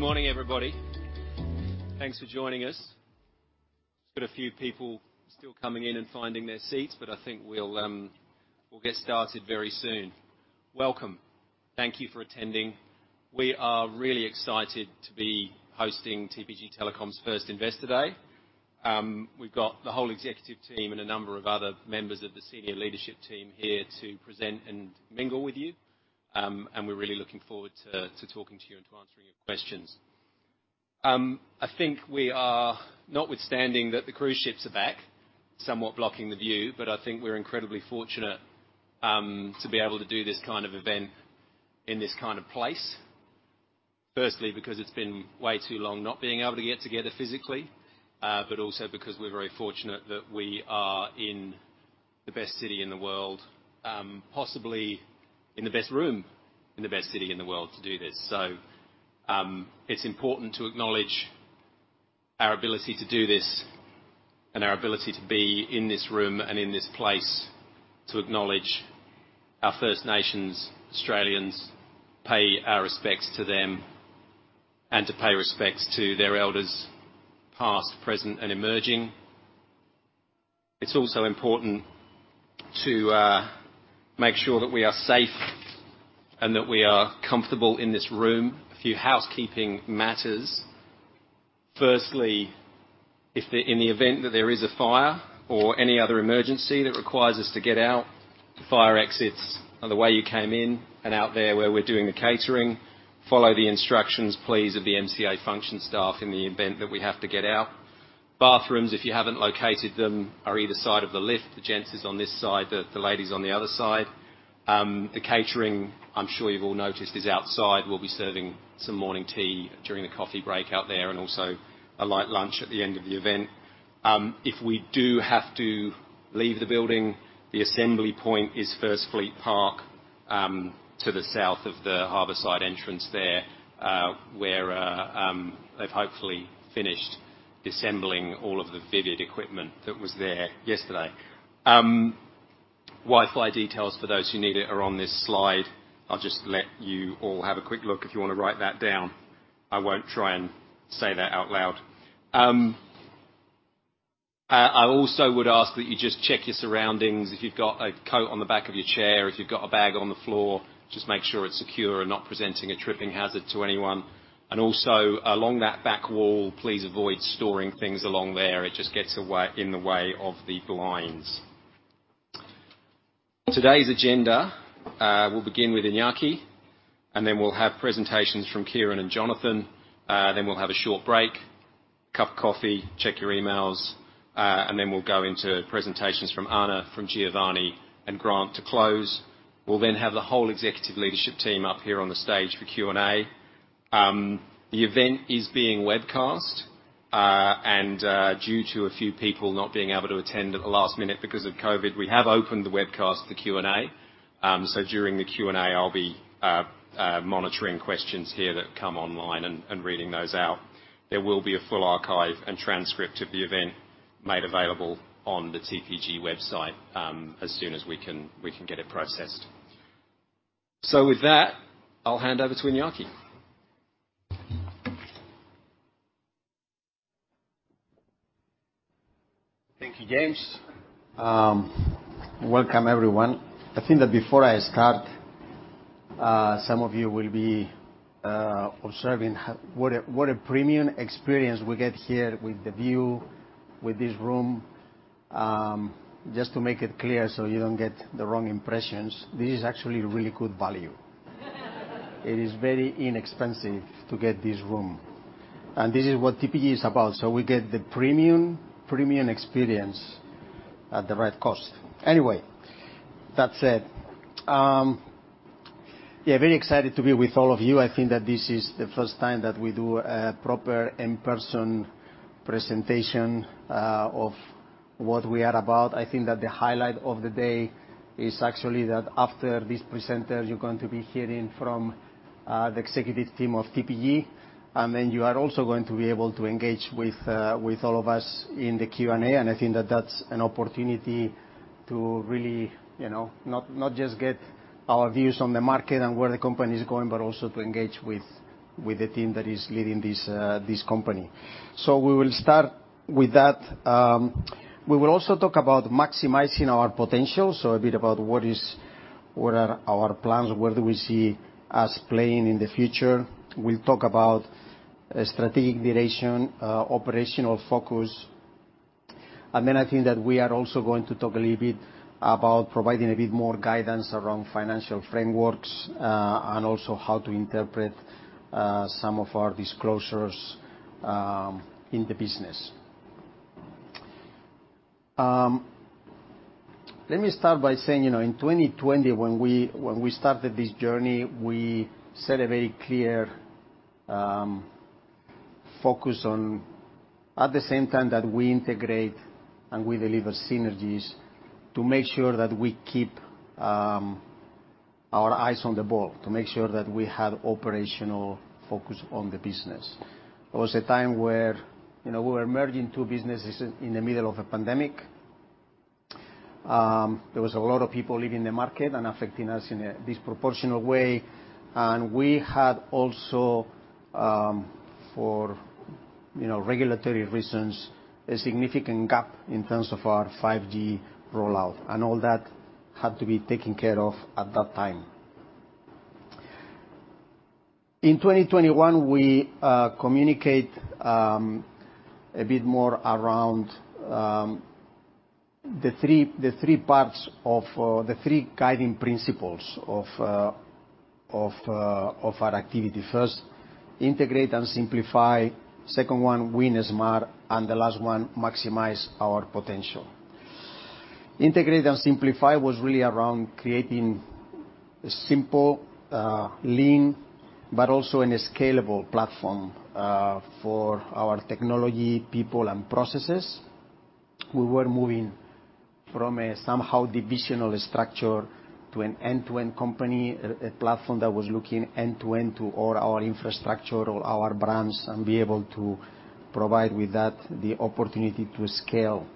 Good morning, everybody. Thanks for joining us. Still a few people coming in and finding their seats, but I think we'll get started very soon. Welcome. Thank you for attending. We are really excited to be hosting TPG Telecom's first Investor Day. We've got the whole executive team and a number of other members of the senior leadership team here to present and mingle with you. We're really looking forward to talking to you and to answering your questions. I think we are notwithstanding that the cruise ships are back, somewhat blocking the view, but I think we're incredibly fortunate to be able to do this kind of event in this kind of place. Firstly, because it's been way too long not being able to get together physically, but also because we're very fortunate that we are in the best city in the world, possibly in the best room, in the best city in the world to do this. It's important to acknowledge our ability to do this and our ability to be in this room and in this place to acknowledge our First Nations Australians, pay our respects to them, and to pay respects to their elders, past, present, and emerging. It's also important to make sure that we are safe and that we are comfortable in this room. A few housekeeping matters. Firstly, in the event that there is a fire or any other emergency that requires us to get out, fire exits are the way you came in and out there where we're doing the catering. Follow the instructions, please, of the MCA function staff in the event that we have to get out. Bathrooms, if you haven't located them, are either side of the lift. The gents is on this side, the ladies on the other side. The catering, I'm sure you've all noticed, is outside. We'll be serving some morning tea during the coffee break out there, and also a light lunch at the end of the event. If we do have to leave the building, the assembly point is First Fleet Park, to the south of the harbor side entrance there, where they've hopefully finished disassembling all of the Vivid equipment that was there yesterday. Wi-Fi details for those who need it are on this slide. I'll just let you all have a quick look if you wanna write that down. I won't try and say that out loud. I also would ask that you just check your surroundings. If you've got a coat on the back of your chair, if you've got a bag on the floor, just make sure it's secure and not presenting a tripping hazard to anyone. Also, along that back wall, please avoid storing things along there. It just gets in the way of the blinds. Today's agenda, we'll begin with Iñaki, and then we'll have presentations from Kieren and Jonathan. We'll have a short break, cup of coffee, check your emails, and then we'll go into presentations from Ana, from Giovanni, and Grant to close. We'll have the whole executive leadership team up here on the stage for Q&A. The event is being webcast. Due to a few people not being able to attend at the last minute because of COVID, we have opened the webcast for Q&A. During the Q&A, I'll be monitoring questions here that come online and reading those out. There will be a full archive and transcript of the event made available on the TPG website as soon as we can get it processed. With that, I'll hand over to Iñaki. Thank you, James. Welcome, everyone. I think that before I start, some of you will be observing what a premium experience we get here with the view, with this room. Just to make it clear so you don't get the wrong impressions, this is actually really good value. It is very inexpensive to get this room. This is what TPG is about. We get the premium experience at the right cost. Anyway, that said. Yeah, very excited to be with all of you. I think that this is the first time that we do a proper in-person presentation of what we are about. I think that the highlight of the day is actually that after this presenter, you're going to be hearing from the executive team of TPG, and then you are also going to be able to engage with all of us in the Q&A. I think that that's an opportunity to really, you know, not just get our views on the market and where the company is going, but also to engage with the team that is leading this company. We will start with that. We will also talk about maximizing our potential. A bit about what are our plans, where do we see us playing in the future. We'll talk about strategic direction, operational focus. I think that we are also going to talk a little bit about providing a bit more guidance around financial frameworks, and also how to interpret some of our disclosures in the business. Let me start by saying, you know, in 2020, when we started this journey, we set a very clear focus on, at the same time that we integrate and we deliver synergies, to make sure that we keep our eyes on the ball. To make sure that we have operational focus on the business. It was a time where, you know, we were merging two businesses in the middle of a pandemic. There was a lot of people leaving the market and affecting us in a disproportionate way. We had also, for you know, regulatory reasons, a significant gap in terms of our 5G rollout. All that had to be taken care of at that time. In 2021, we communicate a bit more around the three parts of the three guiding principles of our activity. First, integrate and simplify. Second one, win smart. The last one, maximize our potential. Integrate and simplify was really around creating a simple, lean, but also a scalable platform for our technology, people, and processes. We were moving from a somehow divisional structure to an end-to-end company, a platform that was looking end-to-end to all our infrastructure, all our brands, and be able to provide with that the opportunity to scale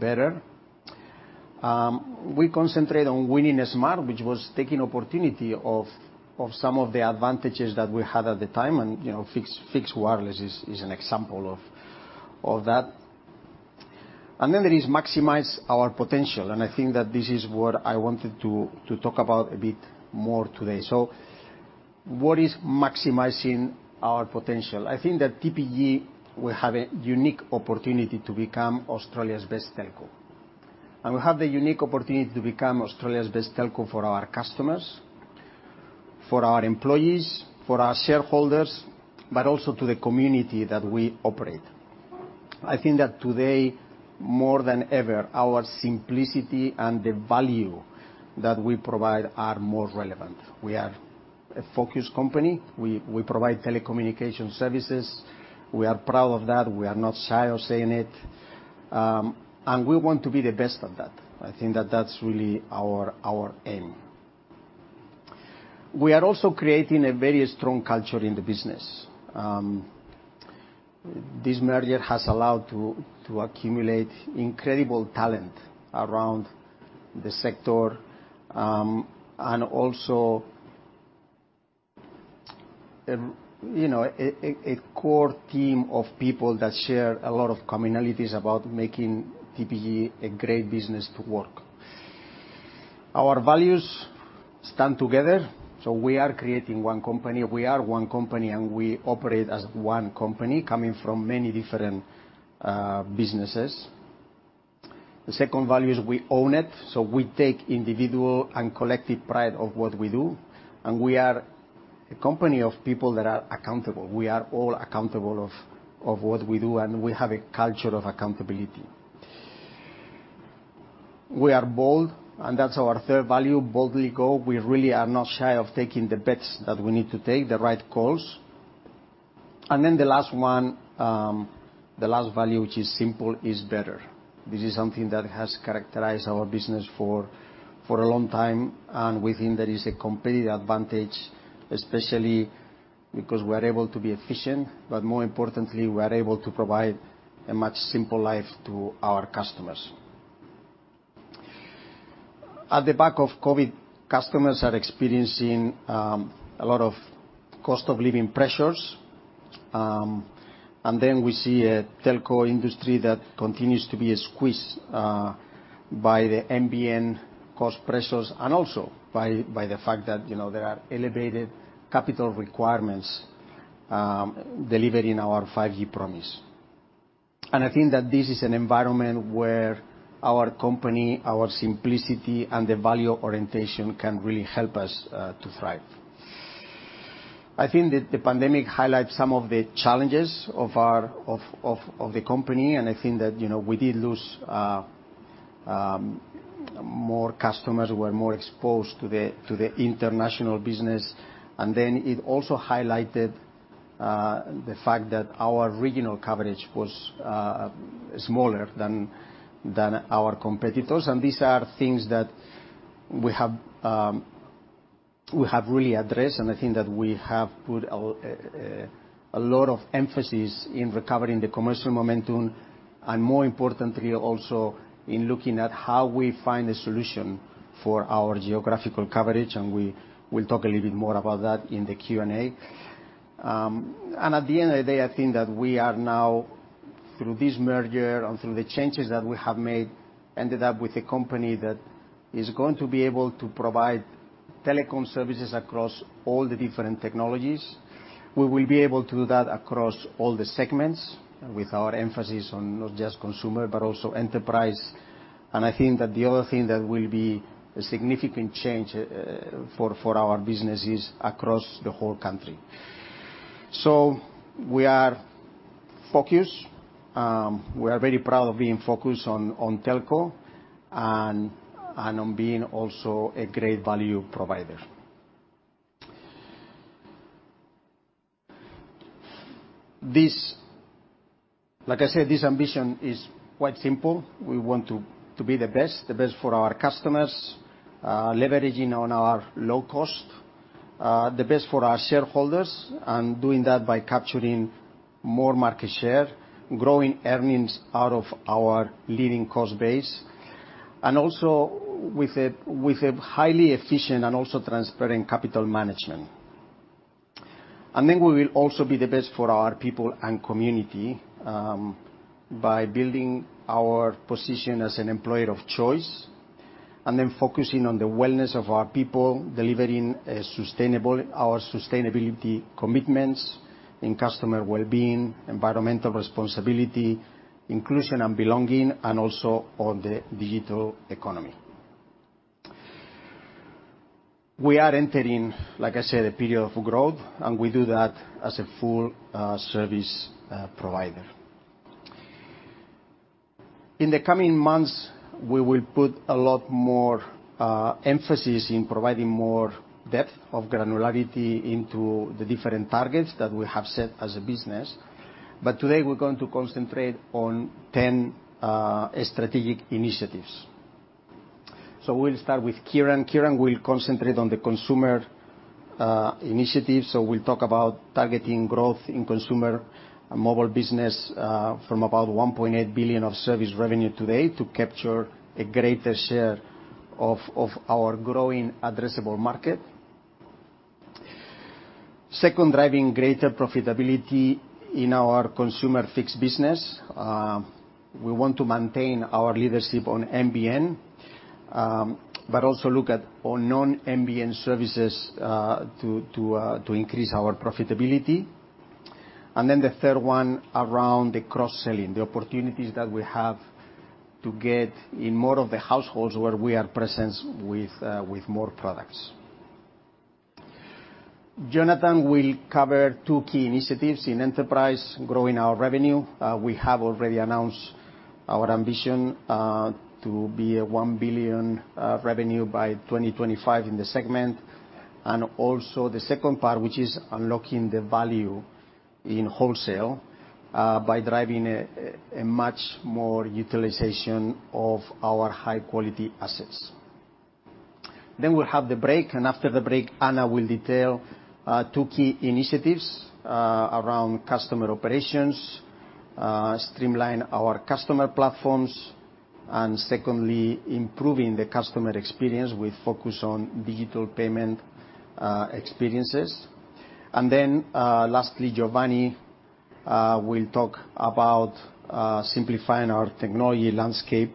better. We concentrate on winning smart, which was taking opportunity of some of the advantages that we had at the time and, you know, fixed wireless is an example of that. There is maximizing our potential, and I think that this is what I wanted to talk about a bit more today. What is maximizing our potential? I think that TPG will have a unique opportunity to become Australia's best telco. We have the unique opportunity to become Australia's best telco for our customers, for our employees, for our shareholders, but also to the community that we operate. I think that today, more than ever, our simplicity and the value that we provide are more relevant. We are a focused company. We provide telecommunication services. We are proud of that. We are not shy of saying it. We want to be the best of that. I think that's really our aim. We are also creating a very strong culture in the business. This merger has allowed to accumulate incredible talent around the sector, and also, you know, a core team of people that share a lot of commonalities about making TPG a great business to work. Our values stand together, so we are creating one company. We are one company, and we operate as one company coming from many different businesses. The second value is we own it, so we take individual and collective pride of what we do, and we are a company of people that are accountable. We are all accountable of what we do, and we have a culture of accountability. We are bold, and that's our third value, boldly go. We really are not shy of taking the bets that we need to take, the right calls. The last one, the last value, which is simple, is better. This is something that has characterized our business for a long time, and we think that is a competitive advantage, especially because we are able to be efficient, but more importantly, we are able to provide a much simpler life to our customers. In the wake of COVID, customers are experiencing a lot of cost of living pressures. We see a telco industry that continues to be squeezed by the NBN cost pressures and also by the fact that, you know, there are elevated capital requirements delivering our 5G promise. I think that this is an environment where our company, our simplicity, and the value orientation can really help us to thrive. I think that the pandemic highlights some of the challenges of the company, and I think that, you know, we did lose more customers who were more exposed to the international business. It also highlighted the fact that our regional coverage was smaller than our competitors. These are things that we have really addressed, and I think that we have put a lot of emphasis in recovering the commercial momentum, and more importantly, also in looking at how we find a solution for our geographical coverage. We will talk a little bit more about that in the Q&A. At the end of the day, I think that we are now, through this merger and through the changes that we have made, ended up with a company that is going to be able to provide telecom services across all the different technologies. We will be able to do that across all the segments with our emphasis on not just consumer, but also enterprise. I think that the other thing that will be a significant change for our business is across the whole country. We are focused. We are very proud of being focused on telco and on being also a great value provider. This, like I said, this ambition is quite simple. We want to be the best for our customers, leveraging on our low cost. The best for our shareholders and doing that by capturing more market share, growing earnings out of our leading cost base, and with a highly efficient and transparent capital management. We will also be the best for our people and community by building our position as an employer of choice, and then focusing on the wellness of our people, delivering our sustainability commitments in customer wellbeing, environmental responsibility, inclusion and belonging, and also on the digital economy. We are entering, like I said, a period of growth, and we do that as a full service provider. In the coming months, we will put a lot more emphasis in providing more depth of granularity into the different targets that we have set as a business. Today we're going to concentrate on 10 strategic initiatives. We'll start with Kieren. Kieren will concentrate on the consumer initiatives. We'll talk about targeting growth in consumer mobile business from about 1.8 billion of service revenue today to capture a greater share of our growing addressable market. Second, driving greater profitability in our consumer fixed business. We want to maintain our leadership on NBN but also look at non-NBN services to increase our profitability. Then the third one around the cross-selling opportunities that we have to get in more of the households where we are present with more products. Jonathan will cover two key initiatives in enterprise, growing our revenue. We have already announced our ambition to be 1 billion revenue by 2025 in the segment. Also the second part, which is unlocking the value in wholesale by driving a much more utilization of our high-quality assets. We'll have the break, and after the break, Ana will detail two key initiatives around customer operations, streamline our customer platforms, and secondly, improving the customer experience with focus on digital payment experiences. Lastly, Giovanni will talk about simplifying our technology landscape.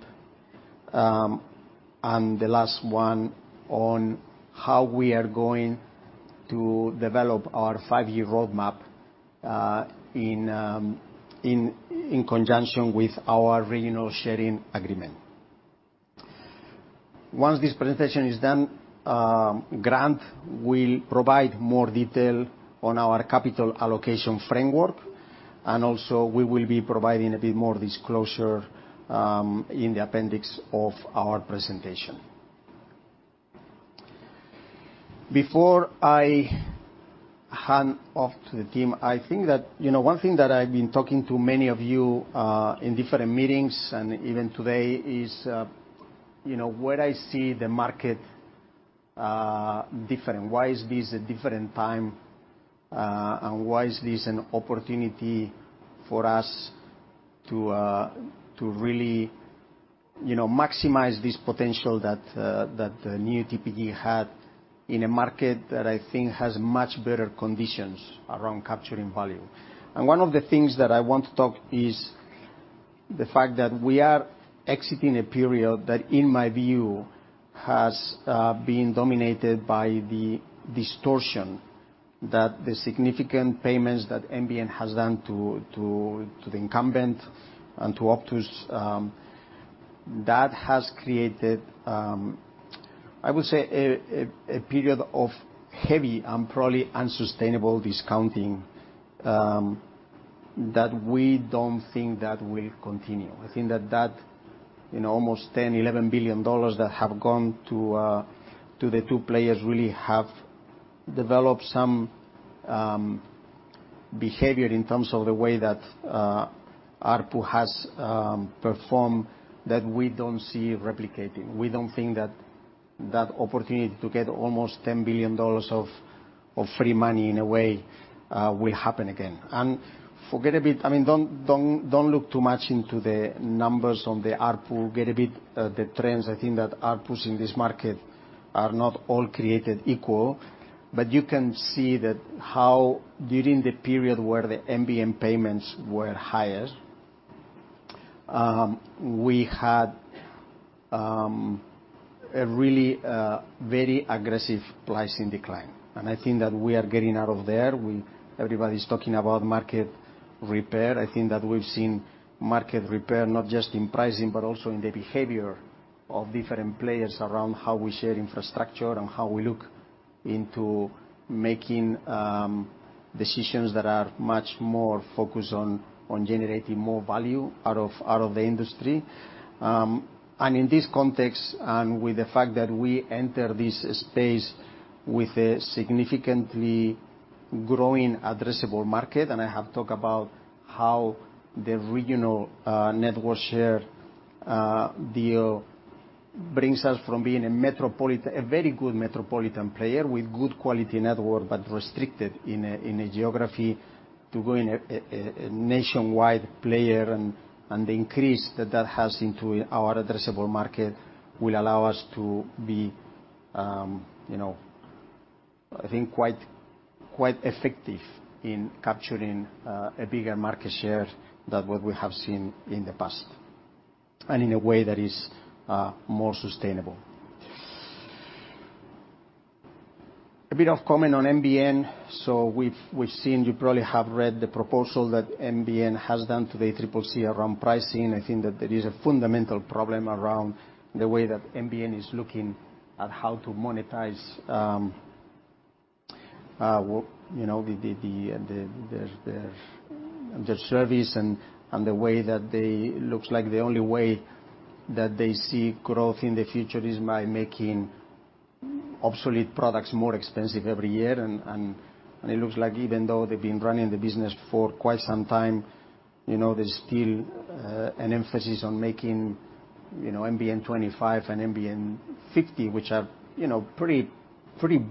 The last one on how we are going to develop our five-year roadmap in conjunction with our regional sharing agreement. Once this presentation is done, Grant will provide more detail on our capital allocation framework, and also we will be providing a bit more disclosure, in the appendix of our presentation. Before I hand off to the team, I think that, you know, one thing that I've been talking to many of you, in different meetings and even today is, you know, where I see the market different. Why is this a different time, and why is this an opportunity for us to really, you know, maximize this potential that the new TPG had in a market that I think has much better conditions around capturing value? One of the things that I want to talk is the fact that we are exiting a period that, in my view, has been dominated by the distortion that the significant payments that NBN has done to the incumbent and to Optus that has created, I would say a period of heavy and probably unsustainable discounting that we don't think that will continue. I think that that, you know, almost 10-11 billion dollars that have gone to the two players really have developed some behavior in terms of the way that ARPU has performed that we don't see replicating. We don't think that that opportunity to get almost 10 billion dollars of free money in a way will happen again. I mean, don't look too much into the numbers on the ARPU. Get a bit of the trends. I think that ARPUs in this market are not all created equal. You can see how during the period where the NBN payments were higher, we had a really very aggressive pricing decline. I think that we are getting out of there. Everybody's talking about market repair. I think that we've seen market repair, not just in pricing, but also in the behavior of different players around how we share infrastructure and how we look into making decisions that are much more focused on generating more value out of the industry. In this context, and with the fact that we enter this space with a significantly growing addressable market, and I have talked about how the regional network share deal brings us from being a very good metropolitan player with good quality network, but restricted in area to a nationwide player and increase access into our addressable market will allow us to be, you know, I think quite effective in capturing a bigger market share than what we have seen in the past, and in a way that is more sustainable. A bit of comment on NBN. We've seen, you probably have read the proposal that NBN has done to the ACCC around pricing. I think that there is a fundamental problem around the way that NBN is looking at how to monetize what you know their service and looks like the only way that they see growth in the future is by making obsolete products more expensive every year. It looks like even though they've been running the business for quite some time, you know, there's still an emphasis on making you know NBN 25 and NBN 50, which are you know pretty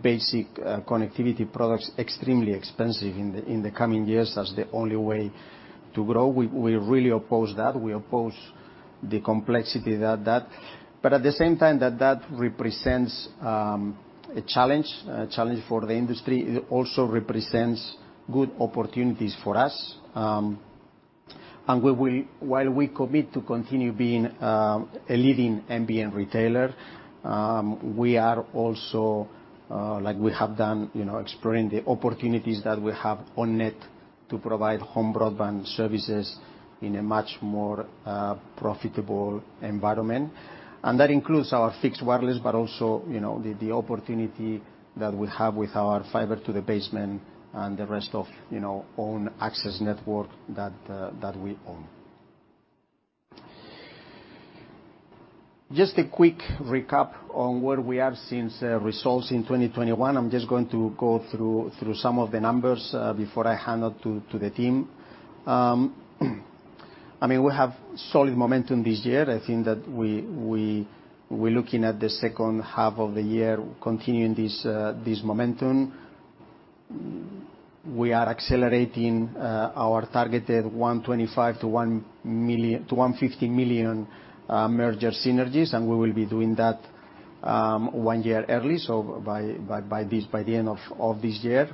basic connectivity products extremely expensive in the coming years. That's the only way to grow. We really oppose that. We oppose the complexity that that represents. At the same time that represents a challenge for the industry, it also represents good opportunities for us. While we commit to continue being a leading NBN retailer, we are also, like we have done, you know, exploring the opportunities that we have on net to provide home broadband services in a much more profitable environment. That includes our fixed wireless, but also, you know, the opportunity that we have with our fiber to the basement and the rest of, you know, own access network that we own. Just a quick recap on where we are since results in 2021. I'm just going to go through some of the numbers before I hand over to the team. I mean, we have solid momentum this year. I think that we're looking at the second half of the year continuing this momentum. We are accelerating our targeted 125 million-150 million merger synergies, and we will be doing that 1 year early, so by the end of this year.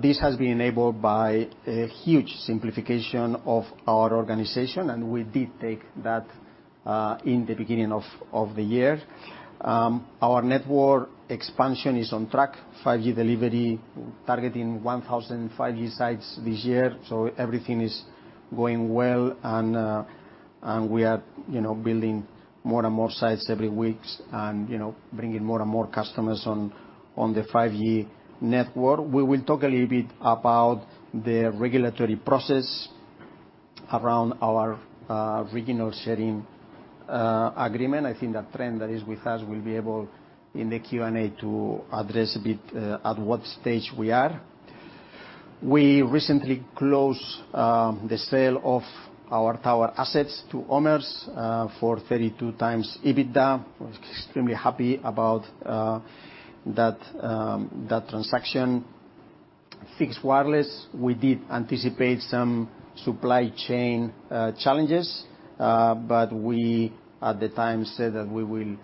This has been enabled by a huge simplification of our organization, and we did take that in the beginning of the year. Our network expansion is on track. 5G delivery targeting 1,000 5G sites this year, so everything is going well and we are, you know, building more and more sites every week and, you know, bringing more and more customers on the 5G network. We will talk a little bit about the regulatory process around our regional sharing agreement. I think that trend that is with us, we'll be able, in the Q&A, to address a bit, at what stage we are. We recently closed the sale of our tower assets to OMERS for 32x EBITDA. I was extremely happy about that transaction. Fixed wireless, we did anticipate some supply chain challenges, but we, at the time, said that we will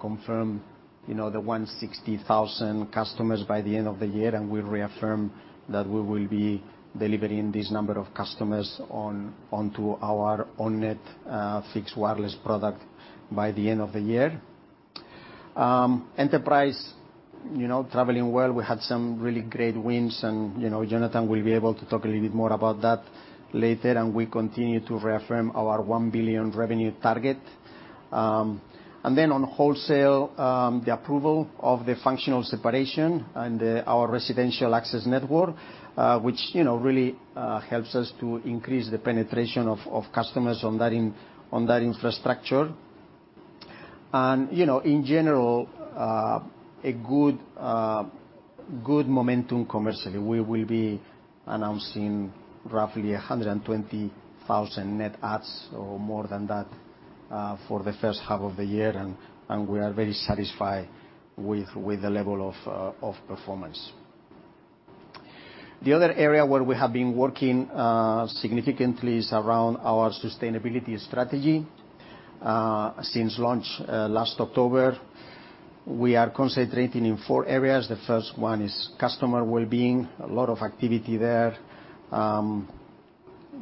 confirm, you know, the 160,000 customers by the end of the year, and we reaffirm that we will be delivering this number of customers onto our own network fixed wireless product by the end of the year. Enterprise, you know, traveling well. We had some really great wins and, you know, Jonathan will be able to talk a little bit more about that later, and we continue to reaffirm our 1 billion revenue target. Then on wholesale, the approval of the functional separation and our residential access network, which, you know, really helps us to increase the penetration of customers on that infrastructure. You know, in general, a good momentum commercially. We will be announcing roughly 120,000 net adds or more than that for the first half of the year and we are very satisfied with the level of performance. The other area where we have been working significantly is around our sustainability strategy. Since launch last October, we are concentrating in four areas. The first one is customer wellbeing, a lot of activity there.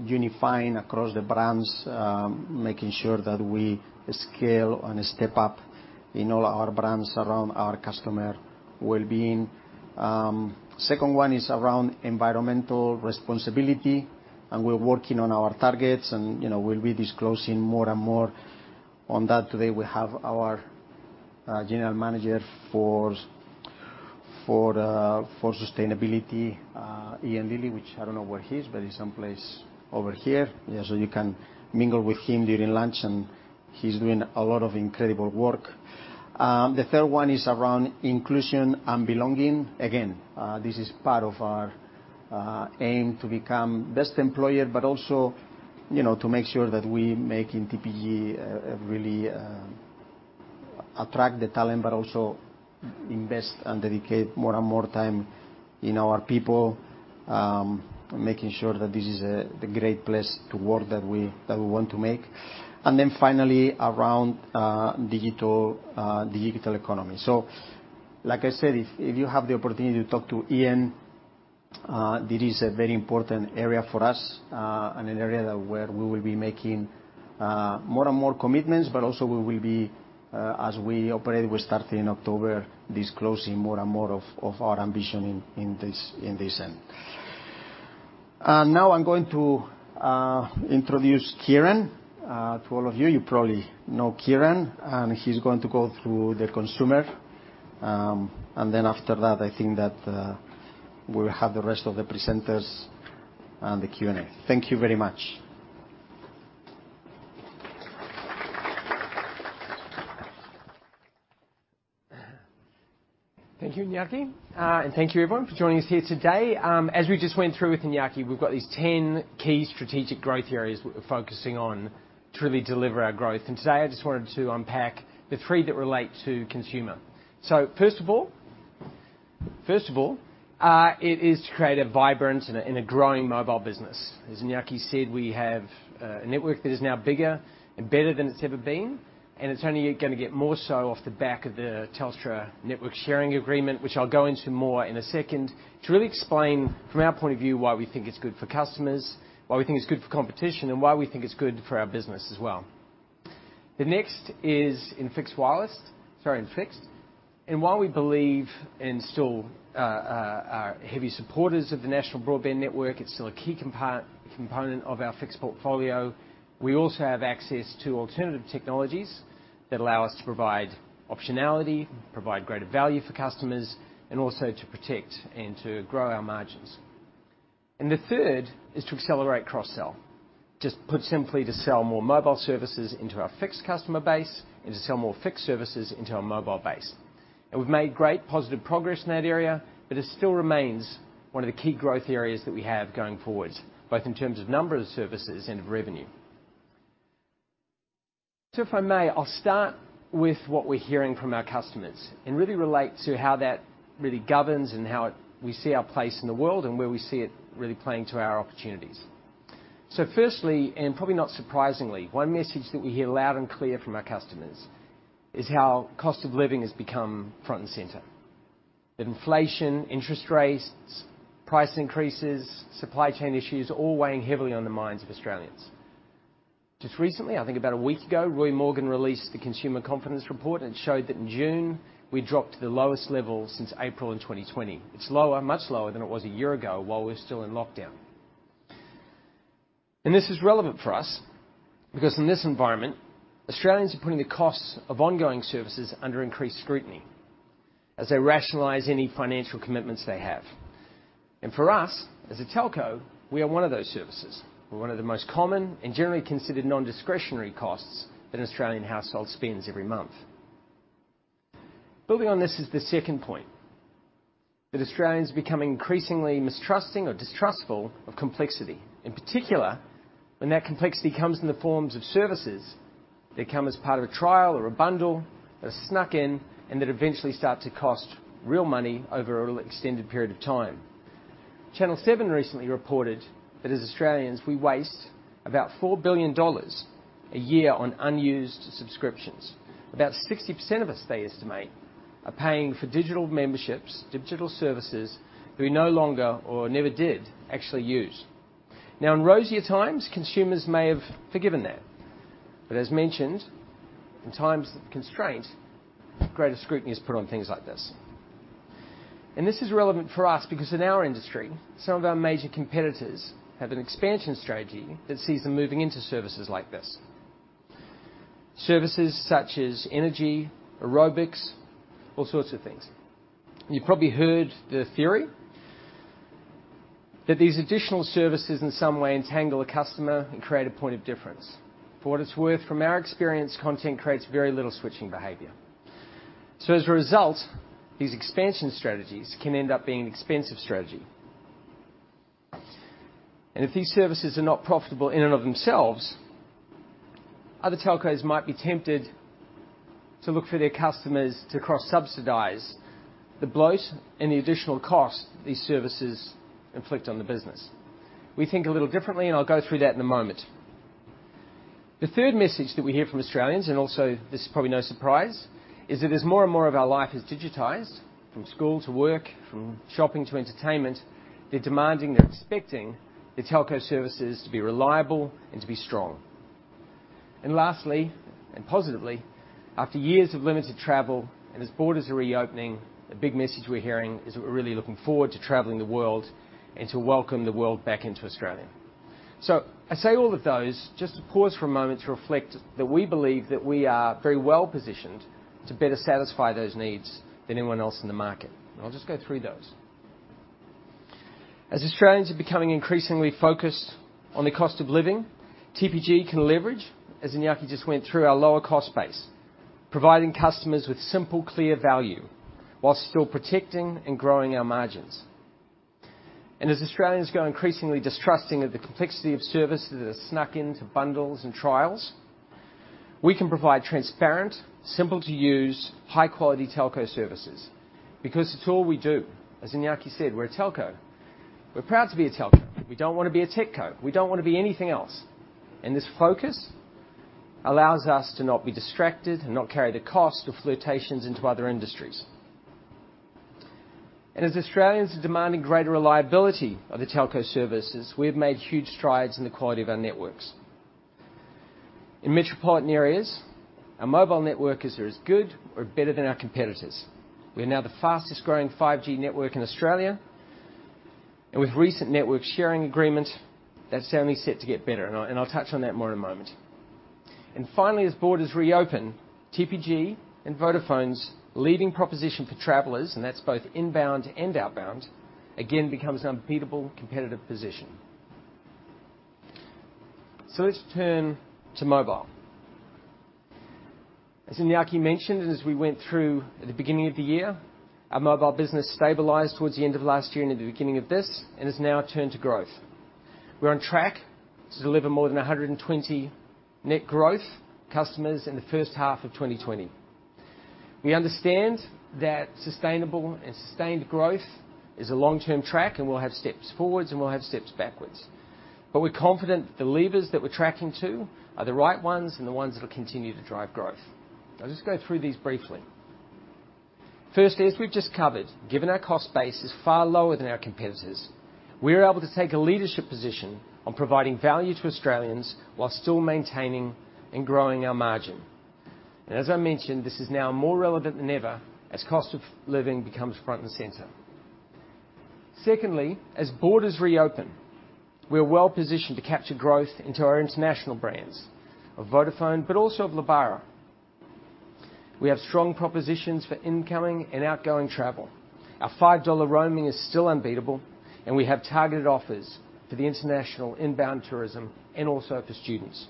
Unifying across the brands, making sure that we scale and step up in all our brands around our customer wellbeing. Second one is around environmental responsibility, and we're working on our targets and, you know, we'll be disclosing more and more on that. Today, we have our General Manager for Sustainability, Ian Dilly, which I don't know where he is, but he's someplace over here. Yeah, so you can mingle with him during lunch, and he's doing a lot of incredible work. The third one is around inclusion and belonging. Again, this is part of our aim to become best employer, but also, you know, to make sure that we make in TPG really attract the talent but also invest and dedicate more and more time in our people, making sure that this is the great place to work that we want to make. Finally around digital economy. Like I said, if you have the opportunity to talk to Ian, this is a very important area for us, and an area where we will be making more and more commitments, but also we will be, as we operate, we start in October disclosing more and more of our ambition in this end. Now I'm going to introduce Kieren to all of you. You probably know Kieren, and he's going to go through the consumer. After that, I think that we'll have the rest of the presenters and the Q&A. Thank you very much. Thank you, Iñaki. Thank you everyone for joining us here today. As we just went through with Iñaki, we've got these 10 key strategic growth areas we're focusing on to really deliver our growth. Today I just wanted to unpack the 3 that relate to consumer. First of all, it is to create a vibrant and a growing mobile business. As Iñaki said, we have a network that is now bigger and better than it's ever been, and it's only gonna get more so off the back of the Telstra network sharing agreement, which I'll go into more in a second to really explain from our point of view why we think it's good for customers, why we think it's good for competition, and why we think it's good for our business as well. The next is in fixed. While we believe and still are heavy supporters of the national broadband network, it's still a key component of our fixed portfolio. We also have access to alternative technologies that allow us to provide optionality, provide greater value for customers, and also to protect and to grow our margins. The third is to accelerate cross-sell. Just put simply, to sell more mobile services into our fixed customer base and to sell more fixed services into our mobile base. We've made great positive progress in that area, but it still remains one of the key growth areas that we have going forward, both in terms of number of services and of revenue. If I may, I'll start with what we're hearing from our customers and really relate to how that really governs and how it, we see our place in the world and where we see it really playing to our opportunities. Firstly, and probably not surprisingly, one message that we hear loud and clear from our customers is how cost of living has become front and center. That inflation, interest rates, price increases, supply chain issues all weighing heavily on the minds of Australians. Just recently, I think about a week ago, Roy Morgan released the Consumer Confidence Report, and it showed that in June, we dropped to the lowest level since April in 2020. It's lower, much lower than it was a year ago while we were still in lockdown. This is relevant for us because in this environment, Australians are putting the costs of ongoing services under increased scrutiny as they rationalize any financial commitments they have. For us, as a telco, we are one of those services. We're one of the most common and generally considered non-discretionary costs that an Australian household spends every month. Building on this is the second point, that Australians are becoming increasingly mistrusting or distrustful of complexity, in particular, when that complexity comes in the forms of services that come as part of a trial or a bundle that are snuck in and that eventually start to cost real money over a really extended period of time. Channel Seven recently reported that as Australians, we waste about 4 billion dollars a year on unused subscriptions. About 60% of us, they estimate, are paying for digital memberships, digital services we no longer or never did actually use. Now, in rosier times, consumers may have forgiven that. As mentioned, in times of constraint, greater scrutiny is put on things like this. This is relevant for us because in our industry, some of our major competitors have an expansion strategy that sees them moving into services like this. Services such as energy, aerobics, all sorts of things. You've probably heard the theory that these additional services in some way entangle a customer and create a point of difference. For what it's worth, from our experience, content creates very little switching behavior. As a result, these expansion strategies can end up being an expensive strategy. If these services are not profitable in and of themselves, other telcos might be tempted to look for their customers to cross-subsidize the bloat and the additional cost these services inflict on the business. We think a little differently, and I'll go through that in a moment. The third message that we hear from Australians, and also this is probably no surprise, is that as more and more of our life is digitized, from school to work, from shopping to entertainment, they're demanding, they're expecting the telco services to be reliable and to be strong. Lastly, and positively, after years of limited travel and as borders are reopening, the big message we're hearing is we're really looking forward to traveling the world and to welcome the world back into Australia. I say all of those just to pause for a moment to reflect that we believe that we are very well-positioned to better satisfy those needs than anyone else in the market. I'll just go through those. As Australians are becoming increasingly focused on the cost of living, TPG can leverage, as Iñaki just went through, our lower cost base, providing customers with simple, clear value while still protecting and growing our margins. As Australians grow increasingly distrusting of the complexity of services that are snuck into bundles and trials, we can provide transparent, simple-to-use, high-quality telco services because it's all we do. As Iñaki said, we're a telco. We're proud to be a telco. We don't wanna be a techco. We don't wanna be anything else. This focus allows us to not be distracted and not carry the cost of flirtations into other industries. As Australians are demanding greater reliability of the telco services, we have made huge strides in the quality of our networks. In metropolitan areas, our mobile network is as good or better than our competitors. We are now the fastest-growing 5G network in Australia, and with recent network sharing agreement, that's only set to get better, and I'll touch on that more in a moment. Finally, as borders reopen, TPG and Vodafone's leading proposition for travelers, and that's both inbound and outbound, again becomes an unbeatable competitive position. Let's turn to mobile. As Iñaki mentioned, and as we went through at the beginning of the year, our mobile business stabilized towards the end of last year and in the beginning of this and has now turned to growth. We're on track to deliver more than 120 net growth customers in the first half of 2020. We understand that sustainable and sustained growth is a long-term track, and we'll have steps forwards and we'll have steps backwards. We're confident that the levers that we're tracking to are the right ones and the ones that'll continue to drive growth. I'll just go through these briefly. Firstly, as we've just covered, given our cost base is far lower than our competitors, we're able to take a leadership position on providing value to Australians while still maintaining and growing our margin. As I mentioned, this is now more relevant than ever as cost of living becomes front and center. Secondly, as borders reopen, we are well-positioned to capture growth into our international brands of Vodafone but also of Lebara. We have strong propositions for incoming and outgoing travel. Our 5 dollar roaming is still unbeatable, and we have targeted offers for the international inbound tourism and also for students.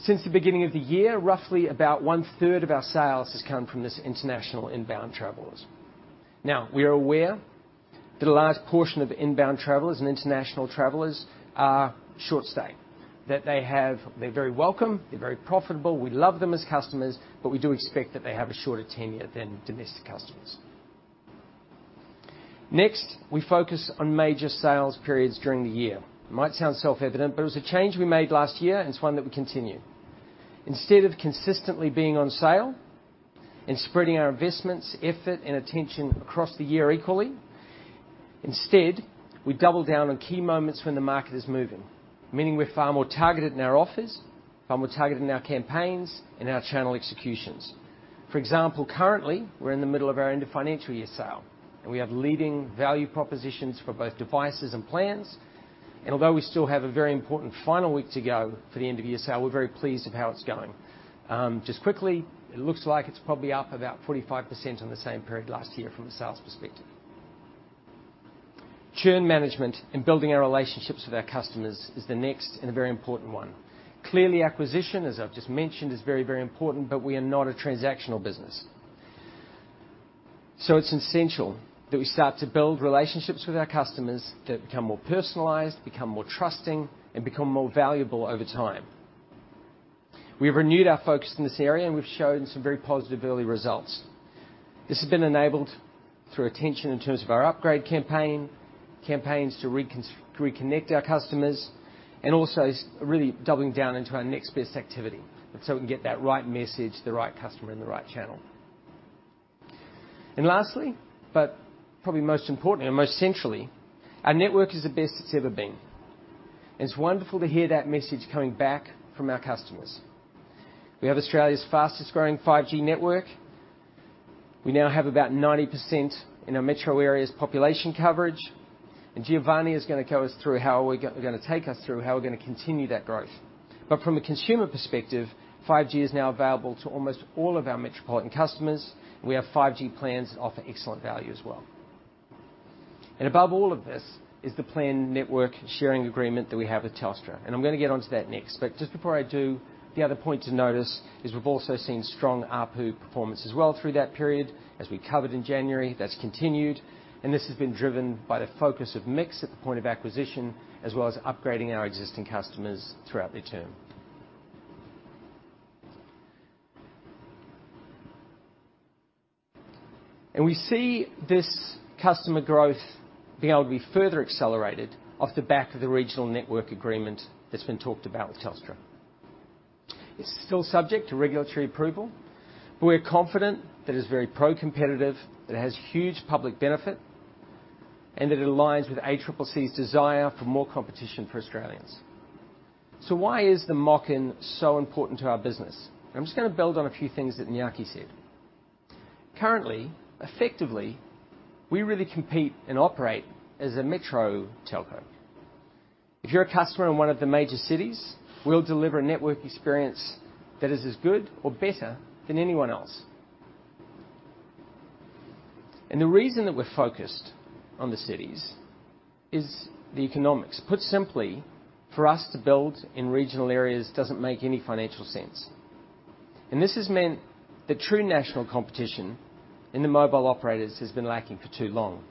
Since the beginning of the year, roughly about one-third of our sales has come from these international inbound travelers. Now, we are aware that a large portion of inbound travelers and international travelers are short stay, they're very welcome, they're very profitable, we love them as customers, but we do expect that they have a shorter tenure than domestic customers. Next, we focus on major sales periods during the year. It might sound self-evident, but it was a change we made last year, and it's one that we continue. Instead of consistently being on sale and spreading our investments, effort, and attention across the year equally, instead, we double down on key moments when the market is moving, meaning we're far more targeted in our offers, far more targeted in our campaigns and our channel executions. For example, currently, we're in the middle of our end of financial year sale, and we have leading value propositions for both devices and plans. Although we still have a very important final week to go for the end of year sale, we're very pleased with how it's going. Just quickly, it looks like it's probably up about 45% on the same period last year from a sales perspective. Churn management and building our relationships with our customers is the next and a very important one. Clearly, acquisition, as I've just mentioned, is very, very important, but we are not a transactional business. It's essential that we start to build relationships with our customers that become more personalized, become more trusting, and become more valuable over time. We've renewed our focus in this area, and we've shown some very positive early results. This has been enabled through attention in terms of our upgrade campaign, campaigns to reconnect our customers, and also really doubling down into our next best activity, so we can get that right message to the right customer in the right channel. Lastly, but probably most importantly or most centrally, our network is the best it's ever been. It's wonderful to hear that message coming back from our customers. We have Australia's fastest-growing 5G network. We now have about 90% in our metro areas population coverage. Giovanni is gonna take us through how we're gonna continue that growth. From a consumer perspective, 5G is now available to almost all of our metropolitan customers. We have 5G plans that offer excellent value as well. Above all of this is the planned network sharing agreement that we have with Telstra, and I'm gonna get onto that next. Just before I do, the other point to notice is we've also seen strong ARPU performance as well through that period. As we covered in January, that's continued, and this has been driven by the focus of mix at the point of acquisition, as well as upgrading our existing customers throughout their term. We see this customer growth being able to be further accelerated off the back of the regional network agreement that's been talked about with Telstra. It's still subject to regulatory approval, but we're confident that it's very pro-competitive, that it has huge public benefit, and that it aligns with ACCC's desire for more competition for Australians. Why is the MOCN so important to our business? I'm just gonna build on a few things that Iñaki said. Currently, effectively, we really compete and operate as a metro telco. If you're a customer in one of the major cities, we'll deliver a network experience that is as good or better than anyone else. The reason that we're focused on the cities is the economics. Put simply, for us to build in regional areas doesn't make any financial sense. This has meant the true national competition in the mobile operators has been lacking for too long.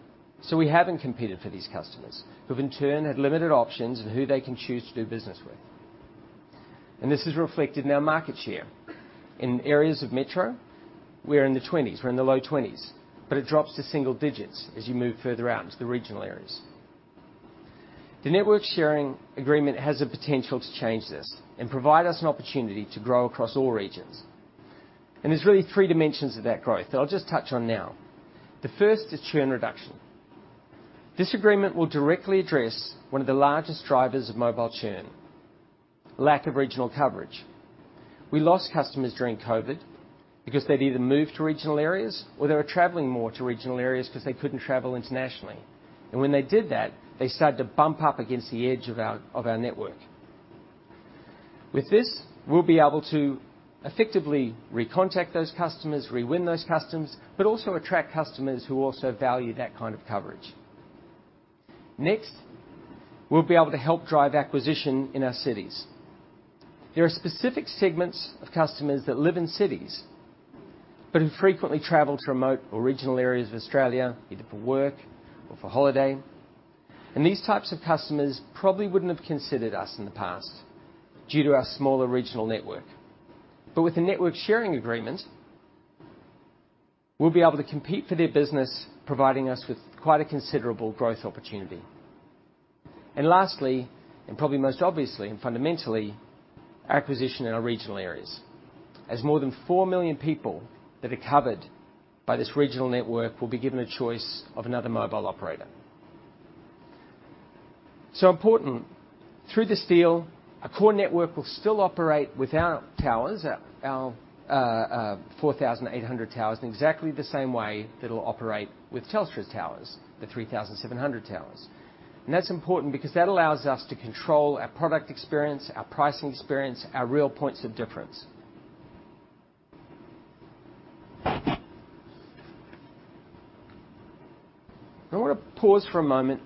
We haven't competed for these customers who've in turn had limited options in who they can choose to do business with. This is reflected in our market share. In areas of metro, we're in the 20s%, we're in the low 20s%, but it drops to single digits% as you move further out into the regional areas. The network sharing agreement has the potential to change this and provide us an opportunity to grow across all regions. There's really three dimensions of that growth that I'll just touch on now. The first is churn reduction. This agreement will directly address one of the largest drivers of mobile churn, lack of regional coverage. We lost customers during COVID because they'd either moved to regional areas or they were traveling more to regional areas 'cause they couldn't travel internationally. When they did that, they started to bump up against the edge of our network. With this, we'll be able to effectively recontact those customers, re-win those customers, but also attract customers who also value that kind of coverage. Next, we'll be able to help drive acquisition in our cities. There are specific segments of customers that live in cities, but who frequently travel to remote or regional areas of Australia, either for work or for holiday. These types of customers probably wouldn't have considered us in the past due to our smaller regional network. With the network sharing agreement, we'll be able to compete for their business, providing us with quite a considerable growth opportunity. Lastly, and probably most obviously and fundamentally, acquisition in our regional areas, as more than 4 million people that are covered by this regional network will be given a choice of another mobile operator. Important, through this deal, our core network will still operate without towers, our 4,800 towers in exactly the same way that it'll operate with Telstra's towers, the 3,700 towers. That's important because that allows us to control our product experience, our pricing experience, our real points of difference. I wanna pause for a moment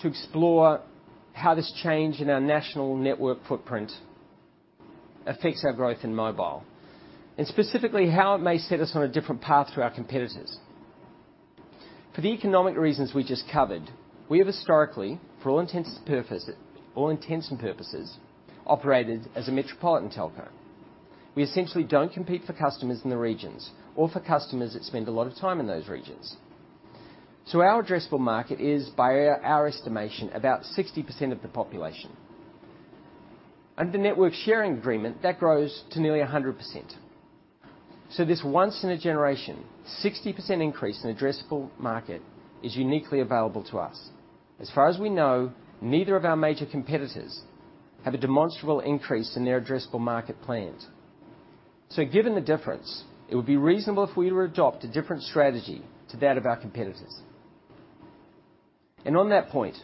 to explore how this change in our national network footprint affects our growth in mobile, and specifically, how it may set us on a different path to our competitors. For the economic reasons we just covered, we have historically, for all intents and purposes, operated as a metropolitan telco. We essentially don't compete for customers in the regions or for customers that spend a lot of time in those regions. Our addressable market is, by our estimation, about 60% of the population. Under the network sharing agreement, that grows to nearly 100%. This once in a generation, 60% increase in addressable market is uniquely available to us. As far as we know, neither of our major competitors have a demonstrable increase in their addressable market plans. Given the difference, it would be reasonable if we were to adopt a different strategy to that of our competitors. On that point,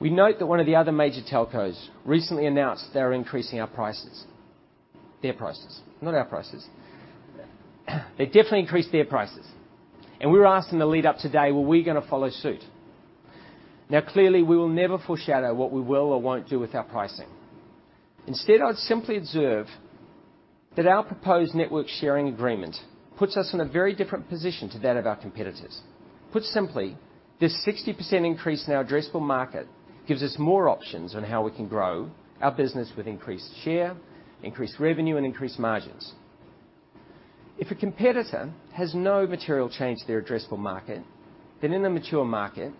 we note that one of the other major telcos recently announced they're increasing our prices. Their prices, not our prices. They definitely increased their prices, and we were asked in the lead up today, were we gonna follow suit? Now, clearly, we will never foreshadow what we will or won't do with our pricing. Instead, I would simply observe that our proposed network sharing agreement puts us in a very different position to that of our competitors. Put simply, this 60% increase in our addressable market gives us more options on how we can grow our business with increased share, increased revenue, and increased margins. If a competitor has no material change to their addressable market, then in a mature market,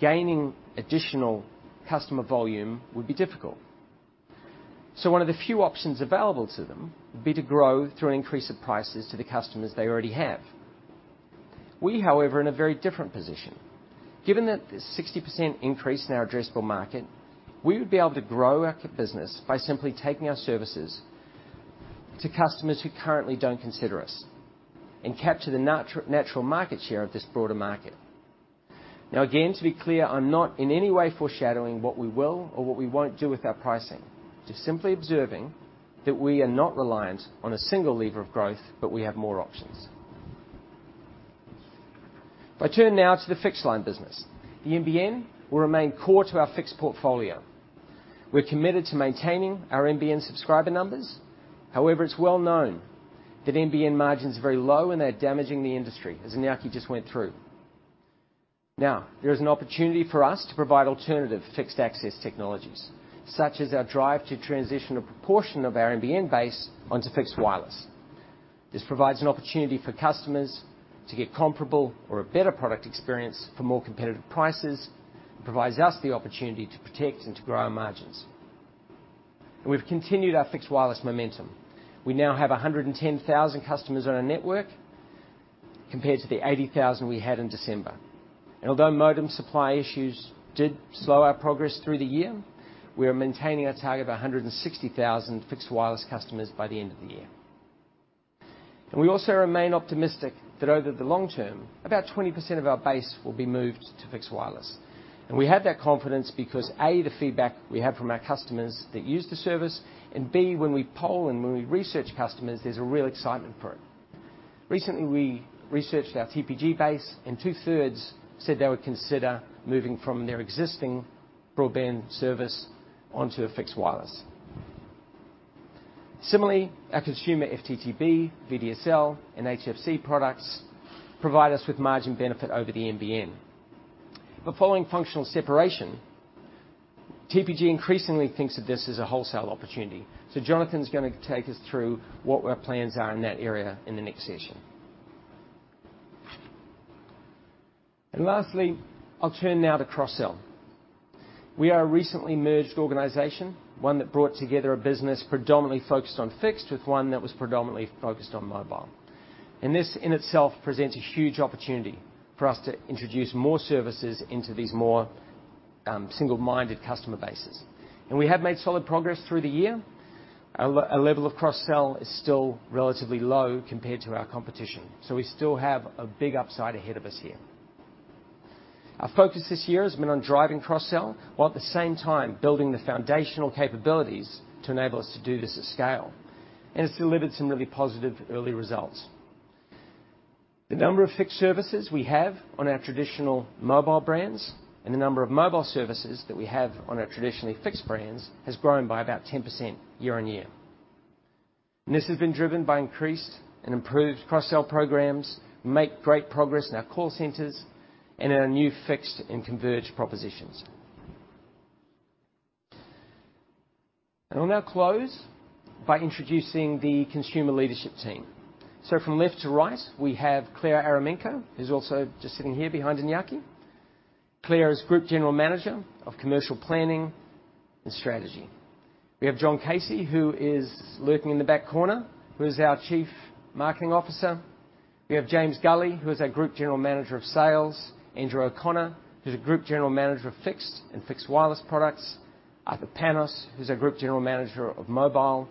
gaining additional customer volume would be difficult. One of the few options available to them would be to grow through increase of prices to the customers they already have. We, however, are in a very different position. Given that this 60% increase in our addressable market, we would be able to grow our business by simply taking our services to customers who currently don't consider us and capture the natural market share of this broader market. Now, again, to be clear, I'm not in any way foreshadowing what we will or what we won't do with our pricing. Just simply observing that we are not reliant on a single lever of growth, but we have more options. If I turn now to the fixed line business. The NBN will remain core to our fixed portfolio. We're committed to maintaining our NBN subscriber numbers. However, it's well known that NBN margins are very low, and they're damaging the industry, as Iñaki just went through. There is an opportunity for us to provide alternative fixed access technologies, such as our drive to transition a proportion of our NBN base onto fixed wireless. This provides an opportunity for customers to get comparable or a better product experience for more competitive prices. It provides us the opportunity to protect and to grow our margins. We've continued our fixed wireless momentum. We now have 110,000 customers on our network compared to the 80,000 we had in December. Although modem supply issues did slow our progress through the year, we are maintaining our target of 160,000 fixed wireless customers by the end of the year. We also remain optimistic that over the long term, about 20% of our base will be moved to fixed wireless. We have that confidence because, A, the feedback we have from our customers that use the service, and B, when we poll and when we research customers, there's a real excitement for it. Recently, we researched our TPG base, and two-thirds said they would consider moving from their existing broadband service onto a fixed wireless. Similarly, our consumer FTTB, VDSL, and HFC products provide us with margin benefit over the NBN. Following functional separation, TPG increasingly thinks that this is a wholesale opportunity. Jonathan's gonna take us through what our plans are in that area in the next session. Lastly, I'll turn now to cross-sell. We are a recently merged organization, one that brought together a business predominantly focused on fixed with one that was predominantly focused on mobile. This in itself presents a huge opportunity for us to introduce more services into these more, single-minded customer bases. We have made solid progress through the year. Our level of cross-sell is still relatively low compared to our competition, so we still have a big upside ahead of us here. Our focus this year has been on driving cross-sell, while at the same time, building the foundational capabilities to enable us to do this at scale, and it's delivered some really positive early results. The number of fixed services we have on our traditional mobile brands and the number of mobile services that we have on our traditionally fixed brands has grown by about 10% year-on-year. This has been driven by increased and improved cross-sell programs, making great progress in our call centers, and in our new fixed and converged propositions. I'll now close by introducing the consumer leadership team. From left to right, we have Claire Aramenko, who's also just sitting here behind Iñaki. Claire is Group General Manager of Commercial Planning and Strategy. We have John Casey, who is lurking in the back corner, who is our Chief Marketing Officer. We have James Gully, who is our Group General Manager of Sales. Andrew O'Connor, who's a Group General Manager of Fixed and Fixed Wireless Products. Arthur Panos, who's our Group General Manager of Mobile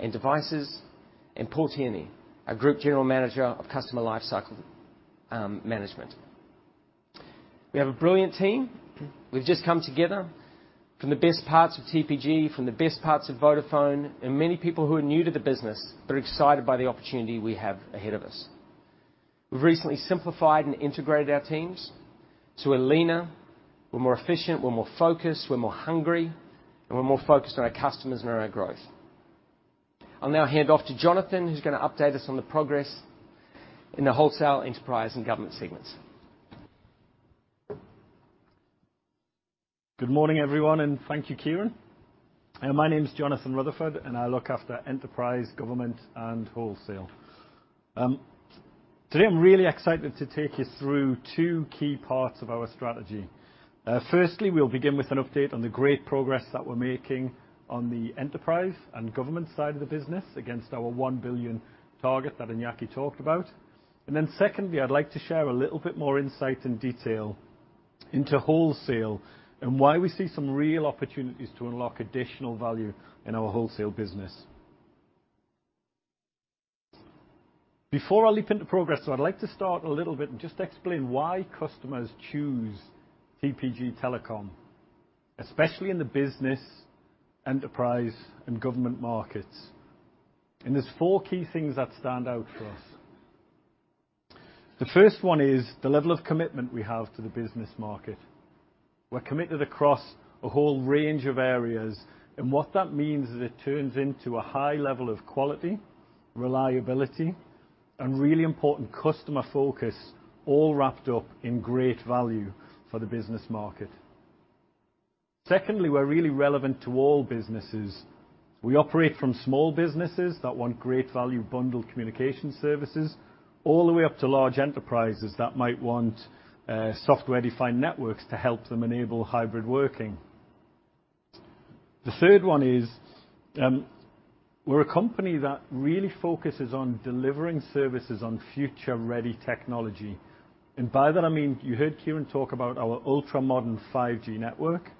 and Devices. Paul Tierney, our Group General Manager of Customer Lifecycle Management. We have a brilliant team. We've just come together from the best parts of TPG, from the best parts of Vodafone, and many people who are new to the business but are excited by the opportunity we have ahead of us. We've recently simplified and integrated our teams, so we're leaner, we're more efficient, we're more focused, we're more hungry, and we're more focused on our customers and on our growth. I'll now hand off to Jonathan, who's gonna update us on the progress in the wholesale enterprise and government segments. Good morning, everyone, and thank you, Kieren. My name's Jonathan Rutherford, and I look after enterprise, government, and wholesale. Today, I'm really excited to take you through 2 key parts of our strategy. Firstly, we'll begin with an update on the great progress that we're making on the enterprise and government side of the business against our 1 billion target that Iñaki talked about. Then secondly, I'd like to share a little bit more insight and detail into wholesale and why we see some real opportunities to unlock additional value in our wholesale business. Before I leap into progress, though, I'd like to start a little bit and just explain why customers choose TPG Telecom, especially in the business, enterprise, and government markets. There's 4 key things that stand out for us. The first one is the level of commitment we have to the business market. We're committed across a whole range of areas, and what that means is it turns into a high level of quality, reliability, and really important customer focus, all wrapped up in great value for the business market. Secondly, we're really relevant to all businesses. We operate from small businesses that want great value bundled communication services, all the way up to large enterprises that might want software-defined networks to help them enable hybrid working. The third one is we're a company that really focuses on delivering services on future-ready technology. By that, I mean, you heard Kieren talk about our ultra-modern 5G network,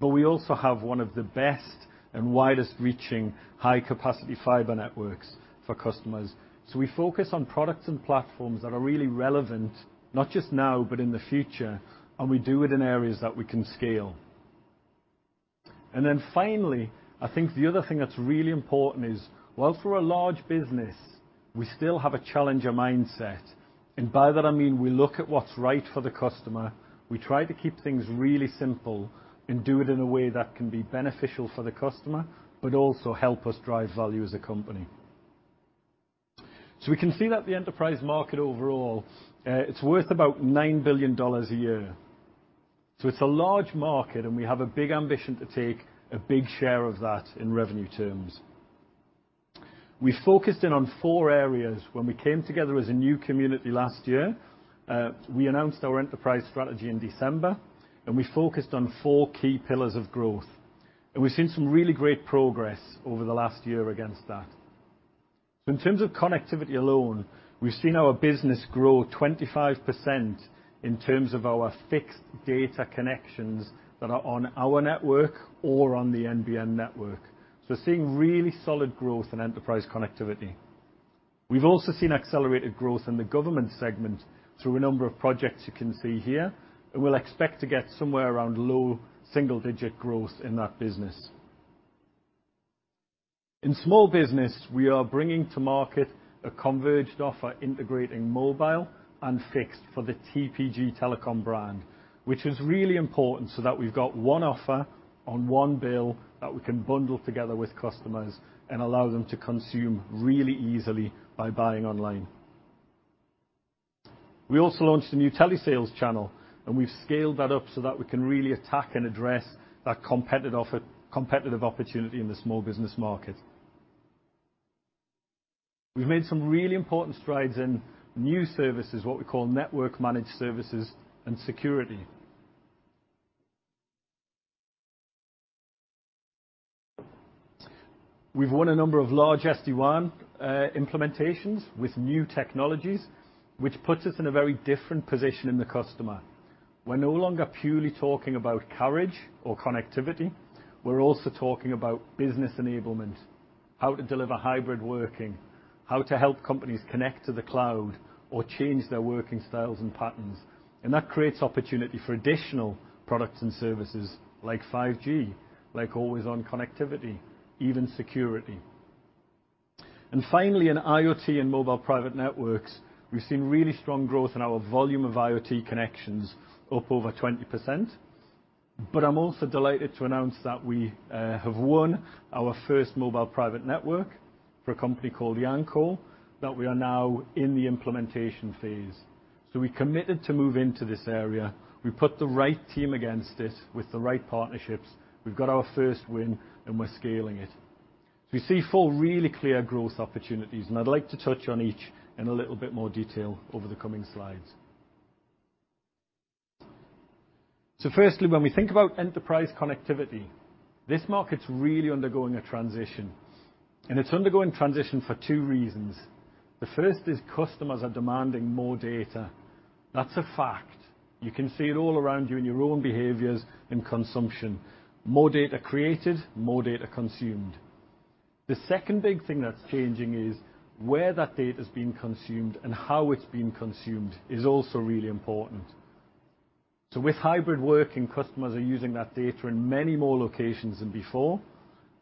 but we also have one of the best and widest-reaching high-capacity fiber networks for customers. We focus on products and platforms that are really relevant, not just now, but in the future, and we do it in areas that we can scale. Finally, I think the other thing that's really important is, while we're a large business, we still have a challenger mindset. By that, I mean we look at what's right for the customer, we try to keep things really simple, and do it in a way that can be beneficial for the customer but also help us drive value as a company. We can see that the enterprise market overall, it's worth about 9 billion dollars a year. It's a large market, and we have a big ambition to take a big share of that in revenue terms. We focused in on four areas when we came together as a new company last year. We announced our enterprise strategy in December, and we focused on four key pillars of growth. We've seen some really great progress over the last year against that. In terms of connectivity alone. We've seen our business grow 25% in terms of our fixed data connections that are on our network or on the NBN network. We're seeing really solid growth in enterprise connectivity. We've also seen accelerated growth in the government segment through a number of projects you can see here, and we'll expect to get somewhere around low single-digit growth in that business. In small business, we are bringing to market a converged offer integrating mobile and fixed for the TPG Telecom brand, which is really important so that we've got one offer on one bill that we can bundle together with customers and allow them to consume really easily by buying online. We also launched a new telesales channel, and we've scaled that up so that we can really attack and address that competitive opportunity in the small business market. We've made some really important strides in new services, what we call network managed services and security. We've won a number of large SD-WAN implementations with new technologies, which puts us in a very different position in the customer. We're no longer purely talking about carriage or connectivity. We're also talking about business enablement, how to deliver hybrid working, how to help companies connect to the cloud or change their working styles and patterns. That creates opportunity for additional products and services like 5G, like always-on connectivity, even security. Finally, in IoT and mobile private networks, we've seen really strong growth in our volume of IoT connections up over 20%. I'm also delighted to announce that we have won our first mobile private network for a company called Yancoal, that we are now in the implementation phase. We committed to move into this area. We put the right team against it with the right partnerships. We've got our first win, and we're scaling it. We see four really clear growth opportunities, and I'd like to touch on each in a little bit more detail over the coming slides. Firstly, when we think about enterprise connectivity, this market's really undergoing a transition, and it's undergoing transition for two reasons. The first is customers are demanding more data. That's a fact. You can see it all around you in your own behaviors and consumption. More data created, more data consumed. The second big thing that's changing is where that data is being consumed and how it's being consumed is also really important. With hybrid working, customers are using that data in many more locations than before.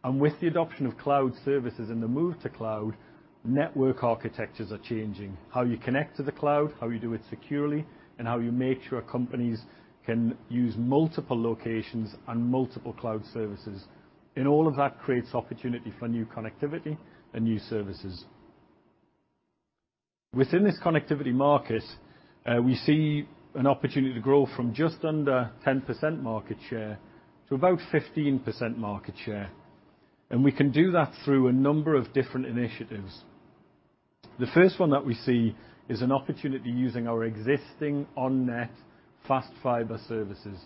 With the adoption of cloud services and the move to cloud, network architectures are changing. How you connect to the cloud, how you do it securely, and how you make sure companies can use multiple locations and multiple cloud services. All of that creates opportunity for new connectivity and new services. Within this connectivity market, we see an opportunity to grow from just under 10% market share to about 15% market share. We can do that through a number of different initiatives. The first one that we see is an opportunity using our existing on-net fast fiber services.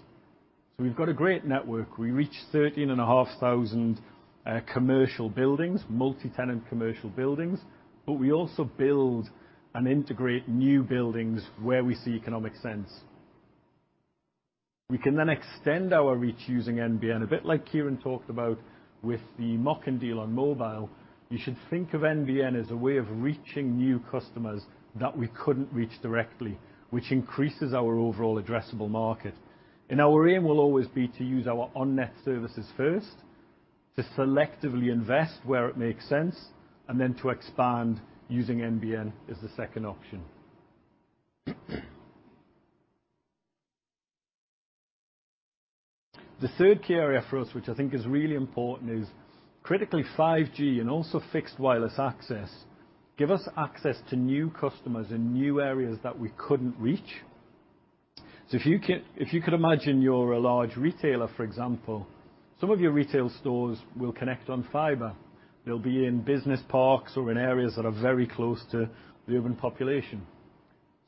We've got a great network. We reach 13,500 commercial buildings, multi-tenant commercial buildings, but we also build and integrate new buildings where we see economic sense. We can then extend our reach using NBN. A bit like Kieren talked about with the MOCN deal on mobile, you should think of NBN as a way of reaching new customers that we couldn't reach directly, which increases our overall addressable market. Our aim will always be to use our on-net services first, to selectively invest where it makes sense, and then to expand using NBN as the second option. The third key area for us, which I think is really important is critically 5G and also fixed wireless access give us access to new customers in new areas that we couldn't reach. If you could imagine you're a large retailer, for example, some of your retail stores will connect on fiber. They'll be in business parks or in areas that are very close to the urban population.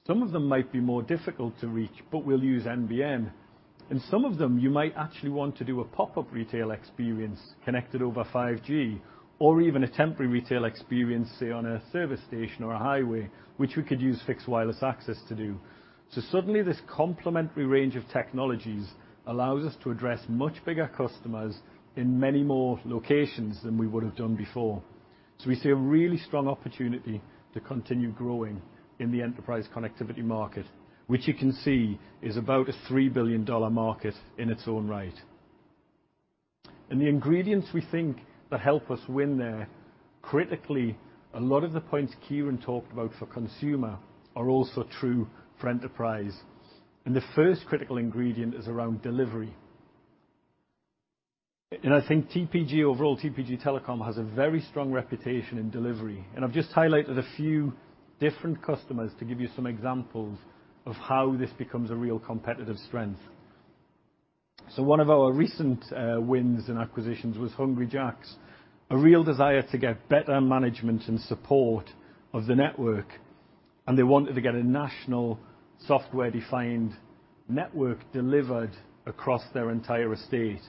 Some of them might be more difficult to reach, but we'll use NBN. Some of them, you might actually want to do a pop-up retail experience connected over 5G or even a temporary retail experience, say, on a service station or a highway, which we could use fixed wireless access to do. Suddenly this complementary range of technologies allows us to address much bigger customers in many more locations than we would have done before. We see a really strong opportunity to continue growing in the enterprise connectivity market, which you can see is about a 3 billion dollar market in its own right. The ingredients we think that help us win there, critically, a lot of the points Kieren talked about for consumer are also true for enterprise. The first critical ingredient is around delivery. I think TPG, overall TPG Telecom has a very strong reputation in delivery. I've just highlighted a few different customers to give you some examples of how this becomes a real competitive strength. One of our recent wins and acquisitions was Hungry Jack's. A real desire to get better management and support of the network. They wanted to get a national software-defined network delivered across their entire estate.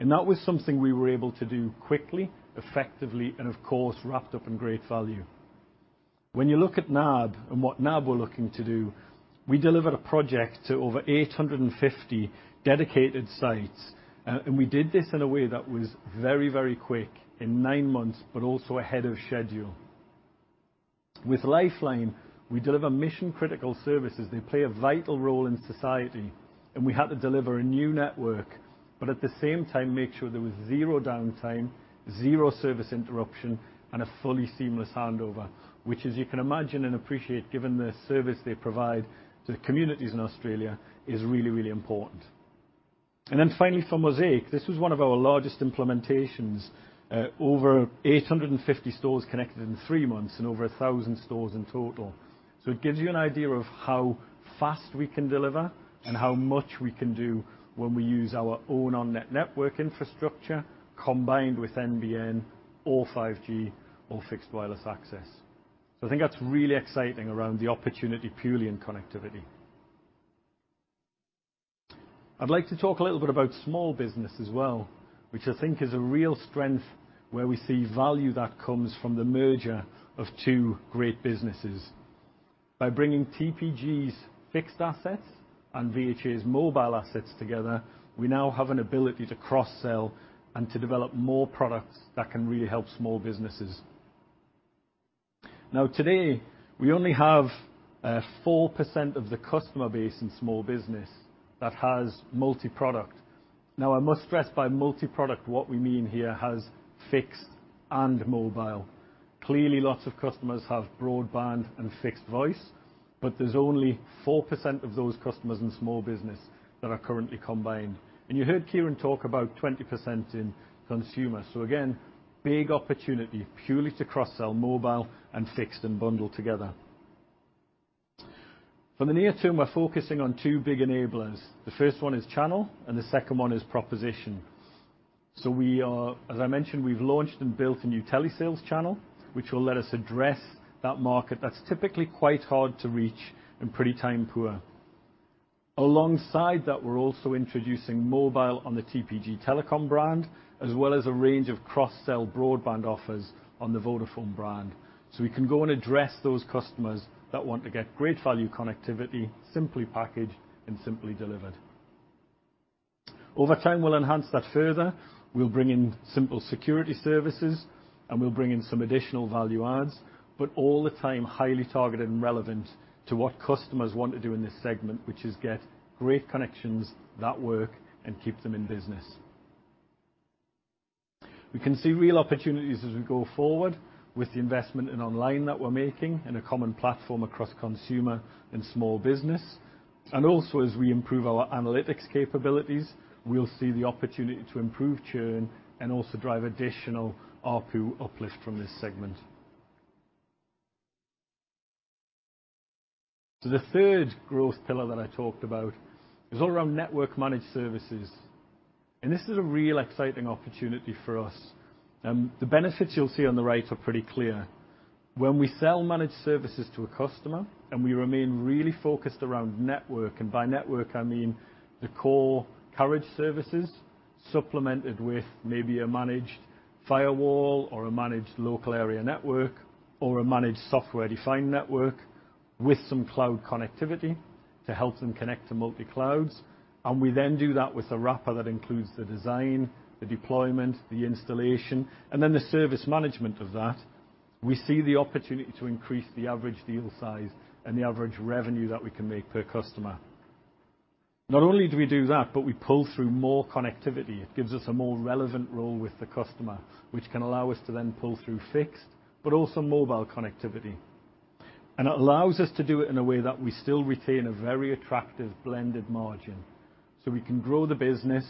That was something we were able to do quickly, effectively, and of course, wrapped up in great value. When you look at NAB and what NAB were looking to do, we delivered a project to over 850 dedicated sites. We did this in a way that was very, very quick, in 9 months, but also ahead of schedule. With Lifeline, we deliver mission-critical services. They play a vital role in society, and we had to deliver a new network, but at the same time, make sure there was zero downtime, zero service interruption, and a fully seamless handover. Which, as you can imagine and appreciate, given the service they provide to the communities in Australia, is really, really important. Finally for Mosaic, this was one of our largest implementations. Over 850 stores connected in 3 months and over 1,000 stores in total. It gives you an idea of how fast we can deliver and how much we can do when we use our own on-net network infrastructure combined with NBN or 5G or fixed wireless access. I think that's really exciting around the opportunity purely in connectivity. I'd like to talk a little bit about small business as well, which I think is a real strength where we see value that comes from the merger of two great businesses. By bringing TPG's fixed assets and VHA's mobile assets together, we now have an ability to cross-sell and to develop more products that can really help small businesses. Now today, we only have 4% of the customer base in small business that has multi-product. Now, I must stress by multi-product what we mean here has fixed and mobile. Clearly, lots of customers have broadband and fixed voice, but there's only 4% of those customers in small business that are currently combined. You heard Kieren talk about 20% in consumer. Again, big opportunity purely to cross-sell mobile and fixed and bundle together. For the near term, we're focusing on two big enablers. The first one is channel and the second one is proposition. As I mentioned, we've launched and built a new telesales channel, which will let us address that market that's typically quite hard to reach and pretty time poor. Alongside that, we're also introducing mobile on the TPG Telecom brand, as well as a range of cross-sell broadband offers on the Vodafone brand. We can go and address those customers that want to get great value connectivity, simply packaged and simply delivered. Over time, we'll enhance that further. We'll bring in simple security services, and we'll bring in some additional value adds, but all the time, highly targeted and relevant to what customers want to do in this segment, which is get great connections that work and keep them in business. We can see real opportunities as we go forward with the investment in online that we're making in a common platform across consumer and small business. Also, as we improve our analytics capabilities, we'll see the opportunity to improve churn and also drive additional ARPU uplift from this segment. The third growth pillar that I talked about is all around network managed services. This is a real exciting opportunity for us. The benefits you'll see on the right are pretty clear. When we sell managed services to a customer and we remain really focused around network, and by network, I mean the core carriage services supplemented with maybe a managed firewall or a managed local area network or a managed software-defined network with some cloud connectivity to help them connect to multi-clouds. We then do that with a wrapper that includes the design, the deployment, the installation, and then the service management of that. We see the opportunity to increase the average deal size and the average revenue that we can make per customer. Not only do we do that, but we pull through more connectivity. It gives us a more relevant role with the customer, which can allow us to then pull through fixed, but also mobile connectivity. It allows us to do it in a way that we still retain a very attractive blended margin. We can grow the business,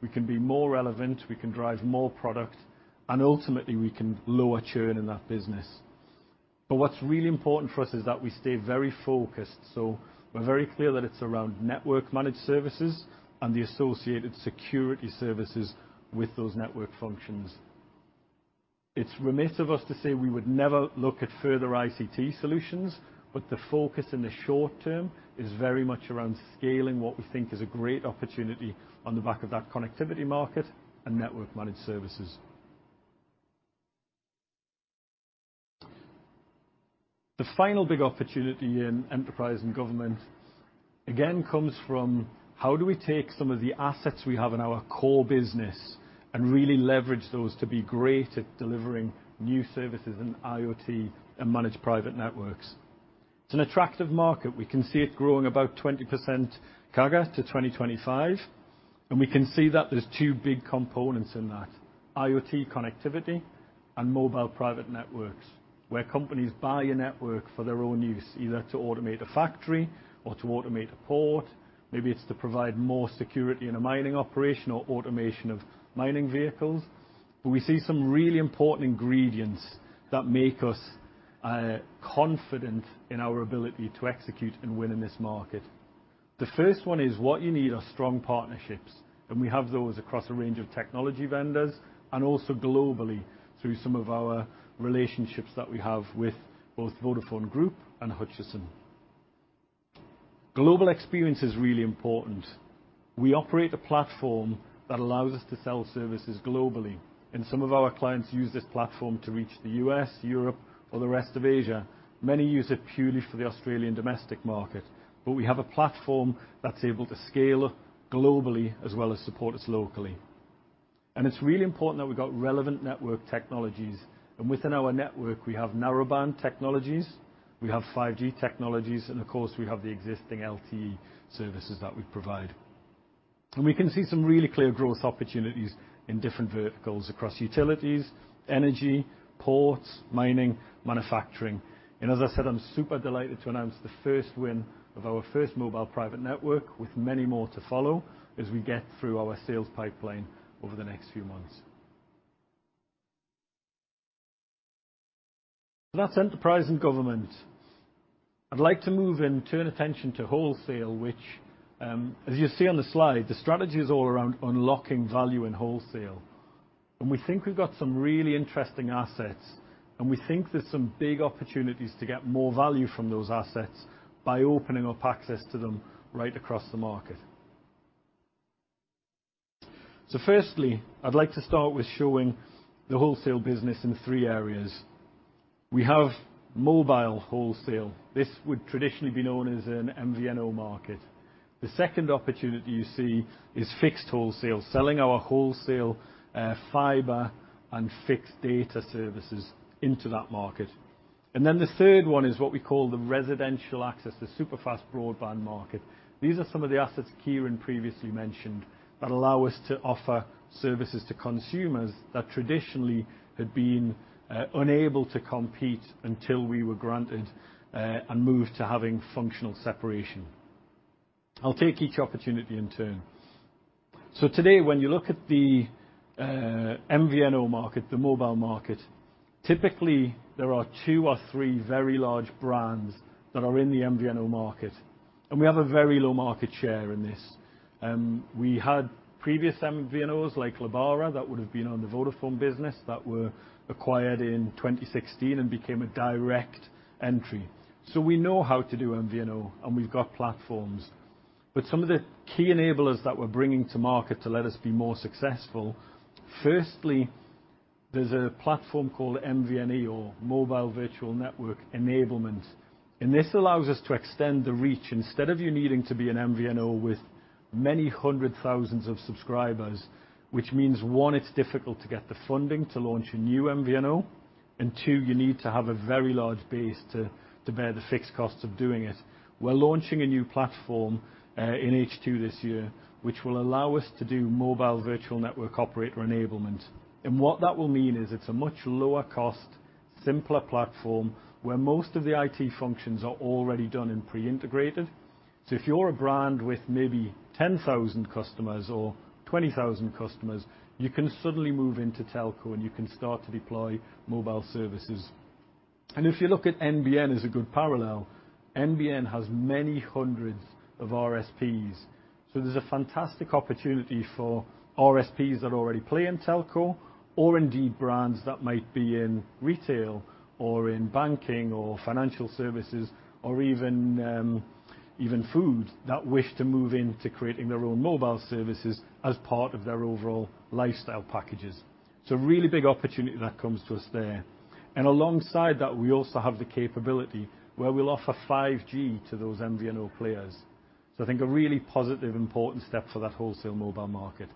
we can be more relevant, we can drive more product, and ultimately, we can lower churn in that business. What's really important for us is that we stay very focused. We're very clear that it's around network managed services and the associated security services with those network functions. It's remiss of us to say we would never look at further ICT solutions, but the focus in the short term is very much around scaling what we think is a great opportunity on the back of that connectivity market and network managed services. The final big opportunity in enterprise and government, again, comes from how do we take some of the assets we have in our core business and really leverage those to be great at delivering new services in IoT and managed private networks. It's an attractive market. We can see it growing about 20% CAGR to 2025, and we can see that there's two big components in that. IoT connectivity and mobile private networks, where companies buy a network for their own use, either to automate a factory or to automate a port. Maybe it's to provide more security in a mining operation or automation of mining vehicles. We see some really important ingredients that make us confident in our ability to execute and win in this market. The first one is what you need are strong partnerships, and we have those across a range of technology vendors and also globally through some of our relationships that we have with both Vodafone Group and Hutchison. Global experience is really important. We operate a platform that allows us to sell services globally, and some of our clients use this platform to reach the US, Europe or the rest of Asia. Many use it purely for the Australian domestic market. We have a platform that's able to scale globally as well as support us locally. It's really important that we've got relevant network technologies. Within our network, we have narrowband technologies, we have 5G technologies, and of course, we have the existing LTE services that we provide. We can see some really clear growth opportunities in different verticals across utilities, energy, ports, mining, manufacturing. As I said, I'm super delighted to announce the first win of our first mobile private network with many more to follow as we get through our sales pipeline over the next few months. That's enterprise and government. I'd like to move and turn attention to wholesale, which, as you see on the slide, the strategy is all around unlocking value in wholesale. We think we've got some really interesting assets, and we think there's some big opportunities to get more value from those assets by opening up access to them right across the market. Firstly, I'd like to start with showing the wholesale business in three areas. We have mobile wholesale. This would traditionally be known as an MVNO market. The second opportunity you see is fixed wholesale, selling our wholesale, fiber and fixed data services into that market. Then the third one is what we call the residential access, the superfast broadband market. These are some of the assets Kieren previously mentioned that allow us to offer services to consumers that traditionally had been unable to compete until we were granted and moved to having functional separation. I'll take each opportunity in turn. Today, when you look at the MVNO market, the mobile market, typically, there are two or three very large brands that are in the MVNO market, and we have a very low market share in this. We had previous MVNOs like Lebara that would have been on the Vodafone business that were acquired in 2016 and became a direct entry. We know how to do MVNO, and we've got platforms. Some of the key enablers that we're bringing to market to let us be more successful, firstly, there's a platform called MVNE or Mobile Virtual Network Enablement, and this allows us to extend the reach. Instead of you needing to be an MVNO with many hundreds of thousands of subscribers, which means, one, it's difficult to get the funding to launch a new MVNO, and two, you need to have a very large base to bear the fixed costs of doing it. We're launching a new platform in H2 this year, which will allow us to do mobile virtual network operator enablement. What that will mean is it's a much lower cost, simpler platform where most of the IT functions are already done and pre-integrated. If you're a brand with maybe 10,000 customers or 20,000 customers, you can suddenly move into telco and you can start to deploy mobile services. If you look at NBN as a good parallel, NBN has many hundreds of RSPs. There's a fantastic opportunity for RSPs that already play in telco or indeed brands that might be in retail or in banking or financial services or even food that wish to move in to creating their own mobile services as part of their overall lifestyle packages. It's a really big opportunity that comes to us there. Alongside that, we also have the capability where we'll offer 5G to those MVNO players. I think a really positive, important step for that wholesale mobile market.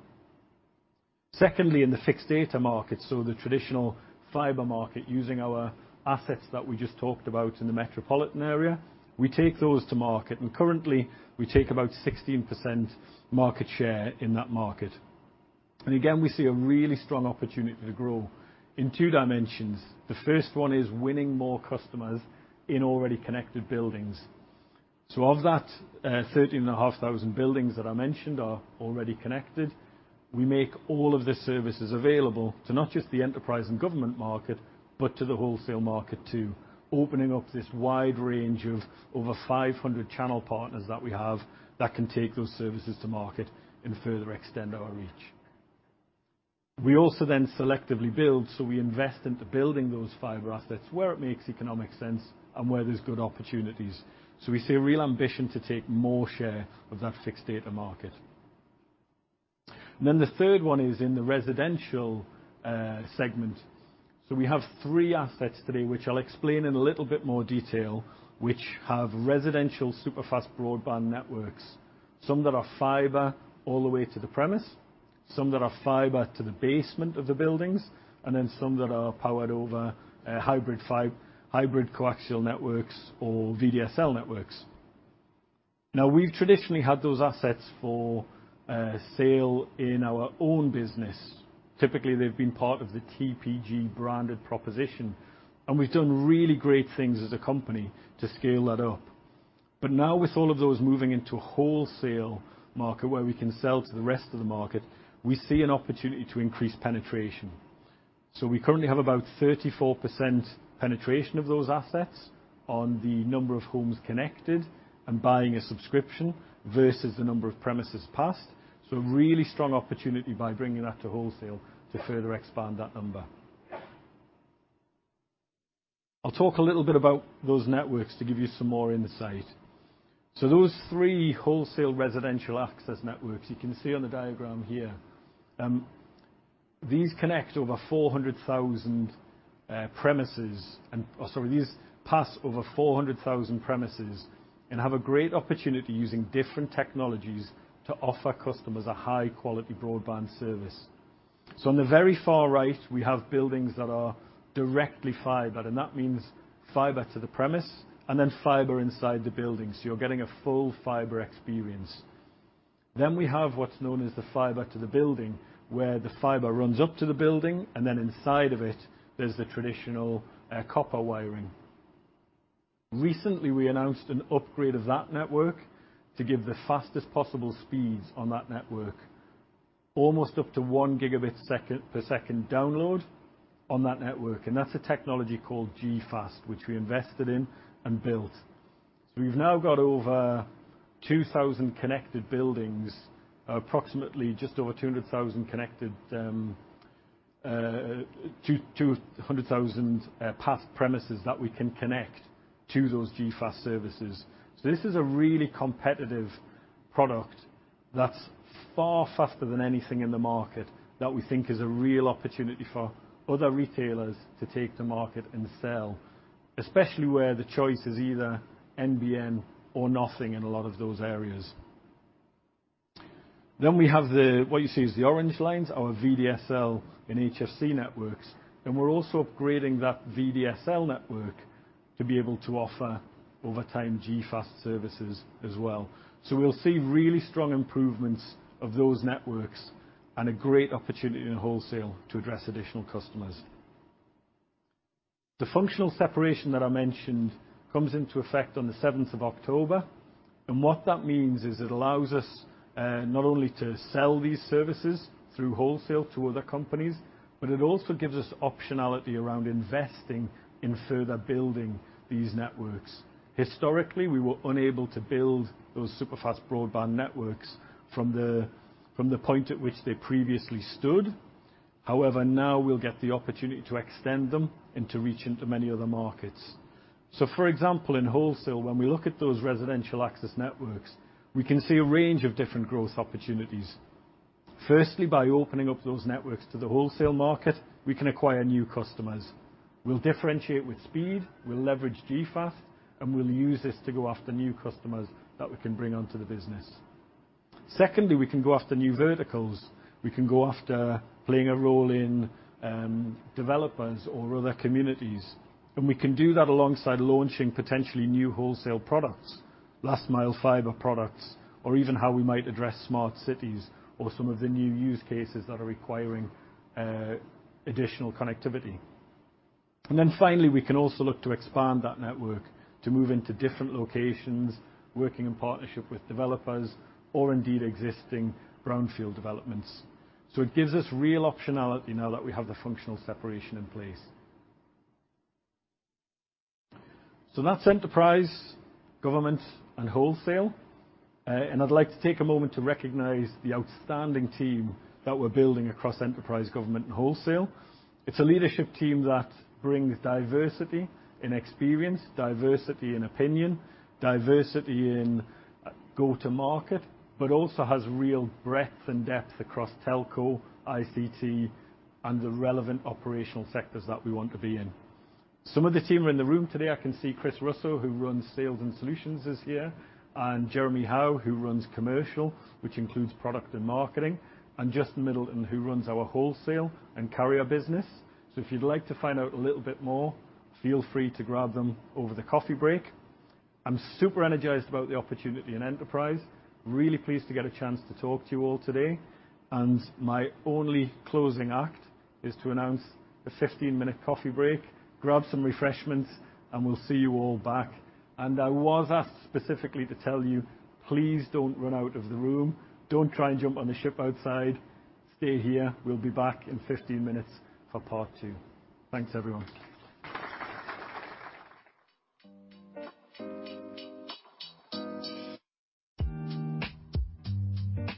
Secondly, in the fixed data market, so the traditional fiber market, using our assets that we just talked about in the metropolitan area, we take those to market, and currently, we take about 16% market share in that market. Again, we see a really strong opportunity to grow in two dimensions. The first one is winning more customers in already connected buildings. Of that, 13,500 buildings that I mentioned are already connected. We make all of the services available to not just the enterprise and government market, but to the wholesale market too, opening up this wide range of over 500 channel partners that we have that can take those services to market and further extend our reach. We also then selectively build, so we invest into building those fiber assets where it makes economic sense and where there's good opportunities. We see a real ambition to take more share of that fixed data market. The third one is in the residential segment. We have three assets today, which I'll explain in a little bit more detail, which have residential superfast broadband networks, some that are fiber all the way to the premises, some that are fiber to the basement of the buildings, and then some that are powered over hybrid coaxial networks or VDSL networks. Now, we've traditionally had those assets for sale in our own business. Typically, they've been part of the TPG-branded proposition, and we've done really great things as a company to scale that up. Now with all of those moving into a wholesale market where we can sell to the rest of the market, we see an opportunity to increase penetration. We currently have about 34% penetration of those assets on the number of homes connected and buying a subscription versus the number of premises passed. Really strong opportunity by bringing that to wholesale to further expand that number. I'll talk a little bit about those networks to give you some more insight. Those three wholesale residential access networks, you can see on the diagram here. These pass over 400,000 premises and have a great opportunity using different technologies to offer customers a high-quality broadband service. On the very far right, we have buildings that are directly fiber, and that means fiber to the premise and then fiber inside the building, so you're getting a full fiber experience. We have what's known as the fiber to the building, where the fiber runs up to the building, and then inside of it there's the traditional copper wiring. Recently, we announced an upgrade of that network to give the fastest possible speeds on that network, almost up to 1 gigabit per second download on that network, and that's a technology called G.fast, which we invested in and built. We've now got over 2,000 connected buildings, approximately just over 200,000 connected passed premises that we can connect to those G.fast services. This is a really competitive product that's far faster than anything in the market that we think is a real opportunity for other retailers to take to market and sell, especially where the choice is either NBN or nothing in a lot of those areas. What you see is the orange lines, our VDSL and HFC networks, and we're also upgrading that VDSL network to be able to offer over time G.fast services as well. We'll see really strong improvements of those networks and a great opportunity in wholesale to address additional customers. The functional separation that I mentioned comes into effect on the seventh of October, and what that means is it allows us, not only to sell these services through wholesale to other companies, but it also gives us optionality around investing in further building these networks. Historically, we were unable to build those superfast broadband networks from the point at which they previously stood. However, now we'll get the opportunity to extend them and to reach into many other markets. For example, in wholesale, when we look at those residential access networks, we can see a range of different growth opportunities. Firstly, by opening up those networks to the wholesale market, we can acquire new customers. We'll differentiate with speed, we'll leverage G.fast, and we'll use this to go after new customers that we can bring onto the business. Secondly, we can go after new verticals. We can go after playing a role in, developers or other communities, and we can do that alongside launching potentially new wholesale products, last mile fiber products, or even how we might address smart cities or some of the new use cases that are requiring, additional connectivity. Finally, we can also look to expand that network to move into different locations, working in partnership with developers or indeed existing brownfield developments. It gives us real optionality now that we have the functional separation in place. That's enterprise, government, and wholesale. I'd like to take a moment to recognize the outstanding team that we're building across enterprise, government, and wholesale. It's a leadership team that brings diversity in experience, diversity in opinion, diversity in go to market, but also has real breadth and depth across telco, ICT, and the relevant operational sectors that we want to be in. Some of the team are in the room today. I can see Chris Russo, who runs sales and solutions, is here, and Jeremy Howe, who runs commercial, which includes product and marketing, and Justin Middleton, who runs our wholesale and carrier business. If you'd like to find out a little bit more, feel free to grab them over the coffee break. I'm super energized about the opportunity in enterprise. Really pleased to get a chance to talk to you all today. My only closing act is to announce a 15-minute coffee break. Grab some refreshments and we'll see you all back. I was asked specifically to tell you, please don't run out of the room. Don't try and jump on the ship outside. Stay here. We'll be back in 15 minutes for part two. Thanks, everyone.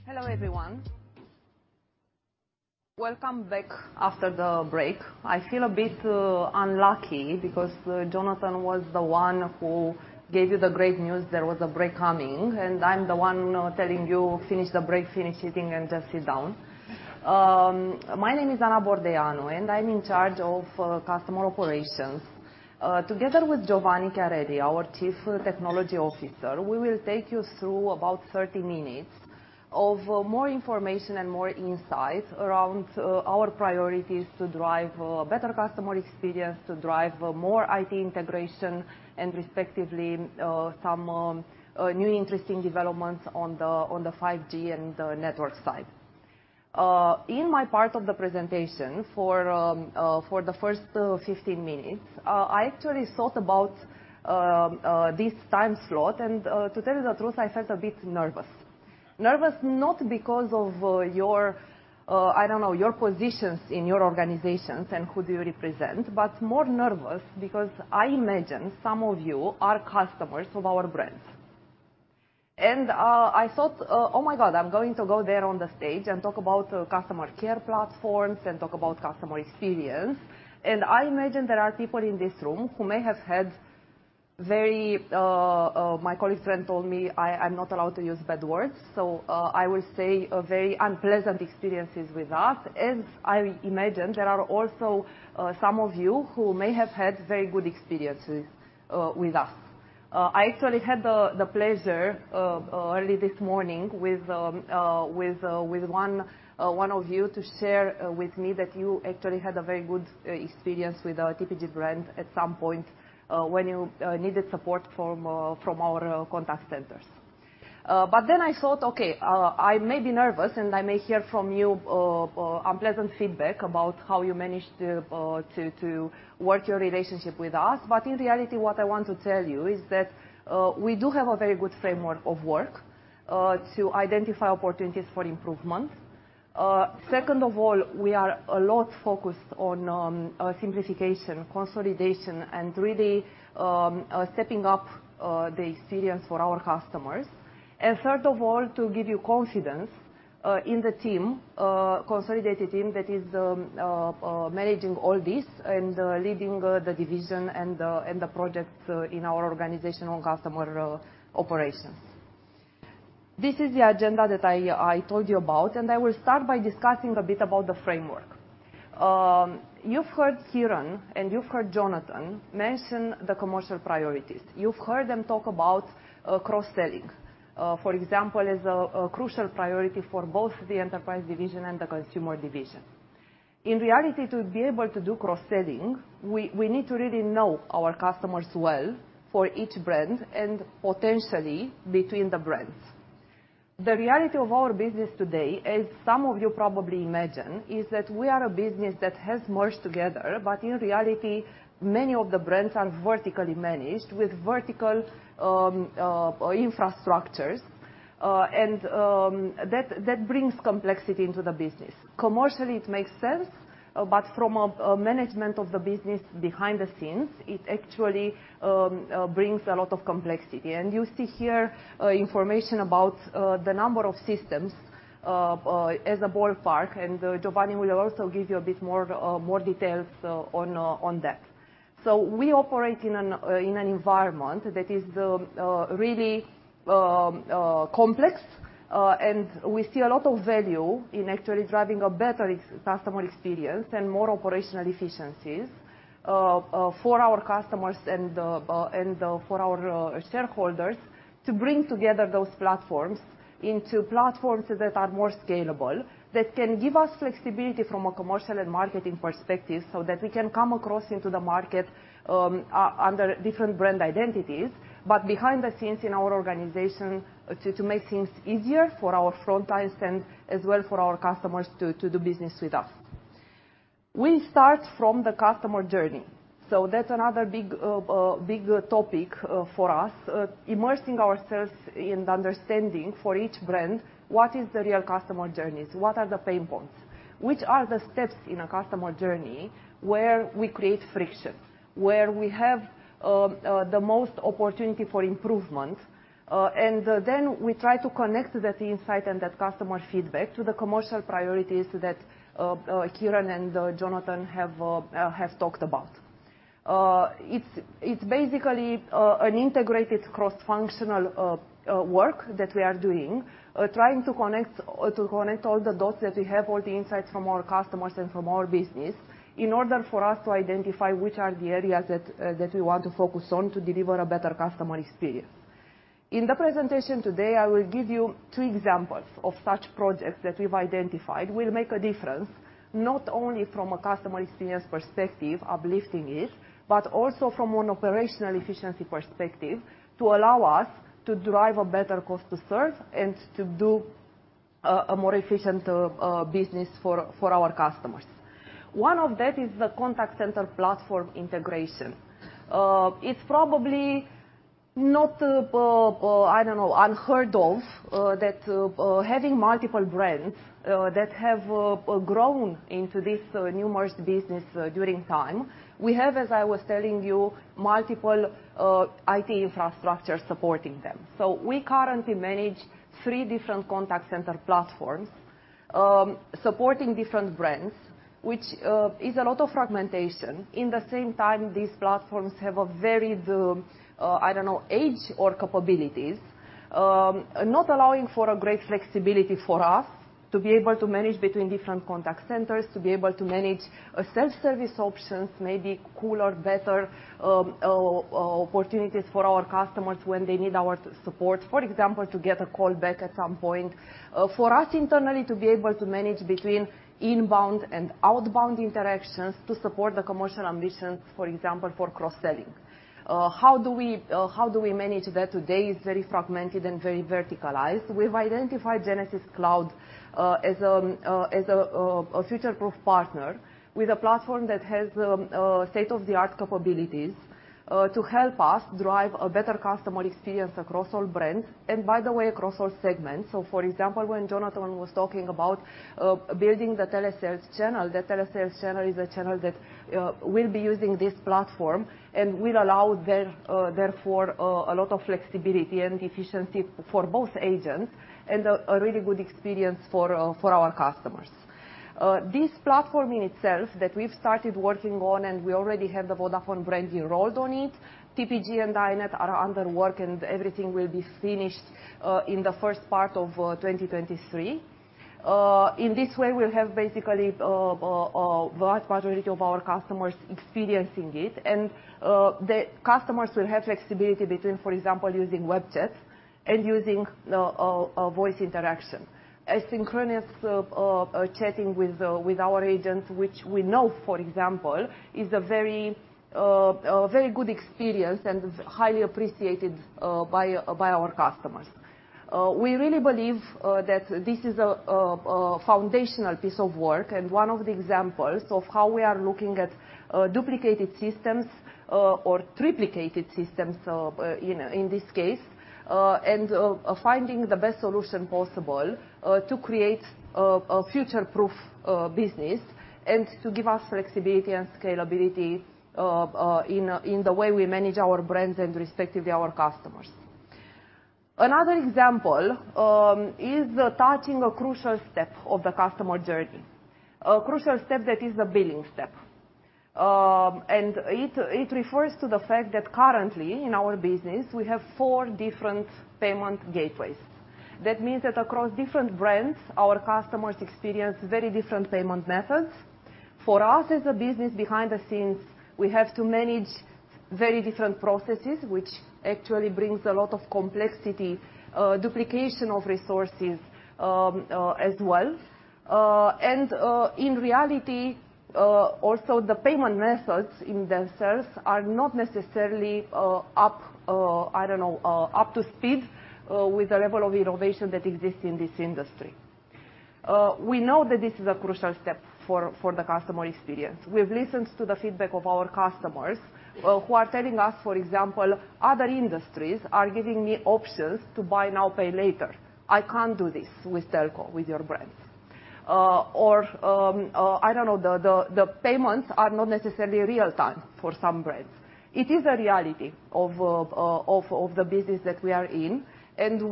Hello, everyone. Welcome back after the break. I feel a bit unlucky because Jonathan was the one who gave you the great news there was a break coming, and I'm the one now telling you finish the break, finish eating, and just sit down. My name is Ana Bordeianu, and I'm in charge of customer operations. Together with Giovanni Chiarelli, our Chief Technology Officer, we will take you through about 30 minutes of more information and more insight around our priorities to drive better customer experience, to drive more IT integration and respectively some new interesting developments on the 5G and the network side. In my part of the presentation for the first 15 minutes, I actually thought about this time slot. To tell you the truth, I felt a bit nervous. Nervous not because of your, I don't know, your positions in your organizations and who do you represent, but more nervous because I imagine some of you are customers of our brands. I thought, oh my god, I'm going to go there on the stage and talk about customer care platforms and talk about customer experience. I imagine there are people in this room who may have had very, my colleague friend told me I'm not allowed to use bad words, so I will say a very unpleasant experiences with us. As I imagine there are also some of you who may have had very good experiences with us. I actually had the pleasure early this morning with one of you to share with me that you actually had a very good experience with our TPG brand at some point when you needed support from our contact centers. I thought, okay, I may be nervous, and I may hear from you unpleasant feedback about how you managed to work your relationship with us. In reality, what I want to tell you is that we do have a very good framework of work to identify opportunities for improvement. Second of all, we are a lot focused on simplification, consolidation, and really stepping up the experience for our customers. Third of all, to give you confidence in the consolidated team that is managing all this and leading the division and the projects in our organizational customer operations. This is the agenda that I told you about, and I will start by discussing a bit about the framework. You've heard Kieren and you've heard Jonathan mention the commercial priorities. You've heard them talk about cross-selling, for example, as a crucial priority for both the enterprise division and the consumer division. In reality, to be able to do cross-selling, we need to really know our customers well for each brand and potentially between the brands. The reality of our business today, as some of you probably imagine, is that we are a business that has merged together, but in reality, many of the brands are vertically managed with vertical infrastructures. That brings complexity into the business. Commercially, it makes sense, but from a management of the business behind the scenes, it actually brings a lot of complexity. You see here information about the number of systems as a ballpark, and Giovanni will also give you a bit more details on that. We operate in an environment that is really complex, and we see a lot of value in actually driving a better customer experience and more operational efficiencies for our customers and for our shareholders to bring together those platforms into platforms that are more scalable, that can give us flexibility from a commercial and marketing perspective, so that we can come across into the market under different brand identities. Behind the scenes in our organization, to make things easier for our frontlines and as well for our customers to do business with us. We start from the customer journey. That's another big topic for us, immersing ourselves in understanding for each brand, what is the real customer journeys? What are the pain points? Which are the steps in a customer journey where we create friction, where we have the most opportunity for improvement? We try to connect that insight and that customer feedback to the commercial priorities that Kieren and Jonathan have talked about. It's basically an integrated cross-functional work that we are doing, trying to connect all the dots that we have, all the insights from our customers and from our business, in order for us to identify which are the areas that we want to focus on to deliver a better customer experience. In the presentation today, I will give you two examples of such projects that we've identified will make a difference, not only from a customer experience perspective, uplifting it, but also from an operational efficiency perspective, to allow us to drive a better cost to serve and to do a more efficient business for our customers. One of that is the contact center platform integration. It's probably not, I don't know, unheard of, that having multiple brands that have grown into this new merged business during time. We have, as I was telling you, multiple IT infrastructure supporting them. We currently manage three different contact center platforms supporting different brands, which is a lot of fragmentation. At the same time, these platforms have a very, I don't know, aged capabilities not allowing for a great flexibility for us to be able to manage between different contact centers, to be able to manage a self-service options, maybe cooler, better opportunities for our customers when they need our support. For example, to get a call back at some point. For us internally, to be able to manage between inbound and outbound interactions to support the commercial ambitions, for example, for cross-selling. How do we manage that today is very fragmented and very verticalized. We've identified Genesys Cloud as a future-proof partner with a platform that has state-of-the-art capabilities to help us drive a better customer experience across all brands, and by the way, across all segments. For example, when Jonathan was talking about building the telesales channel, the telesales channel is a channel that will be using this platform and will allow, therefore, a lot of flexibility and efficiency for both agents and a really good experience for our customers. This platform in itself that we've started working on and we already have the Vodafone brand enrolled on it, TPG and iiNet are under work and everything will be finished in the first part of 2023. In this way, we'll have basically vast majority of our customers experiencing it. The customers will have flexibility between, for example, using web chat and using a voice interaction. Asynchronous chatting with our agents, which we know, for example, is a very good experience and highly appreciated by our customers. We really believe that this is a foundational piece of work and one of the examples of how we are looking at duplicated systems or triplicated systems, you know, in this case, and finding the best solution possible to create a future-proof business and to give us flexibility and scalability in the way we manage our brands and respectively our customers. Another example is touching a crucial step of the customer journey. A crucial step that is the billing step. It refers to the fact that currently in our business, we have four different payment gateways. That means that across different brands, our customers experience very different payment methods. For us as a business behind the scenes, we have to manage very different processes, which actually brings a lot of complexity, duplication of resources, as well. In reality, also the payment methods in themselves are not necessarily up to speed with the level of innovation that exists in this industry. We know that this is a crucial step for the customer experience. We have listened to the feedback of our customers, who are telling us, for example, other industries are giving me options to buy now, pay later. I can't do this with telco, with your brands. Or, the payments are not necessarily real time for some brands. It is a reality of the business that we are in.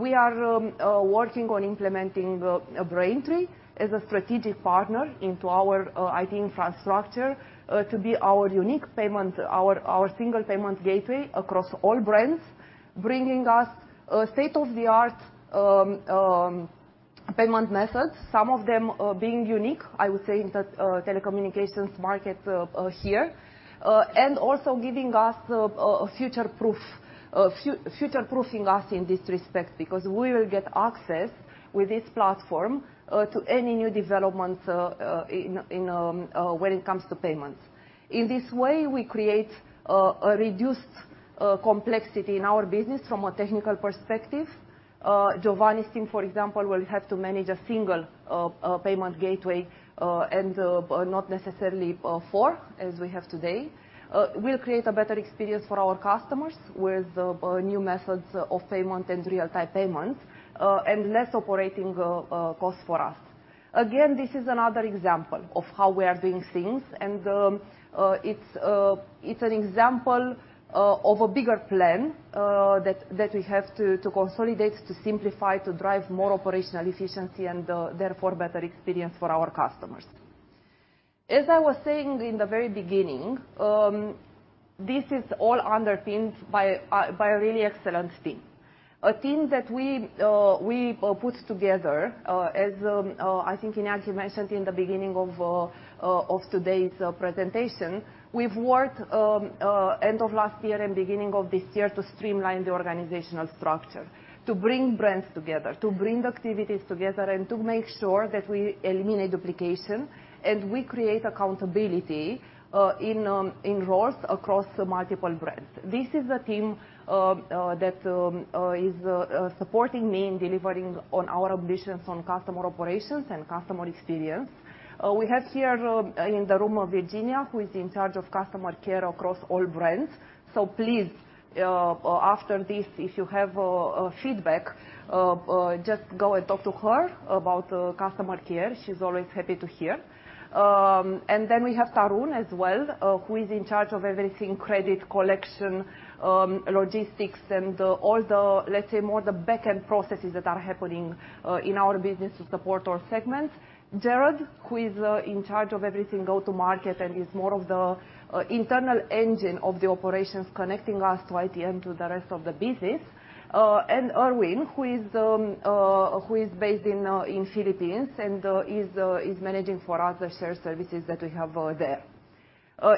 We are working on implementing Braintree as a strategic partner into our IT infrastructure to be our unique payment, our single payment gateway across all brands, bringing us state-of-the-art payment methods. Some of them being unique, I would say, in the telecommunications market here. Also giving us a future-proofing us in this respect, because we will get access with this platform to any new developments in when it comes to payments. In this way, we create a reduced complexity in our business from a technical perspective. Giovanni's team, for example, will have to manage a single payment gateway, and not necessarily four, as we have today. We'll create a better experience for our customers with new methods of payment and real-time payments, and less operating costs for us. Again, this is another example of how we are doing things, and it's an example of a bigger plan that we have to consolidate, to simplify, to drive more operational efficiency and therefore better experience for our customers. As I was saying in the very beginning, this is all underpinned by a really excellent team. A team that we put together, as I think Iñaki mentioned in the beginning of today's presentation. We've worked end of last year and beginning of this year to streamline the organizational structure, to bring brands together, to bring the activities together, and to make sure that we eliminate duplication and we create accountability in roles across the multiple brands. This is a team that is supporting me in delivering on our ambitions on customer operations and customer experience. We have here, in the room, Virginia, who is in charge of customer care across all brands. Please, after this, if you have feedback, just go and talk to her about customer care. She's always happy to hear. We have Tarun as well, who is in charge of everything credit collection, logistics and all the, let's say, more the backend processes that are happening in our business to support our segments. Gerard, who is in charge of everything go-to-market and is more of the internal engine of the operations connecting us to IT and to the rest of the business. Erwin, who is based in Philippines and is managing for us the shared services that we have there.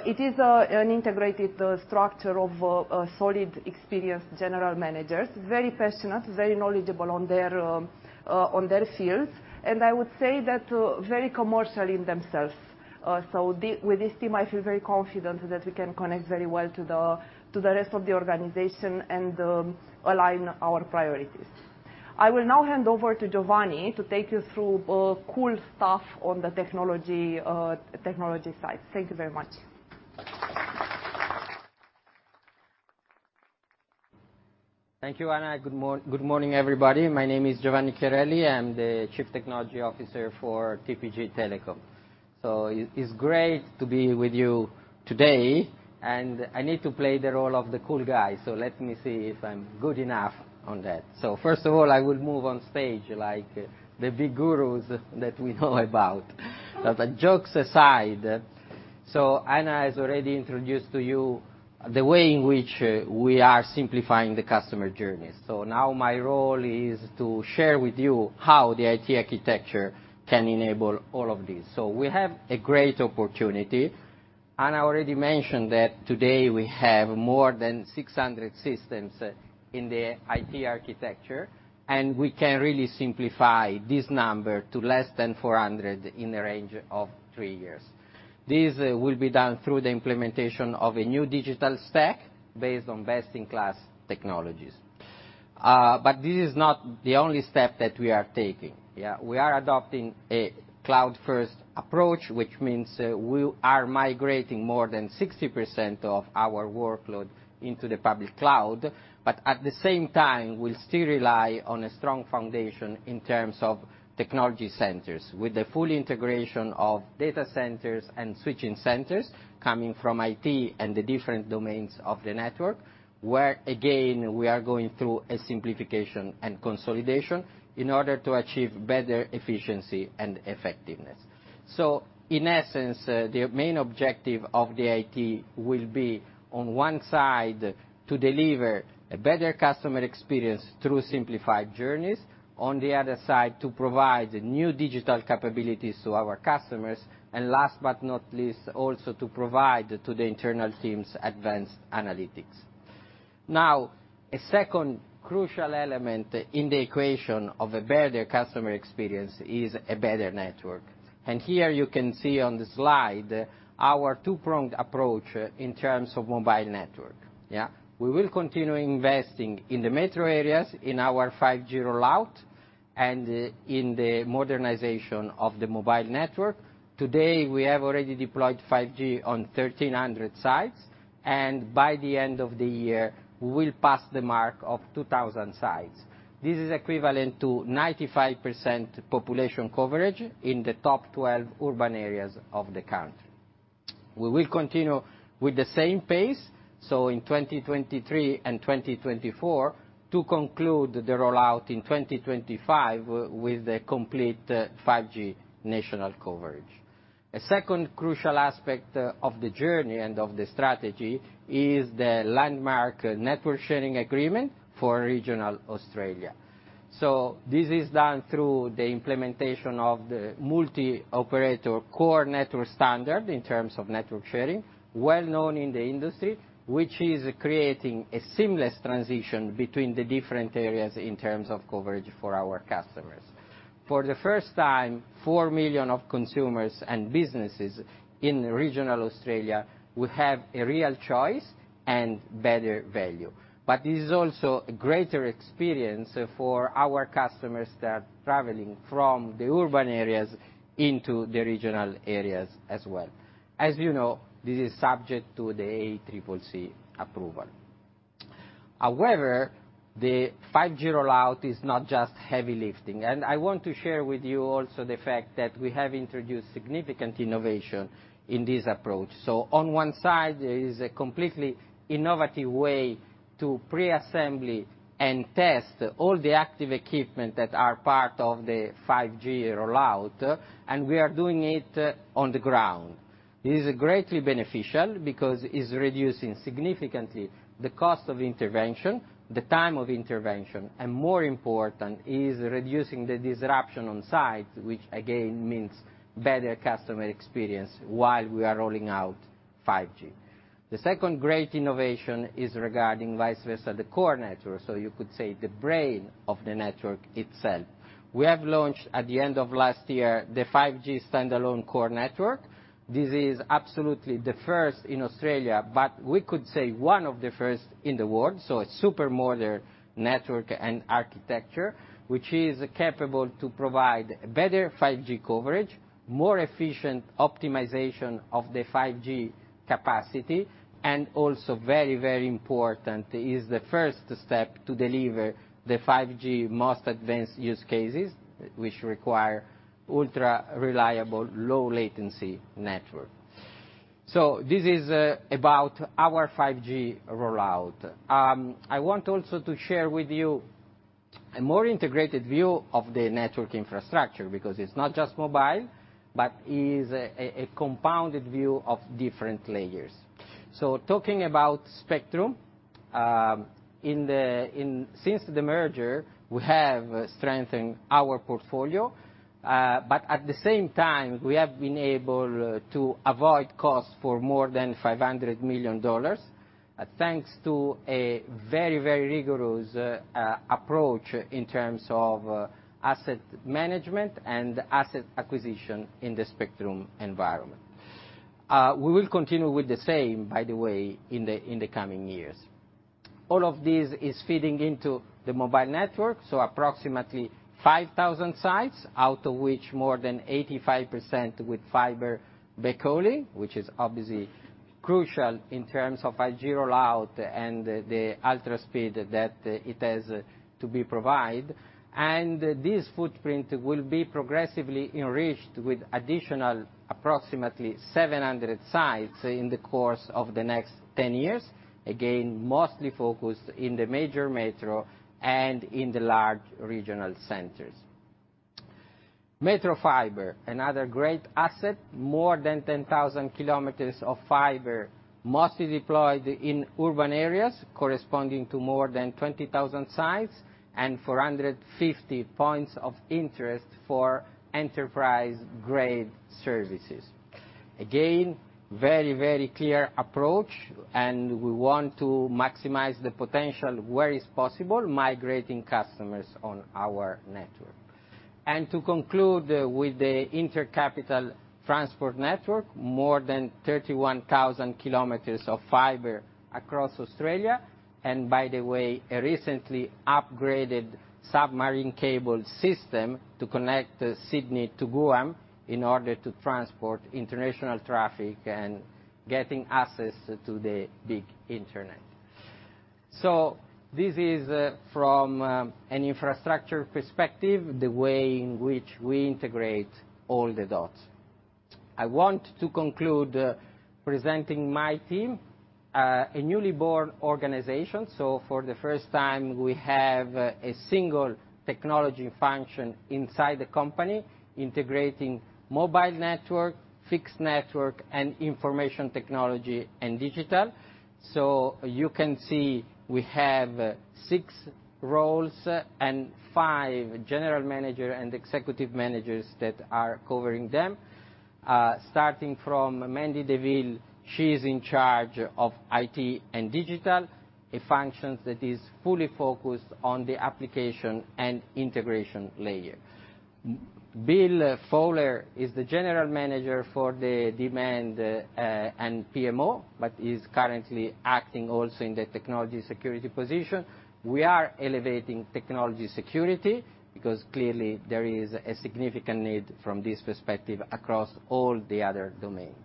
It is an integrated structure of solid, experienced general managers, very passionate, very knowledgeable on their fields, and I would say that very commercial in themselves. With this team, I feel very confident that we can connect very well to the rest of the organization and align our priorities. I will now hand over to Giovanni to take you through cool stuff on the technology side. Thank you very much. Thank you, Ana. Good morning, everybody. My name is Giovanni Chiarelli. I'm the Chief Technology Officer for TPG Telecom. It's great to be with you today, and I need to play the role of the cool guy, so let me see if I'm good enough on that. First of all, I will move on stage like the big gurus that we know about. Jokes aside, Ana Bordeianu has already introduced to you the way in which we are simplifying the customer journey. Now my role is to share with you how the IT architecture can enable all of this. We have a great opportunity. Ana Bordeianu already mentioned that today we have more than 600 systems in the IT architecture, and we can really simplify this number to less than 400 in the range of 3 years. This will be done through the implementation of a new digital stack based on best-in-class technologies. This is not the only step that we are taking, yeah. We are adopting a cloud first approach, which means we are migrating more than 60% of our workload into the public cloud. At the same time, we still rely on a strong foundation in terms of technology centers, with the full integration of data centers and switching centers coming from IT and the different domains of the network, where again, we are going through a simplification and consolidation in order to achieve better efficiency and effectiveness. In essence, the main objective of the IT will be, on one side, to deliver a better customer experience through simplified journeys. On the other side, to provide new digital capabilities to our customers. Last but not least, also to provide to the internal teams advanced analytics. Now, a second crucial element in the equation of a better customer experience is a better network. Here you can see on the slide our two-pronged approach in terms of mobile network, yeah. We will continue investing in the metro areas in our 5G rollout and in the modernization of the mobile network. Today, we have already deployed 5G on 1,300 sites, and by the end of the year, we'll pass the mark of 2,000 sites. This is equivalent to 95% population coverage in the top 12 urban areas of the country. We will continue with the same pace, so in 2023 and 2024 to conclude the rollout in 2025 with a complete 5G national coverage. A second crucial aspect of the journey and of the strategy is the landmark network sharing agreement for regional Australia. This is done through the implementation of the multi-operator core network standard in terms of network sharing, well known in the industry, which is creating a seamless transition between the different areas in terms of coverage for our customers. For the first time, 4 million of consumers and businesses in regional Australia will have a real choice and better value. This is also a greater experience for our customers that traveling from the urban areas into the regional areas as well. As you know, this is subject to the ACCC approval. However, the 5G rollout is not just heavy lifting. I want to share with you also the fact that we have introduced significant innovation in this approach. On one side, there is a completely innovative way to preassemble and test all the active equipment that are part of the 5G rollout, and we are doing it on the ground. This is greatly beneficial because it's reducing significantly the cost of intervention, the time of intervention, and more important, is reducing the disruption on site, which again, means better customer experience while we are rolling out 5G. The second great innovation is regarding vice versa the core network, so you could say the brain of the network itself. We have launched at the end of last year, the 5G standalone core network. This is absolutely the first in Australia, but we could say one of the first in the world. A super modern network and architecture, which is capable to provide better 5G coverage, more efficient optimization of the 5G capacity, and also very, very important, is the first step to deliver the 5G most advanced use cases, which require ultra-reliable, low latency network. This is about our 5G rollout. I want also to share with you a more integrated view of the network infrastructure because it's not just mobile, but is a compounded view of different layers. Talking about spectrum, since the merger, we have strengthened our portfolio, but at the same time, we have been able to avoid costs for more than 500 million dollars, thanks to a very, very rigorous approach in terms of asset management and asset acquisition in the spectrum environment. We will continue with the same, by the way, in the coming years. All of this is feeding into the mobile network, so approximately 5,000 sites, out of which more than 85% with fiber backhauling, which is obviously crucial in terms of 5G rollout and the ultra speed that it has to provide. This footprint will be progressively enriched with additional approximately 700 sites in the course of the next ten years, again, mostly focused in the major metro and in the large regional centers. Metro fiber, another great asset, more than 10,000 kilometers of fiber, mostly deployed in urban areas, corresponding to more than 20,000 sites and 450 points of interest for enterprise-grade services. Very, very clear approach, and we want to maximize the potential where is possible, migrating customers on our network. To conclude with the Intercapital transport network, more than 31,000 kilometers of fiber across Australia, and by the way, a recently upgraded submarine cable system to connect Sydney to Guam in order to transport international traffic and getting access to the big Internet. This is from an infrastructure perspective, the way in which we integrate all the dots. I want to conclude presenting my team, a newly born organization. For the first time, we have a single technology function inside the company integrating mobile network, fixed network, and information technology and digital. You can see we have six roles and five general manager and executive managers that are covering them. Starting from Mandie de Ville, she's in charge of IT and digital, a function that is fully focused on the application and integration layer. Bill Fowler is the General Manager for Demand and PMO, but is currently acting also in the technology security position. We are elevating technology security because clearly there is a significant need from this perspective across all the other domains.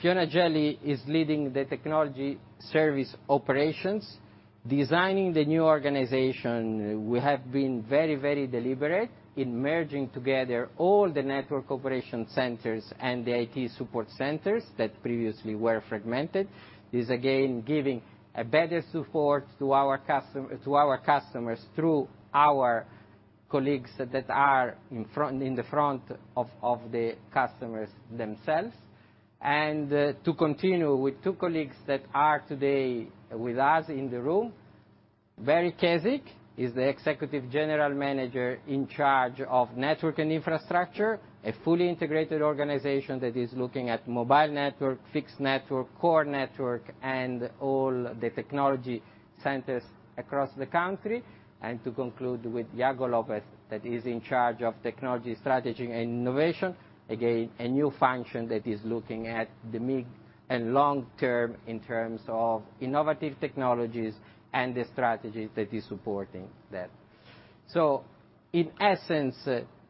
Fiona Jolly is leading the technology service operations. Designing the new organization, we have been very, very deliberate in merging together all the network operation centers and the IT support centers that previously were fragmented, is again giving a better support to our customers through our colleagues that are in front of the customers themselves. To continue with two colleagues that are today with us in the room. Barry Kezik is the Executive General Manager in charge of network and infrastructure, a fully integrated organization that is looking at mobile network, fixed network, core network, and all the technology centers across the country. To conclude with Yago Lopez, that is in charge of technology, strategy, and innovation. Again, a new function that is looking at the mid and long term in terms of innovative technologies and the strategies that is supporting that. In essence,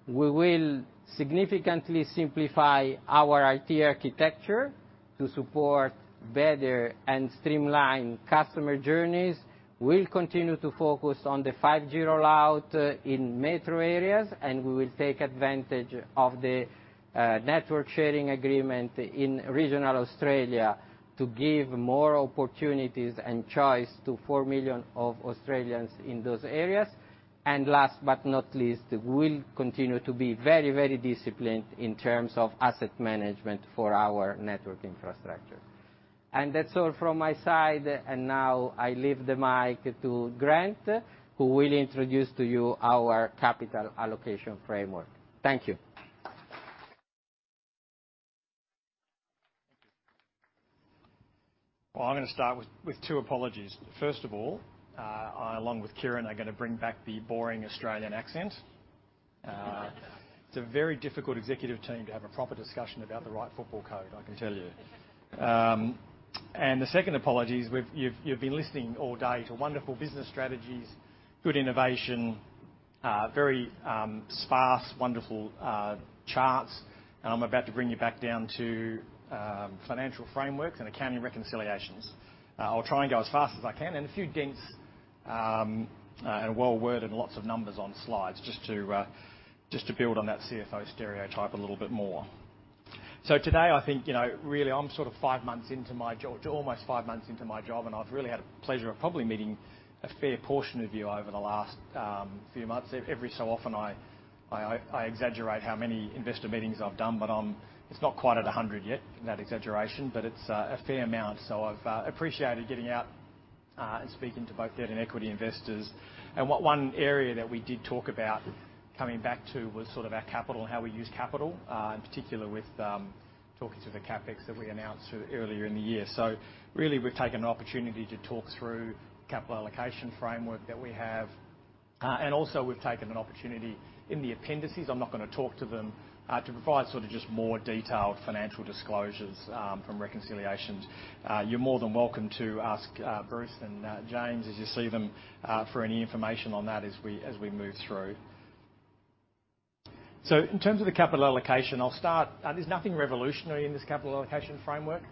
we will significantly simplify our IT architecture to support better and streamline customer journeys. We'll continue to focus on the 5G rollout in metro areas, and we will take advantage of the network sharing agreement in regional Australia to give more opportunities and choice to 4 million Australians in those areas. Last but not least, we'll continue to be very, very disciplined in terms of asset management for our network infrastructure. That's all from my side. Now I leave the mic to Grant, who will introduce to you our capital allocation framework. Thank you. Thank you. Well, I'm gonna start with two apologies. First of all, I along with Kieren are gonna bring back the boring Australian accent. It's a very difficult executive team to have a proper discussion about the right football code, I can tell you. The second apology is you've been listening all day to wonderful business strategies, good innovation, very sparse, wonderful charts. I'm about to bring you back down to financial frameworks and accounting reconciliations. I'll try and go as fast as I can. A few dense, well-worded lots of numbers on slides just to build on that CFO stereotype a little bit more. Today, I think, you know, really, I'm sort of five months into my job, to almost five months into my job, and I've really had a pleasure of probably meeting a fair portion of you over the last few months. Every so often, I exaggerate how many investor meetings I've done, but it's not quite at 100 yet in that exaggeration, but it's a fair amount. I've appreciated getting out and speaking to both debt and equity investors. What one area that we did talk about coming back to was sort of our capital and how we use capital, in particular with talking to the CapEx that we announced earlier in the year. Really, we've taken an opportunity to talk through capital allocation framework that we have. We've taken an opportunity in the appendices. I'm not gonna talk to them to provide sort of just more detailed financial disclosures from reconciliations. You're more than welcome to ask Bruce and James, as you see them, for any information on that as we move through. In terms of the capital allocation, I'll start. There's nothing revolutionary in this capital allocation framework.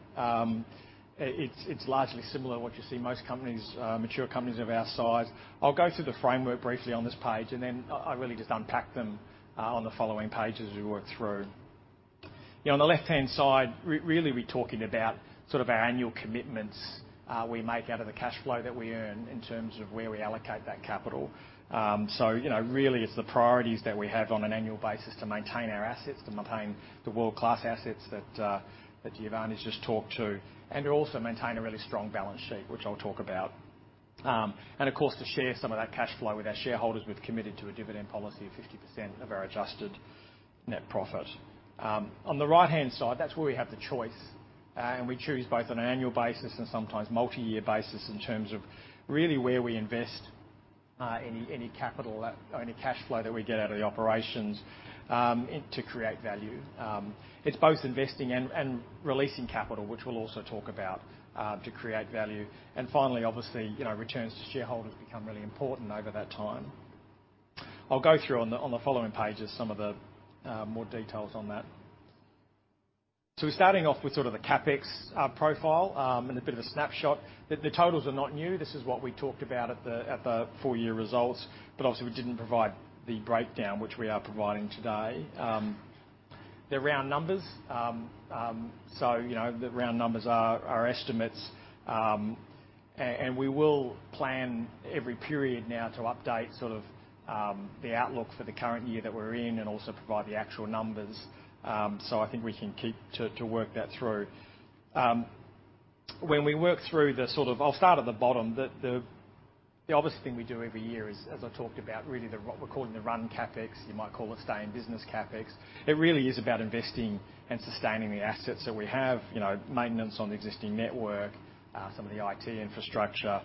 It's largely similar to what you see in most companies, mature companies of our size. I'll go through the framework briefly on this page, and then I really just unpack them on the following pages as we work through. You know, on the left-hand side, really we're talking about sort of our annual commitments we make out of the cash flow that we earn in terms of where we allocate that capital. You know, really it's the priorities that we have on an annual basis to maintain our assets, to maintain the world-class assets that Giovanni's just talked about, and to also maintain a really strong balance sheet, which I'll talk about. Of course, to share some of that cash flow with our shareholders, we've committed to a dividend policy of 50% of our adjusted net profit. On the right-hand side, that's where we have the choice, and we choose both on an annual basis and sometimes multi-year basis in terms of really where we invest any capital or any cash flow that we get out of the operations, and to create value. It's both investing and releasing capital, which we'll also talk about to create value. Finally, obviously, you know, returns to shareholders become really important over that time. I'll go through on the following pages some of the more details on that. We're starting off with sort of the CapEx profile, and a bit of a snapshot. The totals are not new. This is what we talked about at the full-year results, but obviously we didn't provide the breakdown, which we are providing today. They're round numbers. You know, the round numbers are estimates, and we will plan every period now to update sort of the outlook for the current year that we're in and also provide the actual numbers. I think we can keep to work that through. When we work through it, I'll start at the bottom. The obvious thing we do every year is, as I talked about, really we're calling the run CapEx. You might call it stay in business CapEx. It really is about investing and sustaining the assets that we have, you know, maintenance on the existing network, some of the IT infrastructure.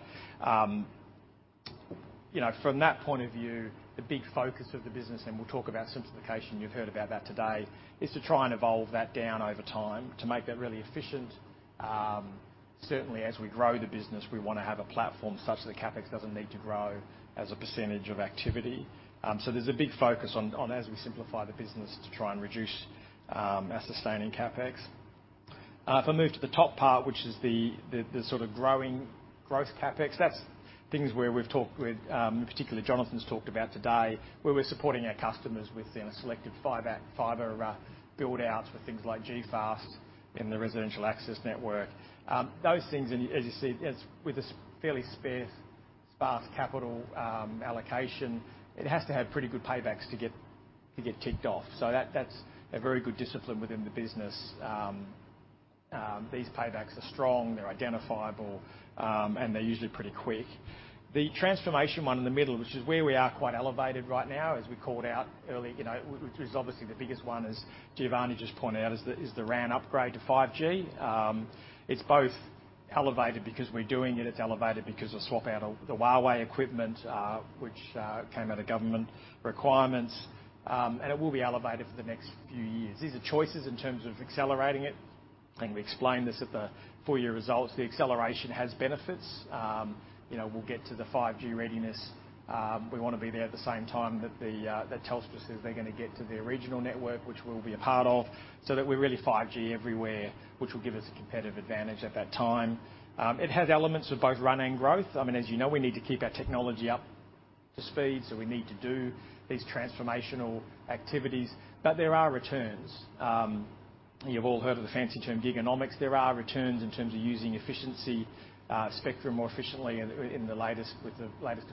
You know, from that point of view, the big focus of the business, and we'll talk about simplification, you've heard about that today, is to try and evolve that down over time to make that really efficient. Certainly, as we grow the business, we wanna have a platform such that CapEx doesn't need to grow as a percentage of activity. There's a big focus on, as we simplify the business, to try and reduce our sustaining CapEx. If I move to the top part, which is the sort of growing CapEx, that's things where we've talked with, in particular, Jonathan's talked about today, where we're supporting our customers with, you know, selective fiber build-outs with things like G.fast in the residential access network. Those things and as you see, as with this fairly sparse capital allocation, it has to have pretty good paybacks to get kicked off. That's a very good discipline within the business. These paybacks are strong, they're identifiable, and they're usually pretty quick. The transformation one in the middle, which is where we are quite elevated right now, as we called out early, you know, which is obviously the biggest one as Giovanni just pointed out, is the RAN upgrade to 5G. It's both elevated because we're doing it. It's elevated because of swap out of the Huawei equipment, which came out of government requirements. It will be elevated for the next few years. These are choices in terms of accelerating it. I think we explained this at the full-year results. The acceleration has benefits. You know, we'll get to the 5G readiness. We wanna be there at the same time that Telstra says they're gonna get to their regional network, which we'll be a part of, so that we're really 5G everywhere, which will give us a competitive advantage at that time. It has elements of both run and growth. I mean, as you know, we need to keep our technology up to speed, so we need to do these transformational activities. There are returns. You've all heard of the fancy term Giganomics. There are returns in terms of using spectrum more efficiently with the latest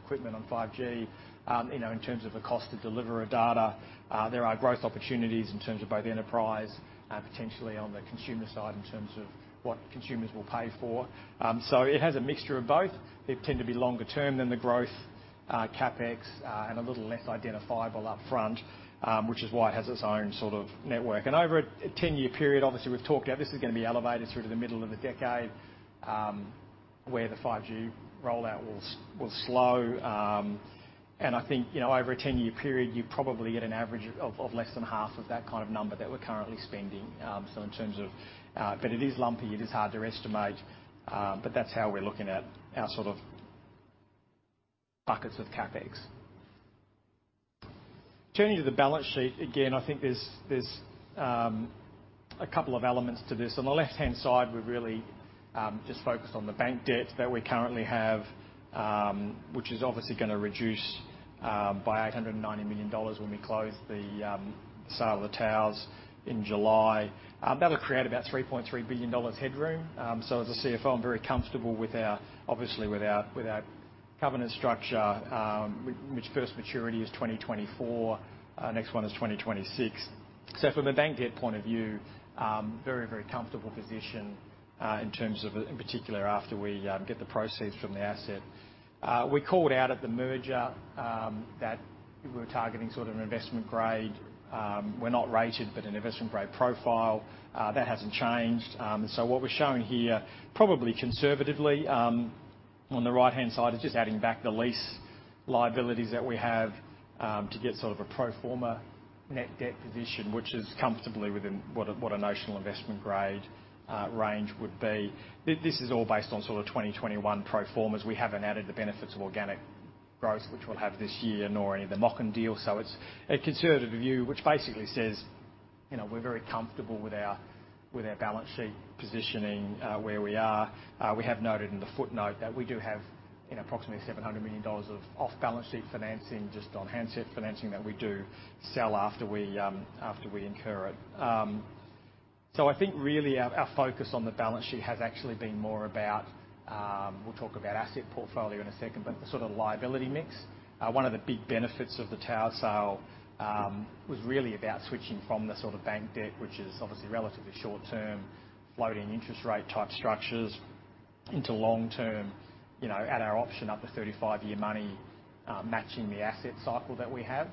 equipment on 5G, you know, in terms of the cost to deliver data. There are growth opportunities in terms of both enterprise, potentially on the consumer side in terms of what consumers will pay for. It has a mixture of both. They tend to be longer term than the growth CapEx, and a little less identifiable upfront, which is why it has its own sort of network. Over a 10-year period, obviously we've talked, this is gonna be elevated through to the middle of the decade, where the 5G rollout will slow. I think, you know, over a 10-year period, you probably get an average of less than half of that kind of number that we're currently spending. It is lumpy. It is hard to estimate, but that's how we're looking at our sort of buckets of CapEx. Turning to the balance sheet, again, I think there's a couple of elements to this. On the left-hand side, we've really just focused on the bank debt that we currently have, which is obviously gonna reduce by 890 million dollars when we close the sale of the towers in July. That'll create about 3.3 billion dollars headroom. As a CFO, I'm very comfortable with our covenant structure, obviously, which first maturity is 2024, next one is 2026. From a bank debt point of view, very, very comfortable position, in terms of, in particular after we get the proceeds from the asset. We called out at the merger that we were targeting sort of an investment grade. We're not rated, but an investment grade profile. That hasn't changed. What we're showing here, probably conservatively, on the right-hand side is just adding back the lease liabilities that we have, to get sort of a pro forma net debt position, which is comfortably within what a notional investment grade range would be. This is all based on sort of 2021 pro formas. We haven't added the benefits of organic growth which we'll have this year, nor any of the MOCN deal. It's a conservative view, which basically says you know, we're very comfortable with our balance sheet positioning, where we are. We have noted in the footnote that we do have, you know, approximately 700 million dollars of off-balance sheet financing just on handset financing that we do sell after we incur it. I think really our focus on the balance sheet has actually been more about, we'll talk about asset portfolio in a second, but the sort of liability mix. One of the big benefits of the tower sale was really about switching from the sort of bank debt, which is obviously relatively short-term, floating interest rate type structures into long-term, you know, at our option, up to 35-year money, matching the asset cycle that we have.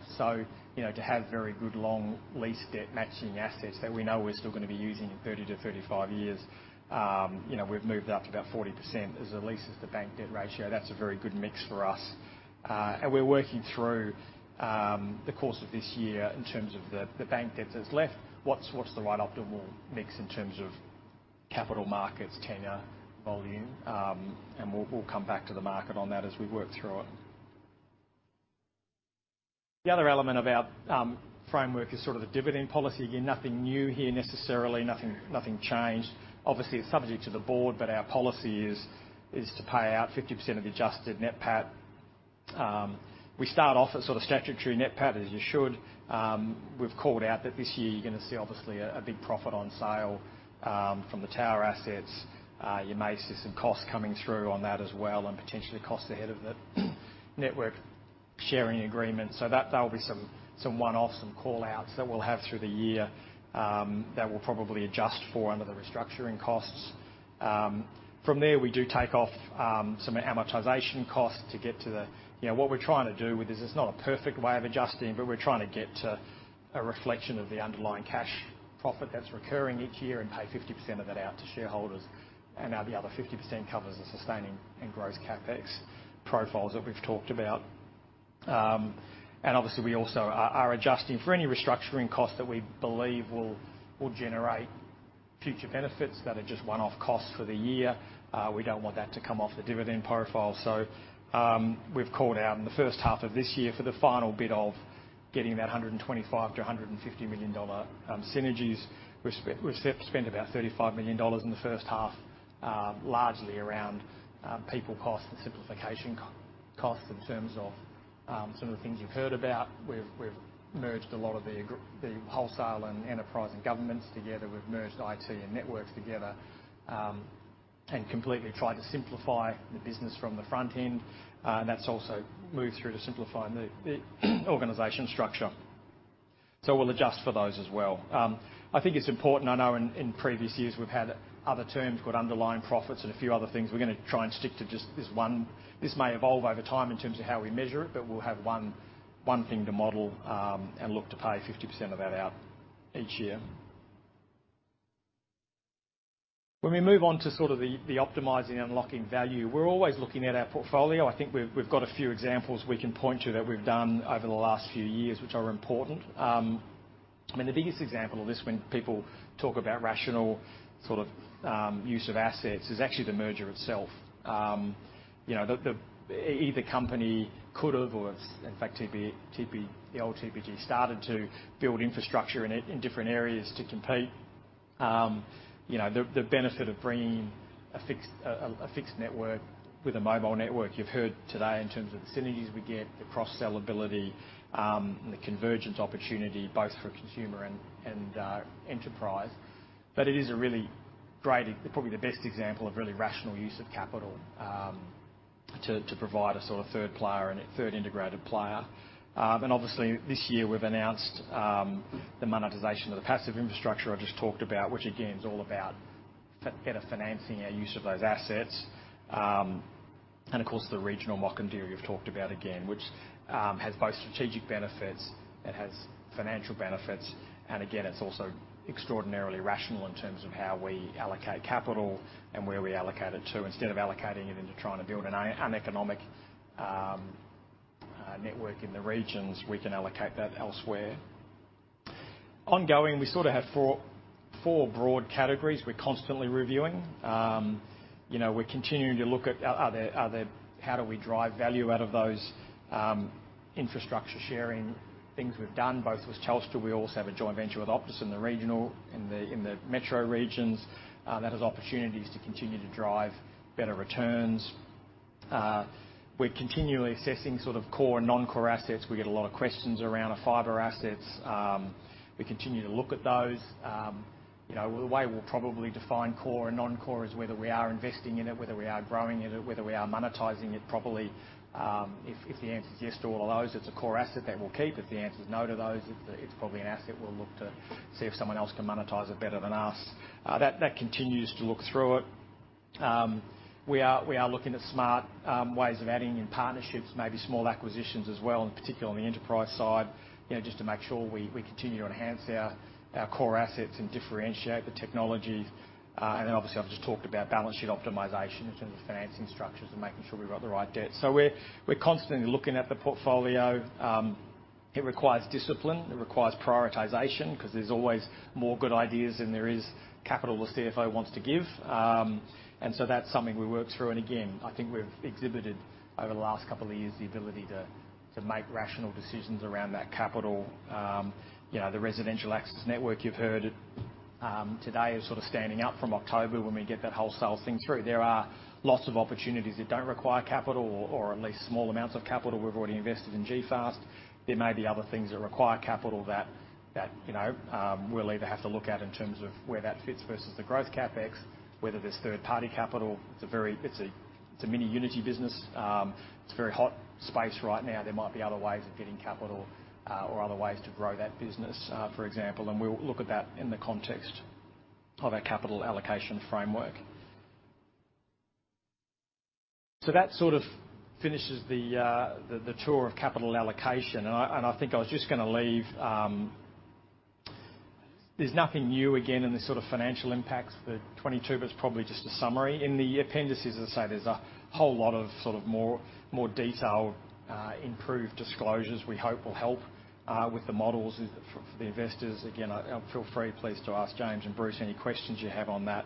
You know, to have very good long lease debt matching assets that we know we're still gonna be using in 30-35 years, you know, we've moved up to about 40% as the lease-to-bank debt ratio. That's a very good mix for us. We're working through the course of this year in terms of the bank debt that's left, what's the right optimal mix in terms of capital markets, tenor, volume. We'll come back to the market on that as we work through it. The other element of our framework is sort of the dividend policy. Again, nothing new here necessarily, nothing changed. Obviously, it's subject to the board, but our policy is to pay out 50% of adjusted Net PAT. We start off at sort of statutory Net PAT as you should. We've called out that this year you're gonna see obviously a big profit on sale from the tower assets. You may see some costs coming through on that as well and potentially costs ahead of the network sharing agreement. That there'll be some one-offs, some call-outs that we'll have through the year that we'll probably adjust for under the restructuring costs. From there, we do take off some amortization costs to get to the. You know, what we're trying to do with this, it's not a perfect way of adjusting, but we're trying to get to a reflection of the underlying cash profit that's recurring each year and pay 50% of that out to shareholders. Now the other 50% covers the sustaining and gross CapEx profiles that we've talked about. Obviously we also are adjusting for any restructuring cost that we believe will generate future benefits that are just one-off costs for the year. We don't want that to come off the dividend profile. We've called out in the first half of this year for the final bit of getting that 125 million-150 million dollar synergies. We've spent about 35 million dollars in the first half, largely around people costs and simplification costs in terms of some of the things you've heard about. We've merged a lot of the wholesale and enterprise and government together. We've merged IT and networks together, and completely tried to simplify the business from the front end. That's also moved through to simplifying the organization structure. We'll adjust for those as well. I think it's important. I know in previous years we've had other terms called underlying profits and a few other things. We're gonna try and stick to just this one. This may evolve over time in terms of how we measure it, but we'll have one thing to model, and look to pay 50% of that out each year. When we move on to sort of the optimizing and unlocking value, we're always looking at our portfolio. I think we've got a few examples we can point to that we've done over the last few years, which are important. I mean, the biggest example of this when people talk about rational sort of use of assets is actually the merger itself. You know, either company could have or in fact TPG, the old TPG started to build infrastructure in different areas to compete. You know, the benefit of bringing a fixed a fixed network with a mobile network, you've heard today in terms of the synergies we get, the cross-sell ability, and the convergence opportunity both for consumer and enterprise. It is a really great, probably the best example of really rational use of capital to provide a sort of third player and a third integrated player. Obviously this year we've announced the monetization of the passive infrastructure I just talked about, which again is all about better financing our use of those assets. Of course, the regional MOCN deal you've talked about again, which has both strategic benefits, it has financial benefits, and again, it's also extraordinarily rational in terms of how we allocate capital and where we allocate it to. Instead of allocating it into trying to build an uneconomic network in the regions, we can allocate that elsewhere. Ongoing, we sort of have four broad categories we're constantly reviewing. You know, we're continuing to look at how we drive value out of those infrastructure sharing things we've done, both with Telstra. We also have a joint venture with Optus in the metro regions that has opportunities to continue to drive better returns. We're continually assessing sort of core and non-core assets. We get a lot of questions around our fiber assets. We continue to look at those. You know, the way we'll probably define core and non-core is whether we are investing in it, whether we are growing it, whether we are monetizing it properly. If the answer is yes to all of those, it's a core asset that we'll keep. If the answer is no to those, it's probably an asset we'll look to see if someone else can monetize it better than us. That continues to look through it. We are looking at smart ways of adding in partnerships, maybe small acquisitions as well, and particularly on the enterprise side, you know, just to make sure we continue to enhance our core assets and differentiate the technologies. Then obviously, I've just talked about balance sheet optimization in terms of financing structures and making sure we've got the right debt. We're constantly looking at the portfolio. It requires discipline, it requires prioritization 'cause there's always more good ideas than there is capital the CFO wants to give. That's something we work through. I think we've exhibited over the last couple of years the ability to make rational decisions around that capital. You know, the residential access network, you've heard it today is sort of standing up from October when we get that wholesale thing through. There are lots of opportunities that don't require capital or at least small amounts of capital. We've already invested in G.fast. There may be other things that require capital that you know, we'll either have to look at in terms of where that fits versus the growth CapEx, whether there's third-party capital. It's a very Uniti business. It's a very hot space right now. There might be other ways of getting capital, or other ways to grow that business, for example, and we'll look at that in the context of our capital allocation framework. That sort of finishes the tour of capital allocation. I think I was just gonna leave. There's nothing new again in the sort of financial impacts for 2022, but it's probably just a summary. In the appendices, as I say, there's a whole lot of sort of more detailed, improved disclosures we hope will help with the models for the investors. Again, feel free please to ask James and Bruce any questions you have on that.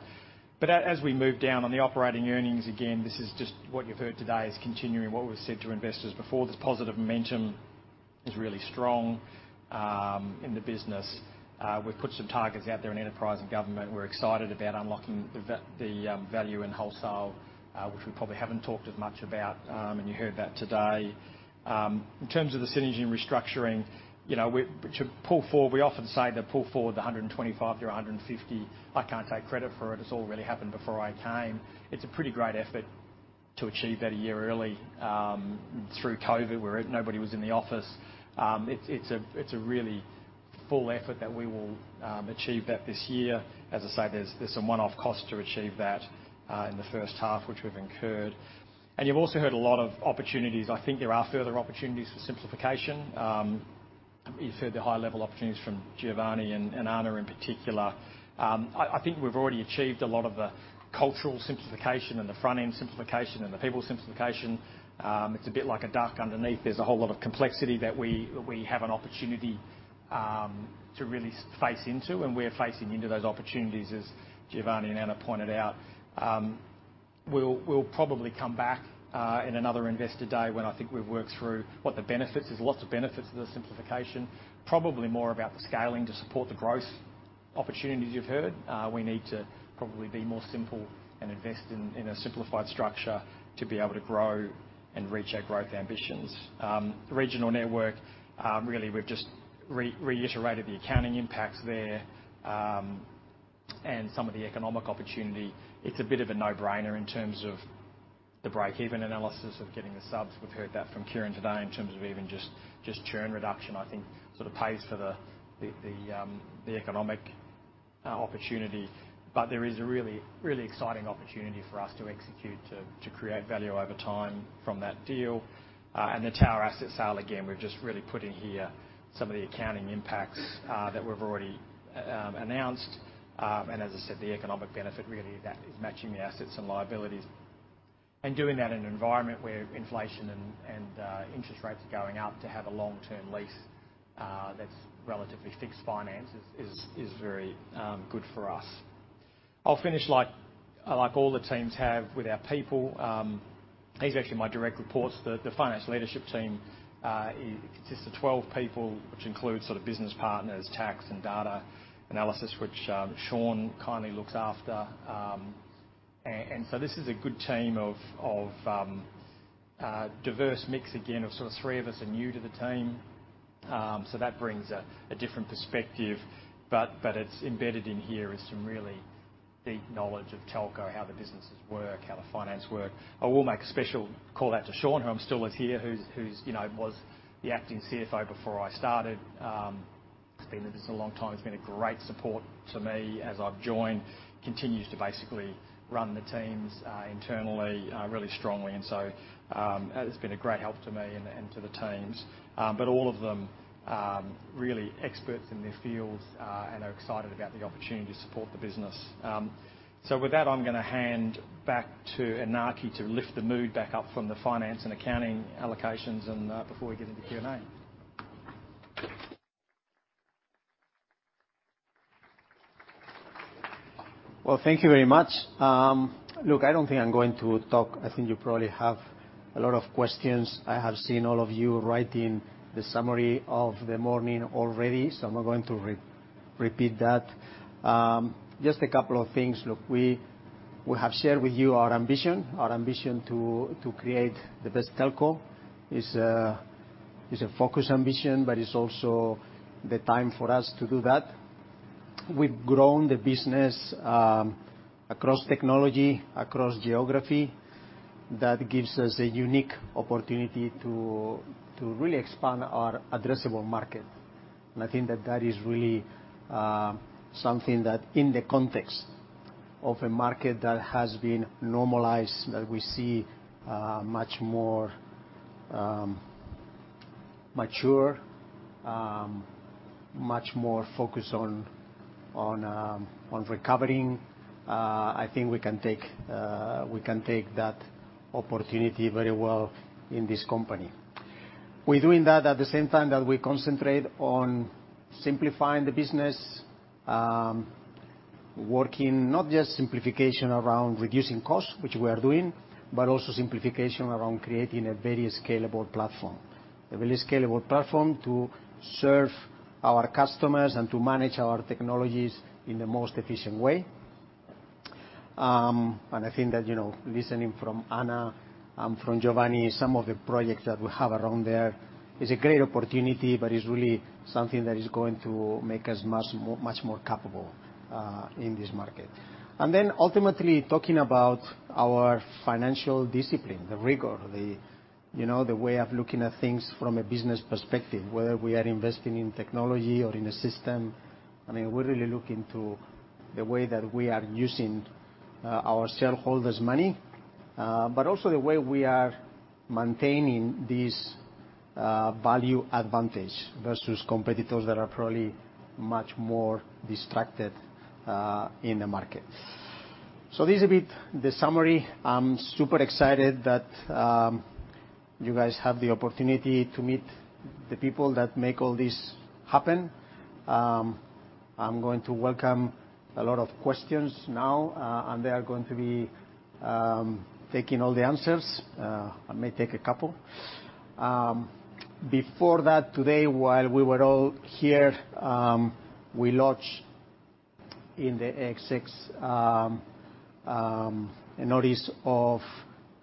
As we move down on the operating earnings, again, this is just what you've heard today is continuing what we've said to investors before. This positive momentum is really strong in the business. We've put some targets out there in enterprise and government. We're excited about unlocking the value in wholesale, which we probably haven't talked as much about, and you heard that today. In terms of the synergy and restructuring, you know, to pull forward, we often say to pull forward the 125-150. I can't take credit for it. It's already happened before I came. It's a pretty great effort to achieve that a year early through COVID, where nobody was in the office. It's a really full effort that we will achieve that this year. As I say, there's some one-off costs to achieve that in the first half, which we've incurred. You've also heard a lot of opportunities. I think there are further opportunities for simplification. You've heard the high-level opportunities from Giovanni and Ana in particular. I think we've already achieved a lot of the cultural simplification and the front-end simplification and the people simplification. It's a bit like a duck underneath. There's a whole lot of complexity that we have an opportunity to really face into, and we're facing into those opportunities, as Giovanni and Ana pointed out. We'll probably come back in another investor day when I think we've worked through what the benefits. There's lots of benefits to the simplification. Probably more about the scaling to support the growth opportunities you've heard. We need to probably be more simple and invest in a simplified structure to be able to grow and reach our growth ambitions. Regional network really we've just reiterated the accounting impacts there, and some of the economic opportunity. It's a bit of a no-brainer in terms of the break-even analysis of getting the subs. We've heard that from Kieren today in terms of even just churn reduction. I think sort of pays for the economic opportunity. There is a really exciting opportunity for us to execute to create value over time from that deal. The tower asset sale, again, we've just really put in here some of the accounting impacts that we've already announced. As I said, the economic benefit really that is matching the assets and liabilities. Doing that in an environment where inflation and interest rates are going up to have a long-term lease, that's relatively fixed finance is very good for us. I'll finish like all the teams have with our people. These are actually my direct reports. The finance leadership team, it consists of 12 people, which includes sort of business partners, tax and data analysis, which Sean kindly looks after. This is a good team of a diverse mix again of sort of 3 of us are new to the team. That brings a different perspective, but it's embedded in here is some really deep knowledge of telco, how the businesses work, how the finance work. I will make a special call out to Sean, who I'm still with here, who's you know was the acting CFO before I started. He's been with us a long time. He's been a great support to me as I've joined, continues to basically run the teams internally really strongly. It's been a great help to me and to the teams. All of them are really experts in their fields and are excited about the opportunity to support the business. With that, I'm gonna hand back to Iñaki to lift the mood back up from the finance and accounting allocations and before we get into Q&A. Well, thank you very much. Look, I don't think I'm going to talk. I think you probably have a lot of questions. I have seen all of you writing the summary of the morning already, so I'm not going to repeat that. Just a couple of things. Look, we have shared with you our ambition. Our ambition to create the best telco is a focused ambition, but it's also the time for us to do that. We've grown the business across technology, across geography. That gives us a unique opportunity to really expand our addressable market. I think that is really something that in the context of a market that has been normalized, that we see much more mature, much more focused on recovering. I think we can take that opportunity very well in this company. We're doing that at the same time that we concentrate on simplifying the business. Working not just simplification around reducing costs, which we are doing, but also simplification around creating a very scalable platform. A very scalable platform to serve our customers and to manage our technologies in the most efficient way. I think that, you know, listening from Ana, from Giovanni, some of the projects that we have around there is a great opportunity, but is really something that is going to make us much more capable in this market. Then ultimately talking about our financial discipline, the rigor, the, you know, the way of looking at things from a business perspective, whether we are investing in technology or in a system. I mean, we're really looking to the way that we are using our shareholders' money, but also the way we are maintaining this value advantage versus competitors that are probably much more distracted in the market. This is a bit the summary. I'm super excited that you guys have the opportunity to meet the people that make all this happen. I'm going to welcome a lot of questions now, and they are going to be taking all the answers. I may take a couple. Before that, today, while we were all here, we launched in the ASX a notice of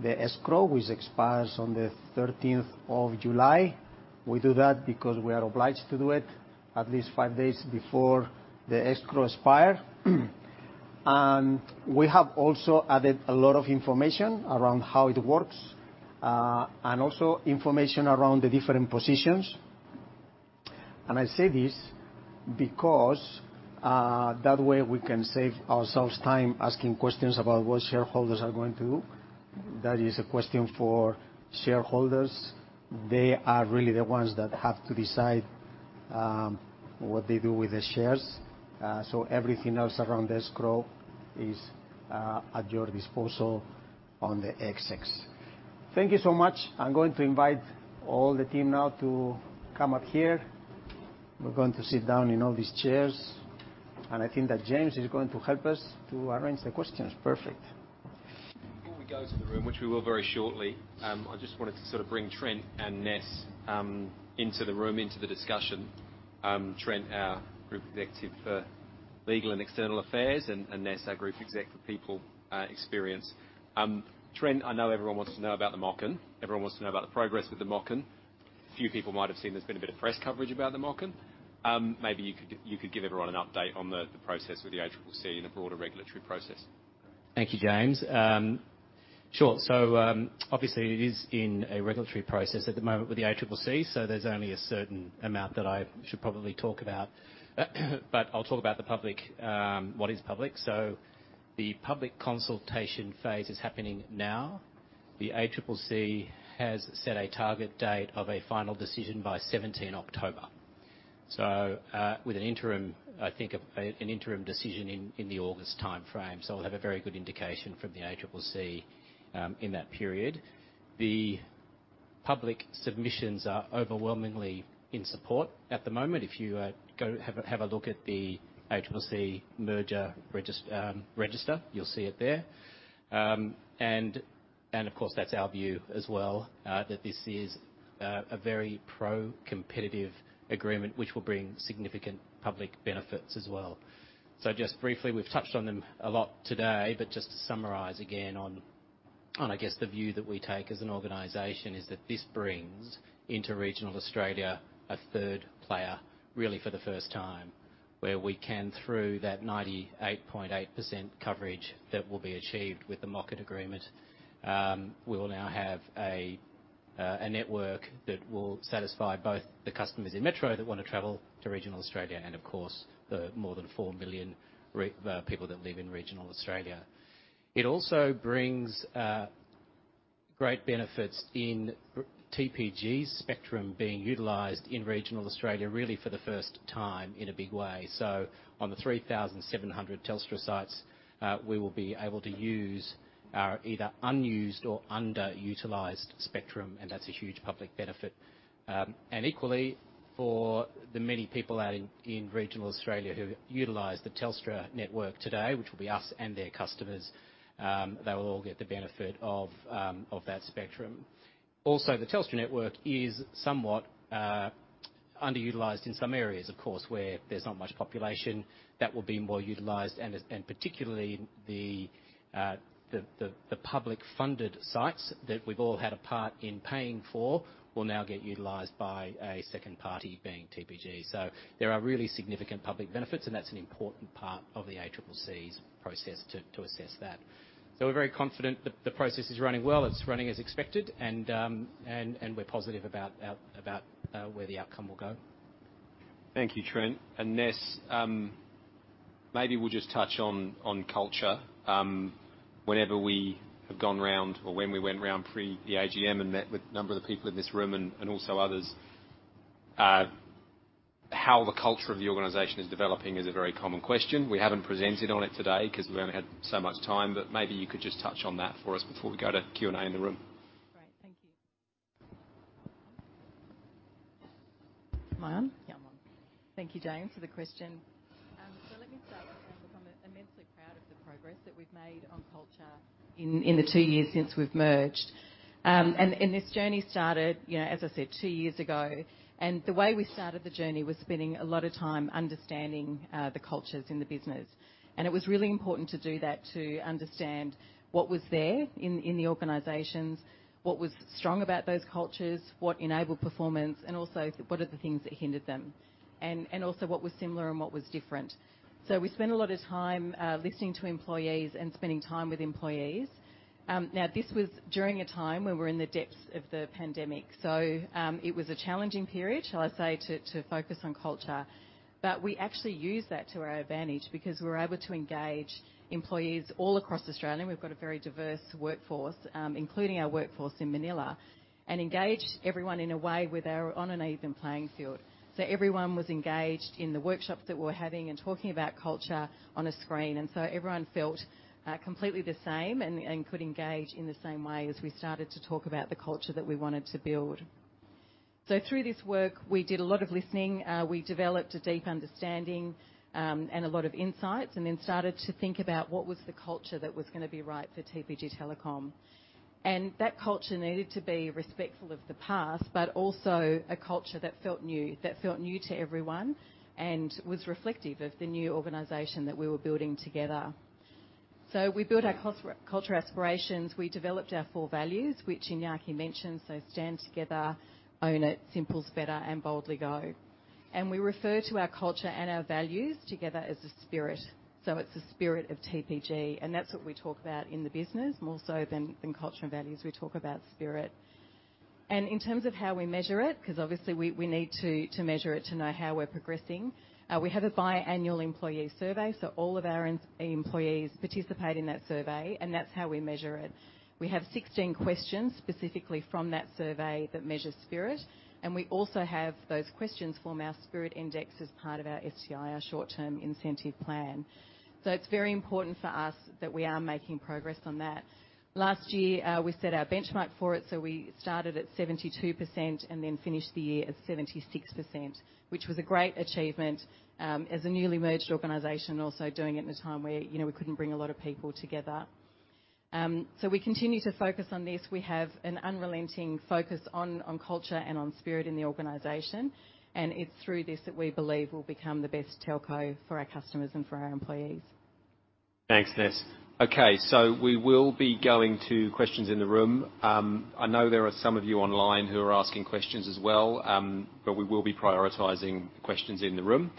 the escrow which expires on the thirteenth of July. We do that because we are obliged to do it at least five days before the escrow expire. We have also added a lot of information around how it works, and also information around the different positions. I say this because, that way we can save ourselves time asking questions about what shareholders are going to do. That is a question for shareholders. They are really the ones that have to decide, what they do with the shares. Everything else around the escrow is at your disposal on the ASX. Thank you so much. I'm going to invite all the team now to come up here. We're going to sit down in all these chairs, and I think that James is going to help us to arrange the questions. Perfect. Before we go to the room, which we will very shortly, I just wanted to sort of bring Trent and Ness into the room, into the discussion. Trent, our Group Executive for Legal and External Affairs, and Ness, our Group Executive for People Experience. Trent, I know everyone wants to know about the MOCN. Everyone wants to know about the progress with the MOCN. A few people might have seen there's been a bit of press coverage about the MOCN. Maybe you could give everyone an update on the process with the ACCC and the broader regulatory process. Thank you, James. Sure. Obviously it is in a regulatory process at the moment with the ACCC, so there's only a certain amount that I should probably talk about. I'll talk about the public, what is public. The public consultation phase is happening now. The ACCC has set a target date of a final decision by 17 October. With an interim decision, I think, in the August timeframe. We'll have a very good indication from the ACCC in that period. The public submissions are overwhelmingly in support at the moment. If you go have a look at the ACCC merger register, you'll see it there. Of course, that's our view as well, that this is a very pro-competitive agreement, which will bring significant public benefits as well. Just briefly, we've touched on them a lot today, but just to summarize again, I guess, the view that we take as an organization is that this brings into regional Australia a third player, really for the first time, where we can, through that 98.8% coverage that will be achieved with the MOCN agreement, we will now have a network that will satisfy both the customers in Metro that wanna travel to regional Australia and of course, the more than 4 million people that live in regional Australia. It also brings great benefits in TPG's spectrum being utilized in regional Australia really for the first time in a big way. On the 3,700 Telstra sites, we will be able to use our either unused or underutilized spectrum, and that's a huge public benefit. Equally for the many people out in regional Australia who utilize the Telstra network today, which will be us and their customers, they will all get the benefit of that spectrum. Also, the Telstra network is somewhat underutilized in some areas, of course, where there's not much population that will be more utilized. Particularly the public-funded sites that we've all had a part in paying for will now get utilized by a second party, being TPG. There are really significant public benefits, and that's an important part of the ACCC's process to assess that. We're very confident that the process is running well. It's running as expected, and we're positive about where the outcome will go. Thank you, Trent. Ness, maybe we'll just touch on culture. Whenever we have gone round or when we went round pre the AGM and met with a number of the people in this room and also others, how the culture of the organization is developing is a very common question. We haven't presented on it today 'cause we only had so much time, but maybe you could just touch on that for us before we go to Q&A in the room. Hi, everyone. Thank you, James, for the question. So let me start by saying, look, I'm immensely proud of the progress that we've made on culture in the two years since we've merged. This journey started, you know, as I said, two years ago. The way we started the journey was spending a lot of time understanding the cultures in the business. It was really important to do that to understand what was there in the organizations, what was strong about those cultures, what enabled performance, and also what are the things that hindered them, and also what was similar and what was different. We spent a lot of time listening to employees and spending time with employees. Now this was during a time when we were in the depths of the pandemic. It was a challenging period, shall I say, to focus on culture. We actually used that to our advantage because we were able to engage employees all across Australia, and we've got a very diverse workforce, including our workforce in Manila, and engaged everyone in a way where they were on an even playing field. Everyone was engaged in the workshops that we were having and talking about culture on a screen. Everyone felt completely the same and could engage in the same way as we started to talk about the culture that we wanted to build. Through this work, we did a lot of listening. We developed a deep understanding and a lot of insights, and then started to think about what was the culture that was gonna be right for TPG Telecom. That culture needed to be respectful of the past, but also a culture that felt new to everyone, and was reflective of the new organization that we were building together. We built our culture aspirations. We developed our four values, which Iñaki mentioned, stand together, own it, simple is better, and boldly go. We refer to our culture and our values together as the spirit, so it's the spirit of TPG, and that's what we talk about in the business more so than culture and values. We talk about spirit. In terms of how we measure it, 'cause obviously we need to measure it to know how we're progressing, we have a biannual employee survey, so all of our employees participate in that survey, and that's how we measure it. We have 16 questions specifically from that survey that measures spirit, and we also have those questions form our spirit index as part of our STI, our short-term incentive plan. It's very important for us that we are making progress on that. Last year, we set our benchmark for it, so we started at 72% and then finished the year at 76%, which was a great achievement, as a newly merged organization, also doing it in a time where, you know, we couldn't bring a lot of people together. We continue to focus on this. We have an unrelenting focus on culture and on spirit in the organization, and it's through this that we believe we'll become the best telco for our customers and for our employees. Thanks, Ness. Okay. We will be going to questions in the room. I know there are some of you online who are asking questions as well, but we will be prioritizing questions in the room.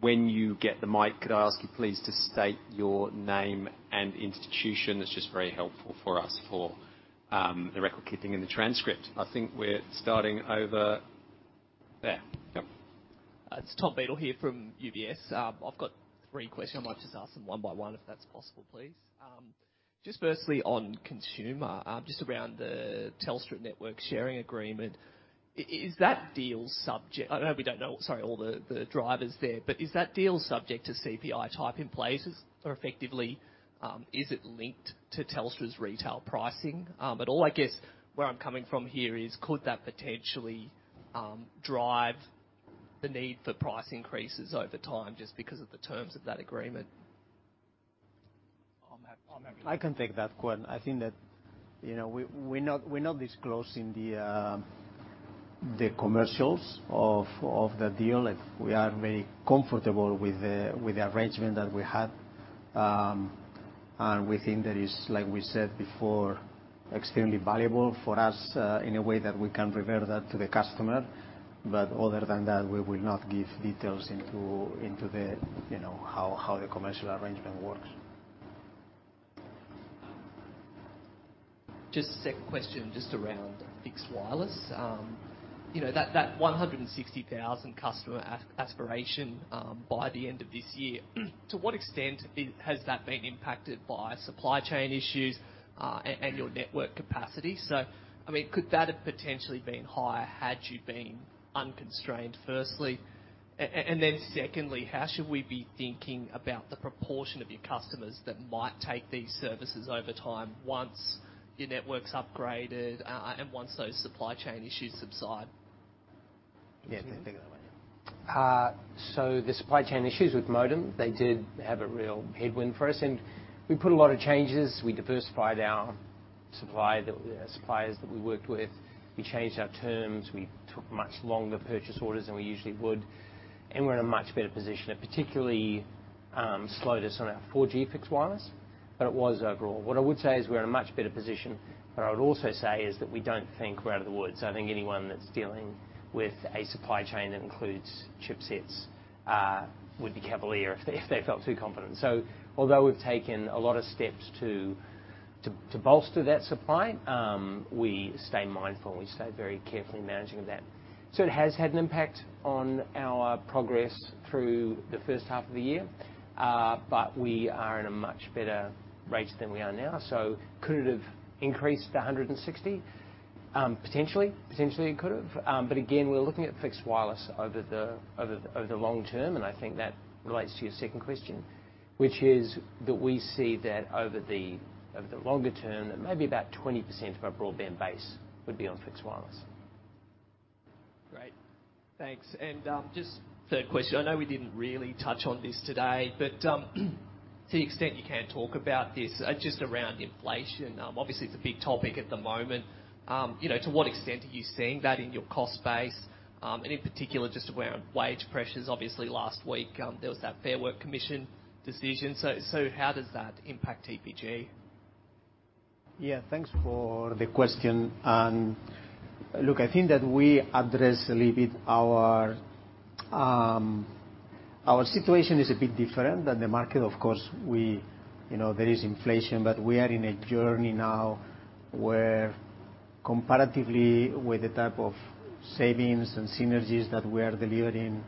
When you get the mic, could I ask you please to state your name and institution? It's just very helpful for us for the record-keeping and the transcript. I think we're starting over there. Yep. It's Tom Beadle here from UBS. I've got three questions. Yes. I might just ask them one by one, if that's possible, please. Just firstly, on consumer, just around the Telstra network sharing agreement, I know we don't know, sorry, all the drivers there, but is that deal subject to CPI-type increases? Effectively, is it linked to Telstra's retail pricing? Overall, I guess, where I'm coming from here is, could that potentially drive the need for price increases over time just because of the terms of that agreement I can take that question. I think that, you know, we're not disclosing the commercials of the deal. We are very comfortable with the arrangement that we had. We think that is, like we said before, extremely valuable for us, in a way that we can revert that to the customer. But other than that, we will not give details into, you know, how the commercial arrangement works. Second question, just around fixed wireless. That 160,000 customer aspiration by the end of this year, to what extent has that been impacted by supply chain issues and your network capacity? I mean, could that have potentially been higher had you been unconstrained, firstly? Secondly, how should we be thinking about the proportion of your customers that might take these services over time once your network's upgraded and once those supply chain issues subside? Yeah. Do you want to take that one? Sure. Yeah. The supply chain issues with modem did have a real headwind for us, and we put a lot of changes. We diversified our suppliers that we worked with. We changed our terms. We took much longer purchase orders than we usually would, and we're in a much better position. It particularly slowed us on our 4G fixed wireless, but it was overall. What I would say is we're in a much better position, but I would also say is that we don't think we're out of the woods. I think anyone that's dealing with a supply chain that includes chipsets would be cavalier if they felt too confident. Although we've taken a lot of steps to bolster that supply, we stay mindful and we stay very carefully managing of that. It has had an impact on our progress through the first half of the year, but we are in a much better rate than we are now. Could it have increased to 160? Potentially. Potentially, it could have. Again, we're looking at fixed wireless over the long term, and I think that relates to your second question, which is that we see that over the longer term, that maybe about 20% of our broadband base would be on fixed wireless. Great. Thanks. Just third question. I know we didn't really touch on this today, but to the extent you can talk about this, just around inflation. Obviously, it's a big topic at the moment. You know, to what extent are you seeing that in your cost base, and in particular, just around wage pressures? Obviously, last week, there was that Fair Work Commission decision. So how does that impact TPG? Yeah, thanks for the question. Look, I think that we address a little bit our situation is a bit different than the market. Of course, we, you know, there is inflation, but we are in a journey now where comparatively with the type of savings and synergies that we are delivering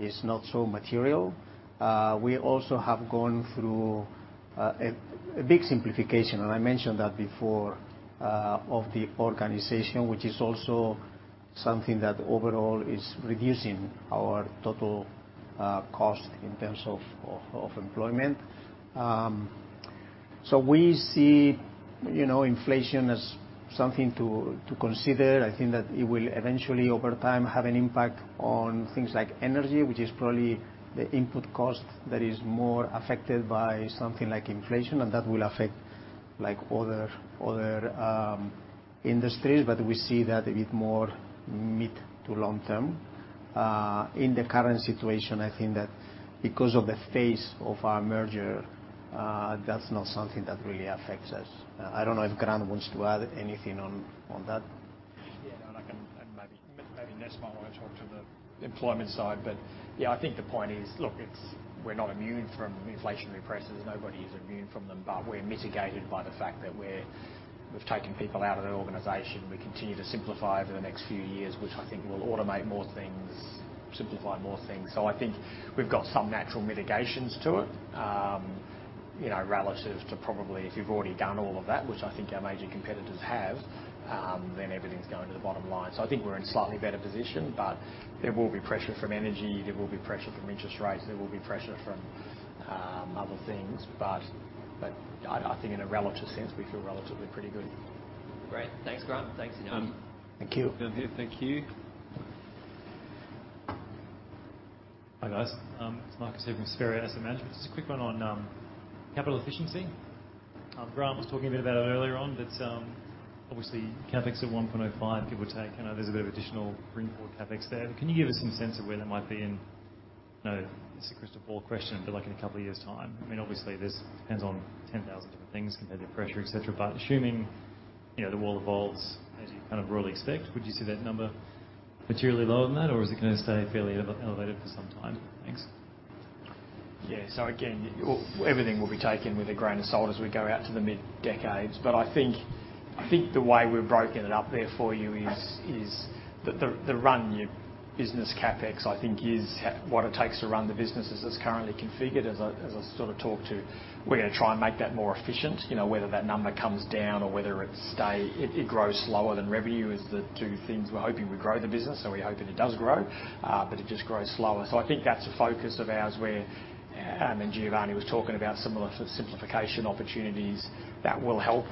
is not so material. We also have gone through a big simplification, and I mentioned that before, of the organization, which is also something that overall is reducing our total cost in terms of of employment. So we see, you know, inflation as something to consider. I think that it will eventually, over time, have an impact on things like energy, which is probably the input cost that is more affected by something like inflation, and that will affect, like, other industries. We see that a bit more mid to long term. In the current situation, I think that because of the phase of our merger, that's not something that really affects us. I don't know if Grant wants to add anything on that. Yeah. No, maybe Ness will wanna talk to the employment side. Yeah, I think the point is, look, we're not immune from inflationary pressures. Nobody is immune from them, but we're mitigated by the fact that we've taken people out of the organization. We continue to simplify over the next few years, which I think will automate more things, simplify more things. I think we've got some natural mitigations to it, you know, relative to probably if you've already done all of that, which I think our major competitors have, then everything's going to the bottom line. I think we're in a slightly better position, but there will be pressure from energy, there will be pressure from interest rates, there will be pressure from other things. I think in a relative sense, we feel relatively pretty good. Great. Thanks, Grant. Thanks, Giovanni. Thank you. Down here. Thank you. Hi, guys. It's Marcus here from Spheria Asset Management. Just a quick one on capital efficiency. Grant was talking a bit about it earlier on, but obviously CapEx at 1.05 give or take, you know, there's a bit of additional bring forward CapEx there. Can you give us some sense of where that might be in, you know, it's a crystal ball question, but like, in a couple of years' time? I mean, obviously this depends on 10,000 different things, competitive pressure, et cetera. Assuming, you know, the world evolves as you kind of broadly expect, would you see that number materially lower than that, or is it gonna stay fairly elevated for some time? Thanks. Everything will be taken with a grain of salt as we go out to the mid decades. I think the way we've broken it up there for you is the run the business CapEx. I think what it takes to run the business as currently configured. As I sort of talked to, we're gonna try and make that more efficient. You know, whether that number comes down or whether it stays. It grows slower than revenue is the two things. We're hoping we grow the business, so we hope that it does grow, but it just grows slower. I think that's a focus of ours where and Giovanni was talking about similar simplification opportunities that will help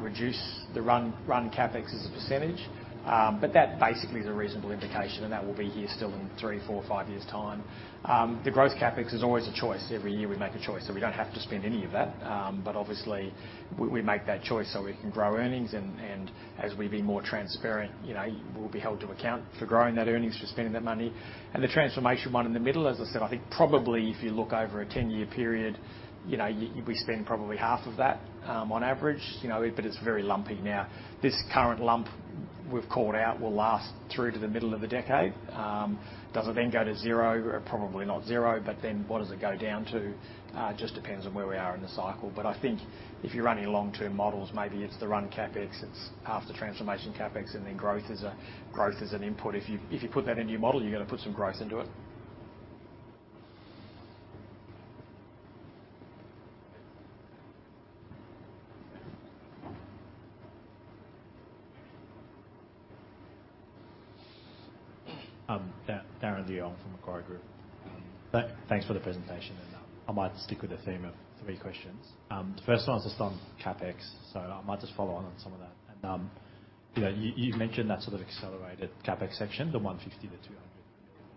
reduce the run CapEx as a percentage. That basically is a reasonable indication, and that will be here still in three, four, or five years' time. The growth CapEx is always a choice. Every year we make a choice, so we don't have to spend any of that. Obviously we make that choice so we can grow earnings and as we be more transparent, you know, we'll be held to account for growing that earnings, for spending that money. The transformation one in the middle, as I said, I think probably if you look over a 10-year period, you know, we spend probably half of that on average. You know, but it's very lumpy now. This current lump we've called out will last through to the middle of the decade. Does it go to zero? Probably not zero, but then what does it go down to? It just depends on where we are in the cycle. I think if you're running long-term models, maybe it's the run CapEx, it's half the transformation CapEx, and then growth is an input. If you put that into your model, you're gonna put some growth into it. Darren Leung from Macquarie Group. Thanks for the presentation, and I might stick with the theme of three questions. The first one is just on CapEx, so I might just follow on some of that. You know, you've mentioned that sort of accelerated CapEx section, the 150 million-200 million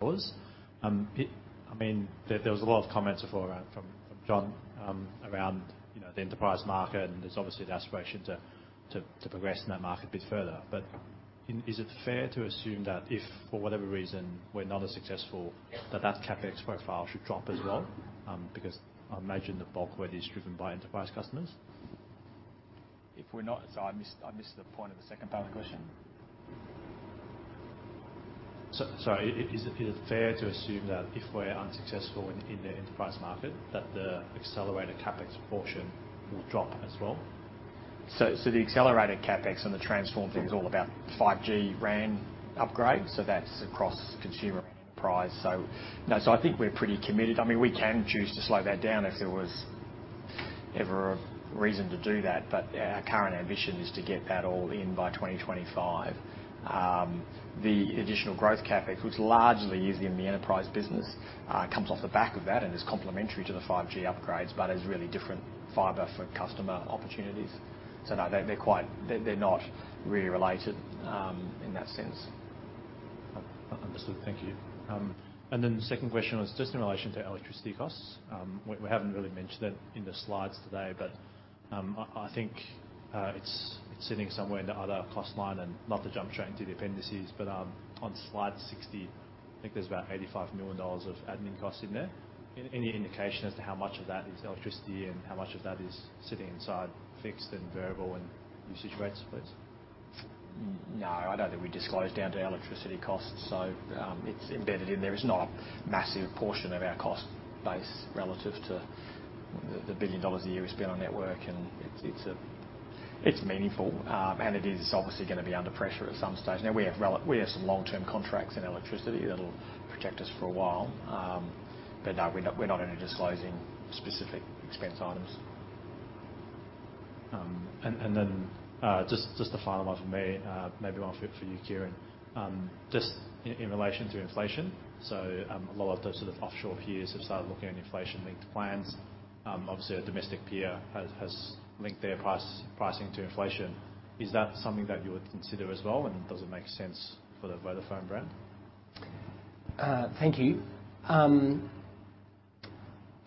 dollars. I mean, there was a lot of comments before around from John around, you know, the enterprise market, and there's obviously the aspiration to progress in that market a bit further. Is it fair to assume that if for whatever reason we're not as successful, that CapEx profile should drop as well? Because I imagine the bulk weight is driven by enterprise customers. Sorry, I missed the point of the second part of the question. Is it fair to assume that if we're unsuccessful in the enterprise market, that the accelerated CapEx portion will drop as well? The accelerated CapEx and the transform thing is all about 5G RAN upgrade. That's across consumer and enterprise. You know, I think we're pretty committed. I mean, we can choose to slow that down if there was ever a reason to do that. But our current ambition is to get that all in by 2025. The additional growth CapEx, which largely is in the enterprise business, comes off the back of that and is complementary to the 5G upgrades, but is really different fiber for customer opportunities. No, they're not really related in that sense. Understood. Thank you. The second question was just in relation to electricity costs. We haven't really mentioned it in the slides today, but I think it's sitting somewhere in the other cost line and not to jump straight into the appendices, but on slide 60, I think there's about 85 million dollars of admin costs in there. Any indication as to how much of that is electricity and how much of that is sitting inside fixed and variable and usage rates, please? No, I don't think we disclose down to electricity costs. It's embedded in there. It's not a massive portion of our cost base relative to the 1 billion dollars a year we spend on network, and it's meaningful. It is obviously gonna be under pressure at some stage. Now we have some long-term contracts in electricity that'll protect us for a while. No, we're not only disclosing specific expense items. Just the final one for me, maybe one for you, Kieren. Just in relation to inflation. A lot of those sort of offshore peers have started looking at inflation-linked plans. Obviously, a domestic peer has linked their pricing to inflation. Is that something that you would consider as well, and does it make sense for the Vodafone brand? Thank you.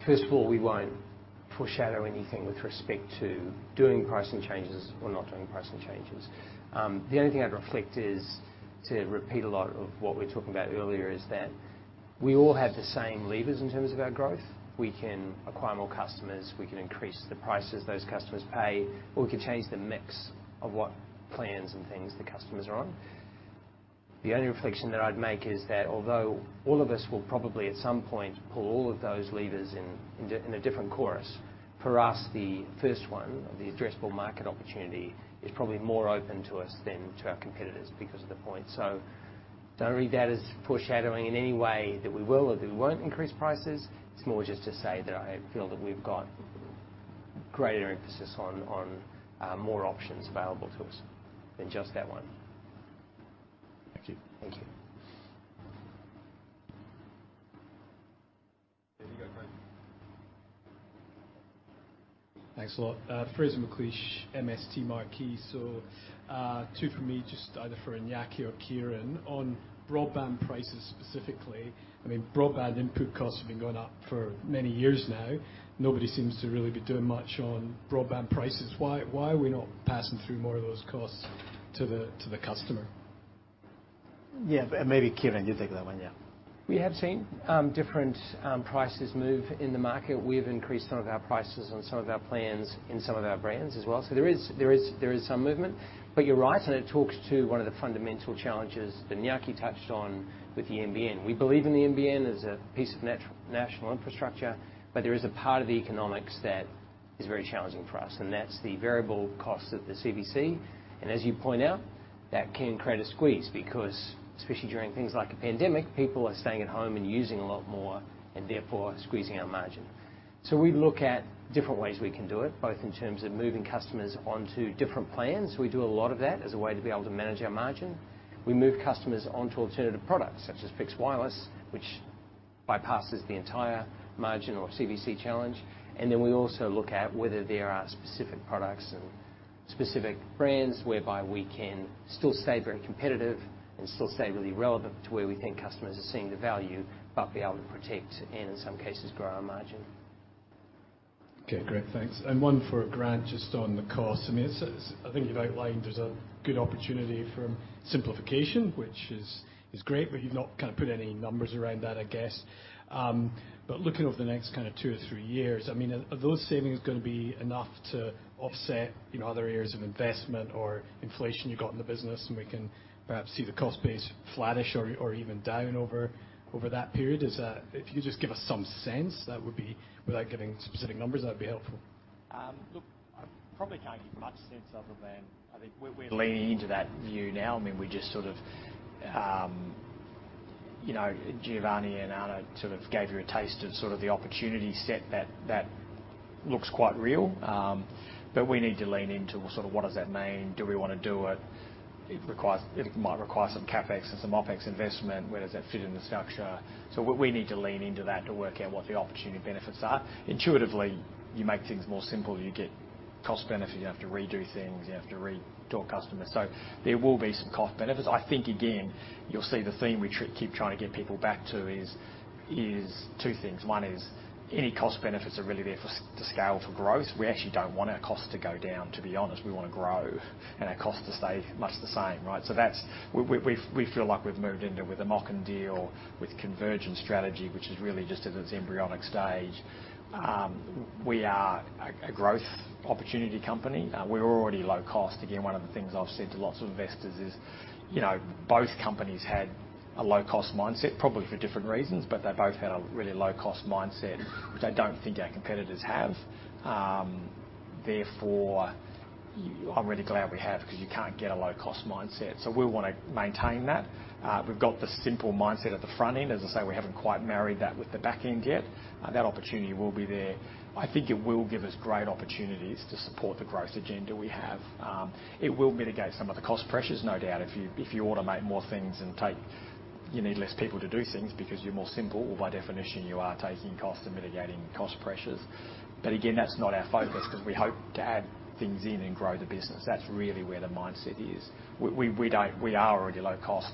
First of all, we won't foreshadow anything with respect to doing pricing changes or not doing pricing changes. The only thing I'd reflect is to repeat a lot of what we were talking about earlier is that we all have the same levers in terms of our growth. We can acquire more customers, we can increase the prices those customers pay, or we can change the mix of what plans and things the customers are on. The only reflection that I'd make is that although all of us will probably at some point pull all of those levers in a different course, for us, the first one, the addressable market opportunity, is probably more open to us than to our competitors because of the point. Don't read that as foreshadowing in any way that we will or that we won't increase prices. It's more just to say that I feel that we've got greater emphasis on more options available to us than just that one. Thank you. Thank you. There you go, Fraser. Thanks a lot. Fraser McLeish, MST Marquee. Two for me, just either for Iñaki or Kieren. On broadband prices specifically, I mean, broadband input costs have been going up for many years now. Nobody seems to really be doing much on broadband prices. Why are we not passing through more of those costs to the customer? Yeah, maybe, Kieren, you take that one. Yeah. We have seen different prices move in the market. We have increased some of our prices on some of our plans in some of our brands as well. There is some movement. You're right, and it talks to one of the fundamental challenges that Iñaki touched on with the NBN. We believe in the NBN as a piece of national infrastructure, but there is a part of the economics that is very challenging for us, and that's the variable cost of the CVC. As you point out, that can create a squeeze because especially during things like a pandemic, people are staying at home and using a lot more and therefore squeezing our margin. We look at different ways we can do it, both in terms of moving customers onto different plans. We do a lot of that as a way to be able to manage our margin. We move customers onto alternative products such as fixed wireless, which bypasses the entire margin or CVC challenge. We also look at whether there are specific products and specific brands whereby we can still stay very competitive and still stay really relevant to where we think customers are seeing the value, but be able to protect and in some cases grow our margin. Okay. Great. Thanks. One for Grant, just on the cost. I mean, it's I think you've outlined there's a good opportunity for simplification, which is great, but you've not kind of put any numbers around that, I guess. But looking over the next kind of two or three years, I mean, are those savings gonna be enough to offset, you know, other areas of investment or inflation you've got in the business and we can perhaps see the cost base flattish or even down over that period. If you just give us some sense, that would be without giving specific numbers, that'd be helpful. Look, I probably can't give much sense other than I think we're leaning into that view now. I mean, we just sort of, you know, Giovanni and Ana sort of gave you a taste of sort of the opportunity set that looks quite real. We need to lean into sort of what does that mean? Do we wanna do it? It requires. It might require some CapEx and some OpEx investment. Where does that fit in the structure? We need to lean into that to work out what the opportunity benefits are. Intuitively, you make things more simple, you get cost benefit. You have to redo things, you have to re-talk customers. There will be some cost benefits. I think again, you'll see the theme we keep trying to get people back to is two things. One is any cost benefits are really there to scale for growth. We actually don't want our costs to go down, to be honest. We wanna grow and our costs to stay much the same, right? That's. We feel like we've moved into with a MOCN deal with convergent strategy, which is really just at its embryonic stage. We are a growth opportunity company. We're already low cost. Again, one of the things I've said to lots of investors is, you know, both companies had a low cost mindset, probably for different reasons, but they both had a really low cost mindset, which I don't think our competitors have. Therefore I'm really glad we have because you can't get a low cost mindset. We wanna maintain that. We've got the simple mindset at the front end. As I say, we haven't quite married that with the back end yet. That opportunity will be there. I think it will give us great opportunities to support the growth agenda we have. It will mitigate some of the cost pressures, no doubt. If you automate more things, you need less people to do things because you're more simple or by definition you are taking cost and mitigating cost pressures. But again, that's not our focus because we hope to add things in and grow the business. That's really where the mindset is. We are already low cost.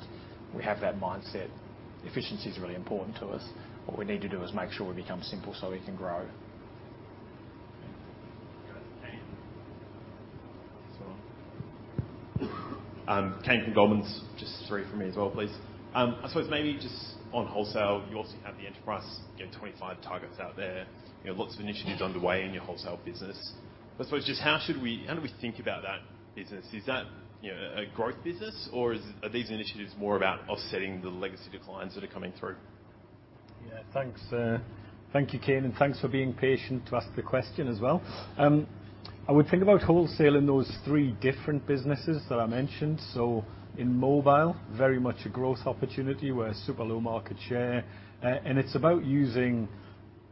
We have that mindset. Efficiency is really important to us. What we need to do is make sure we become simple so we can grow. Kane. Kane from Goldman Sachs. Just three from me as well, please. I suppose maybe just on wholesale, you also have the enterprise, you have 25 targets out there. You have lots of initiatives underway in your wholesale business. I suppose, just how do we think about that business? Is that, you know, a growth business or are these initiatives more about offsetting the legacy declines that are coming through? Yeah. Thanks, thank you, Kane, and thanks for being patient to ask the question as well. I would think about wholesale in those three different businesses that I mentioned. In mobile, very much a growth opportunity. We're super low market share. And it's about using,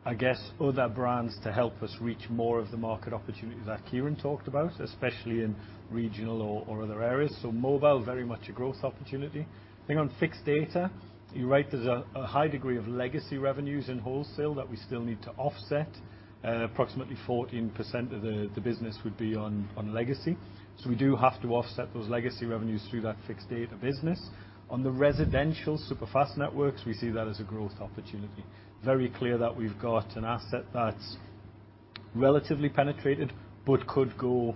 I guess, other brands to help us reach more of the market opportunities that Kieren talked about, especially in regional or other areas. Mobile, very much a growth opportunity. I think on fixed data, you're right, there's a high degree of legacy revenues in wholesale that we still need to offset. Approximately 14% of the business would be on legacy. We do have to offset those legacy revenues through that fixed data business. On the residential superfast networks, we see that as a growth opportunity. Very clear that we've got an asset that's relatively penetrated, but could go,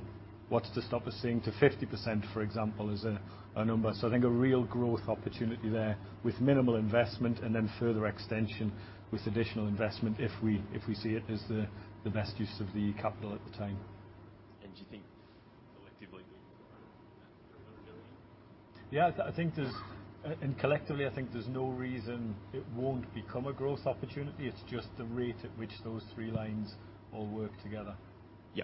what's the stopper saying? To 50%, for example, is a number. I think a real growth opportunity there with minimal investment and then further extension with additional investment if we see it as the best use of the capital at the time. Do you think collectively million? Yeah. I think there's collectively, I think there's no reason it won't become a growth opportunity. It's just the rate at which those three lines all work together. Yeah.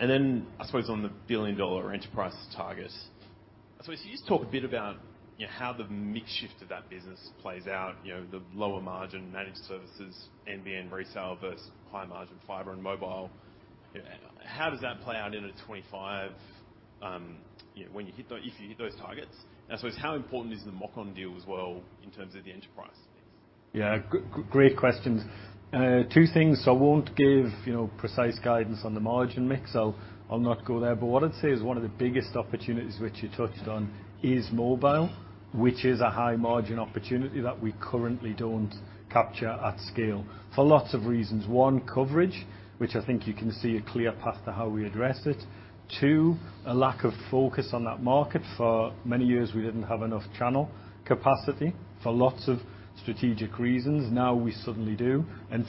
I suppose on the billion-dollar enterprise target. I suppose you just talk a bit about, you know, how the mix shift of that business plays out, you know, the lower margin managed services, NBN resale versus high margin fiber and mobile. How does that play out in 2025, you know, if you hit those targets? How important is the MOCN deal as well in terms of the enterprise piece? Yeah. Great questions. Two things. I won't give, you know, precise guidance on the margin mix, so I'll not go there. What I'd say is one of the biggest opportunities which you touched on is mobile, which is a high margin opportunity that we currently don't capture at scale for lots of reasons. One, coverage, which I think you can see a clear path to how we address it. Two, a lack of focus on that market. For many years, we didn't have enough channel capacity for lots of strategic reasons. Now we suddenly do.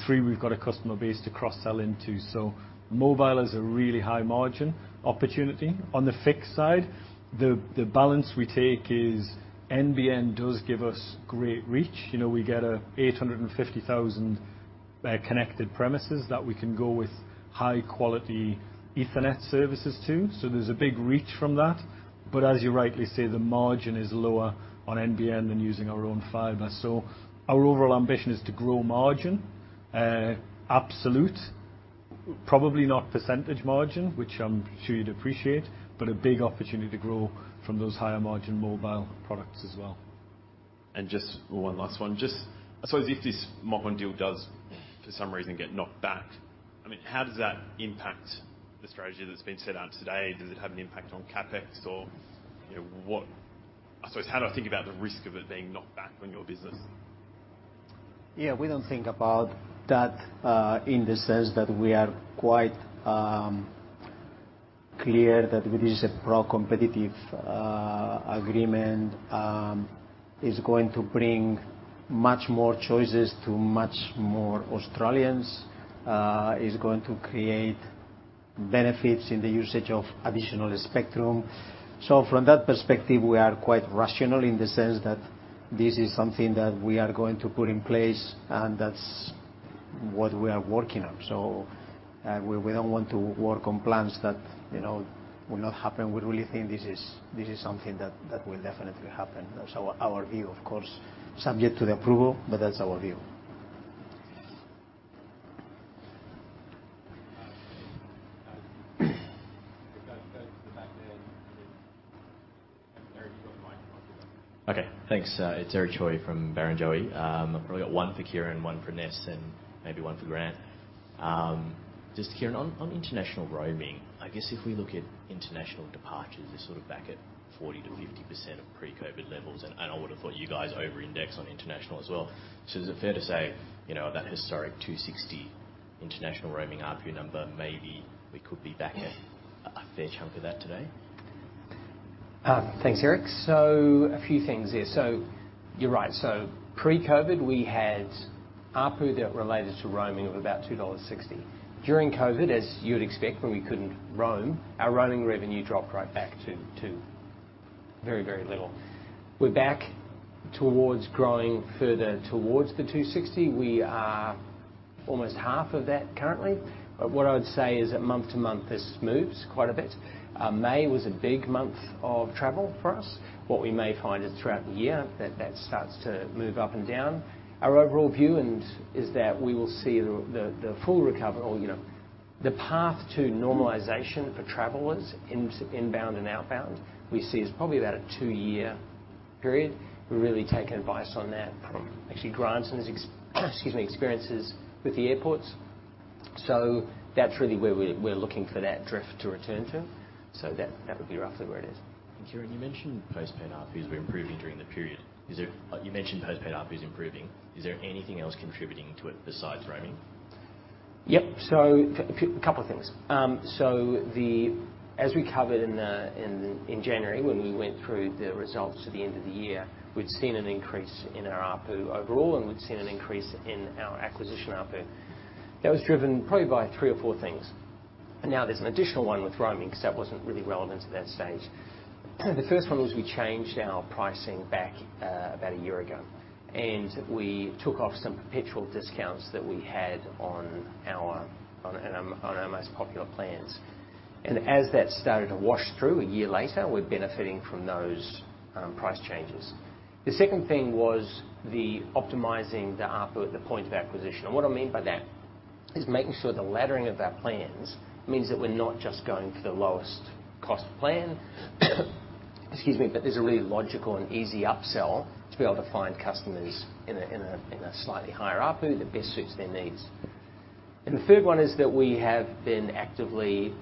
Three, we've got a customer base to cross-sell into. Mobile is a really high margin opportunity. On the fixed side, the balance we take is NBN does give us great reach. You know, we get a 850,000 connected premises that we can go with high quality Ethernet services to. There's a big reach from that. As you rightly say, the margin is lower on NBN than using our own fiber. Our overall ambition is to grow margin, absolute, probably not percentage margin, which I'm sure you'd appreciate, but a big opportunity to grow from those higher margin mobile products as well. Just one last one. Just, I suppose, if this MOCN deal does for some reason get knocked back, I mean, how does that impact the strategy that's been set out today? Does it have an impact on CapEx or, you know, what I suppose, how do I think about the risk of it being knocked back on your business? Yeah, we don't think about that in the sense that we are quite clear that this is a pro-competitive agreement. It is going to bring much more choices to much more Australians. It is going to create benefits in the usage of additional spectrum. From that perspective, we are quite rational in the sense that this is something that we are going to put in place, and that's what we are working on. We don't want to work on plans that, you know, will not happen. We really think this is something that will definitely happen. That's our view, of course, subject to the approval, but that's our view. The guy standing at the back there. Eric, you've got the mic. Okay. Thanks. It's Eric Choi from Barrenjoey. I've probably got one for Kieren, one for Ness, and maybe one for Grant. Just Kieren, on international roaming, I guess if we look at international departures, they're sort of back at 40%-50% of pre-COVID levels, and I would have thought you guys over-index on international as well. Is it fair to say, you know, that historic 260 international roaming ARPU number, maybe we could be back at a fair chunk of that today? Thanks, Eric. A few things there. You're right. Pre-COVID, we had ARPU that related to roaming of about 2.60 dollars. During COVID, as you'd expect, when we couldn't roam, our roaming revenue dropped right back to very little. We're back towards growing further towards the 2.60. We are almost half of that currently. What I would say is that month-to-month, this moves quite a bit. May was a big month of travel for us. What we may find is throughout the year that that starts to move up and down. Our overall view is that we will see the full recovery or, you know, the path to normalization for travelers inbound and outbound, we see is probably about a two-year period. We're really taking advice on that from actually Grant and his experiences with the airports. That's really where we're looking for that drift to return to. That would be roughly where it is. Kieren, you mentioned postpaid ARPU has been improving during the period. Is there anything else contributing to it besides roaming? Yep. A couple of things. As we covered in January when we went through the results at the end of the year, we'd seen an increase in our ARPU overall, and we'd seen an increase in our acquisition ARPU. That was driven probably by three or four things. Now there's an additional one with roaming, 'cause that wasn't really relevant at that stage. The first one was we changed our pricing back about a year ago, and we took off some perpetual discounts that we had on our most popular plans. As that started to wash through a year later, we're benefiting from those price changes. The second thing was the optimizing the ARPU at the point of acquisition. What I mean by that is making sure the laddering of our plans means that we're not just going for the lowest cost plan, excuse me, but there's a really logical and easy upsell to be able to find customers in a slightly higher ARPU that best suits their needs. The third one is that we have been actively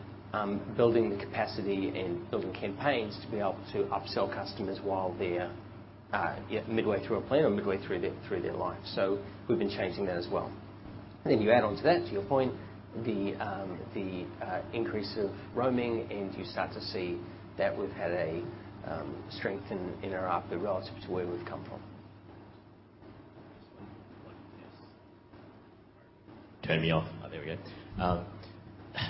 building the capacity and building campaigns to be able to upsell customers while they're midway through a plan or midway through their life. We've been changing that as well. You add on to that, to your point, the increase of roaming, and you start to see that we've had a strength in our ARPU relative to where we've come from. Turn me off. Oh, there we go.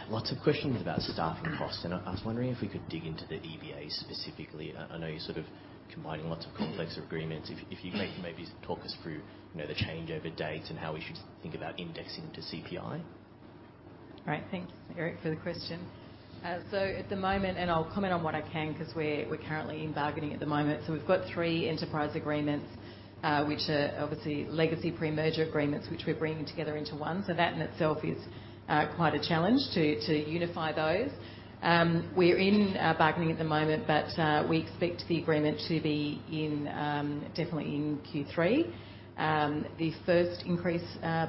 Lots of questions about staff and costs, and I was wondering if we could dig into the EBA specifically. I know you're sort of combining lots of complex agreements. If you could maybe talk us through, you know, the changeover dates and how we should think about indexing to CPI. All right. Thanks, Darren, for the question. At the moment and I'll comment on what I can because we're currently in bargaining at the moment. We've got three enterprise agreements, which are obviously legacy pre-merger agreements, which we're bringing together into one. That in itself is quite a challenge to unify those. We're in bargaining at the moment, but we expect the agreement to be in definitely in Q3. The first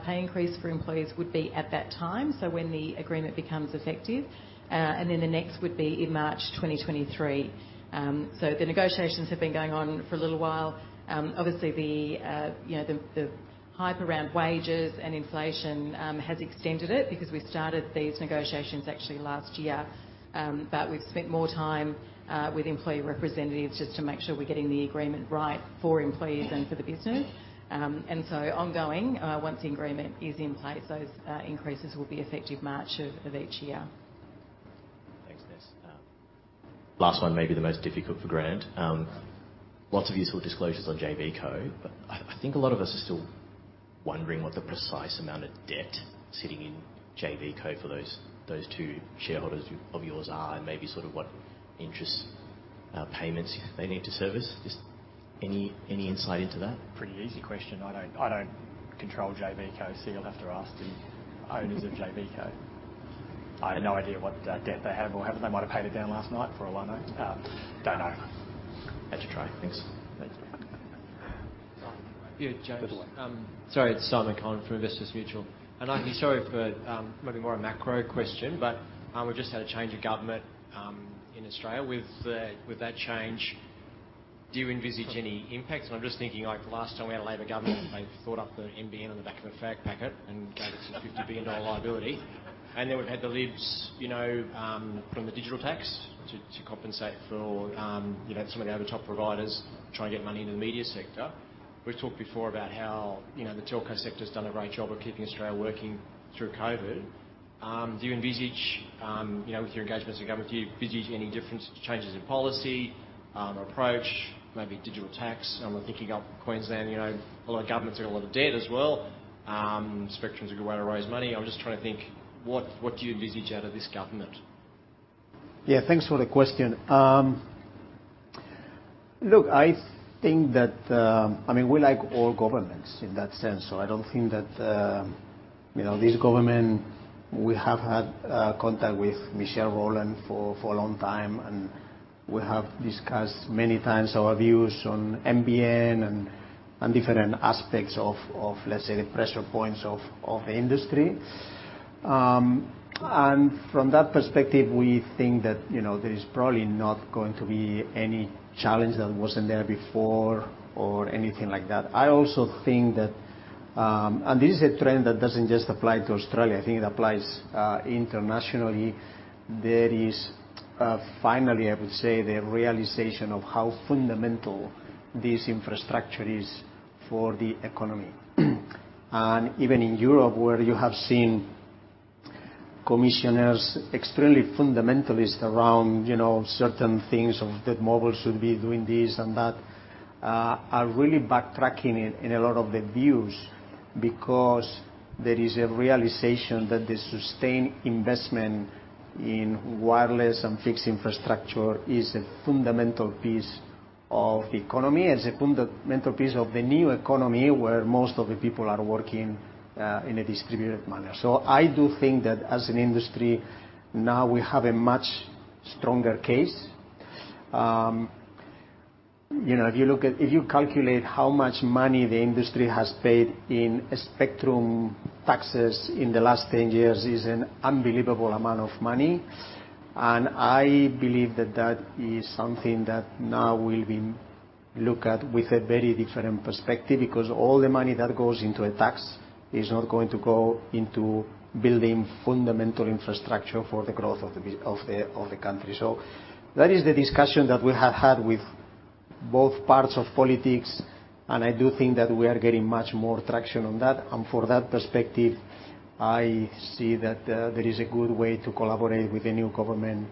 pay increase for employees would be at that time, so when the agreement becomes effective. Then the next would be in March 2023. The negotiations have been going on for a little while. Obviously, you know, the hype around wages and inflation has extended it because we started these negotiations actually last year. We've spent more time with employee representatives just to make sure we're getting the agreement right for employees and for the business. Ongoing, once the agreement is in place, those increases will be effective March of each year. Thanks, Ness. Last one may be the most difficult for Grant. Lots of useful disclosures on JVCo, but I think a lot of us are still wondering what the precise amount of debt sitting in JVCo for those two shareholders of yours are and maybe sort of what interest payments they need to service. Just any insight into that? Pretty easy question. I don't control JVCo, so you'll have to ask the owners of JVCo. I have no idea what debt they have or haven't. They might have paid it down last night for all I know. Don't know. Had to try. Thanks. Sorry, it's Simon Conn from Investors Mutual. I'm sorry for maybe more a macro question, but we've just had a change of government in Australia. With that change, do you envisage any impacts? I'm just thinking like last time we had a Labor government, they thought up the NBN on the back of a fag packet and gave us a 50 billion dollar liability. Then we've had the Libs, you know, putting the digital tax to compensate for you know, some of the over-the-top providers try and get money into the media sector. We've talked before about how, you know, the telco sector's done a great job of keeping Australia working through COVID. Do you envisage, you know, with your engagements with government, do you envisage any different changes in policy, approach, maybe digital tax? We're thinking of Queensland, you know. A lot of governments are in a lot of debt as well. Spectrum's a good way to raise money. I'm just trying to think what do you envisage out of this government? Yeah, thanks for the question. Look, I think that, I mean, we like all governments in that sense, so I don't think that, you know, this government, we have had contact with Michelle Rowland for a long time, and we have discussed many times our views on NBN and different aspects of, let's say, the pressure points of the industry. From that perspective, we think that, you know, there is probably not going to be any challenge that wasn't there before or anything like that. I also think that, and this is a trend that doesn't just apply to Australia, I think it applies internationally. There is finally, I would say, the realization of how fundamental this infrastructure is for the economy. Even in Europe, where you have seen commissioners extremely fundamentalist around, you know, certain things of that mobile should be doing this and that, are really backtracking in a lot of the views because there is a realization that the sustained investment in wireless and fixed infrastructure is a fundamental piece of the economy, as a fundamental piece of the new economy, where most of the people are working in a distributed manner. I do think that as an industry, now we have a much stronger case. You know, if you look at, if you calculate how much money the industry has paid in spectrum taxes in the last 10 years is an unbelievable amount of money. I believe that that is something that now will be looked at with a very different perspective, because all the money that goes into a tax is not going to go into building fundamental infrastructure for the growth of the country. That is the discussion that we have had with both parts of politics, and I do think that we are getting much more traction on that. For that perspective, I see that there is a good way to collaborate with the new government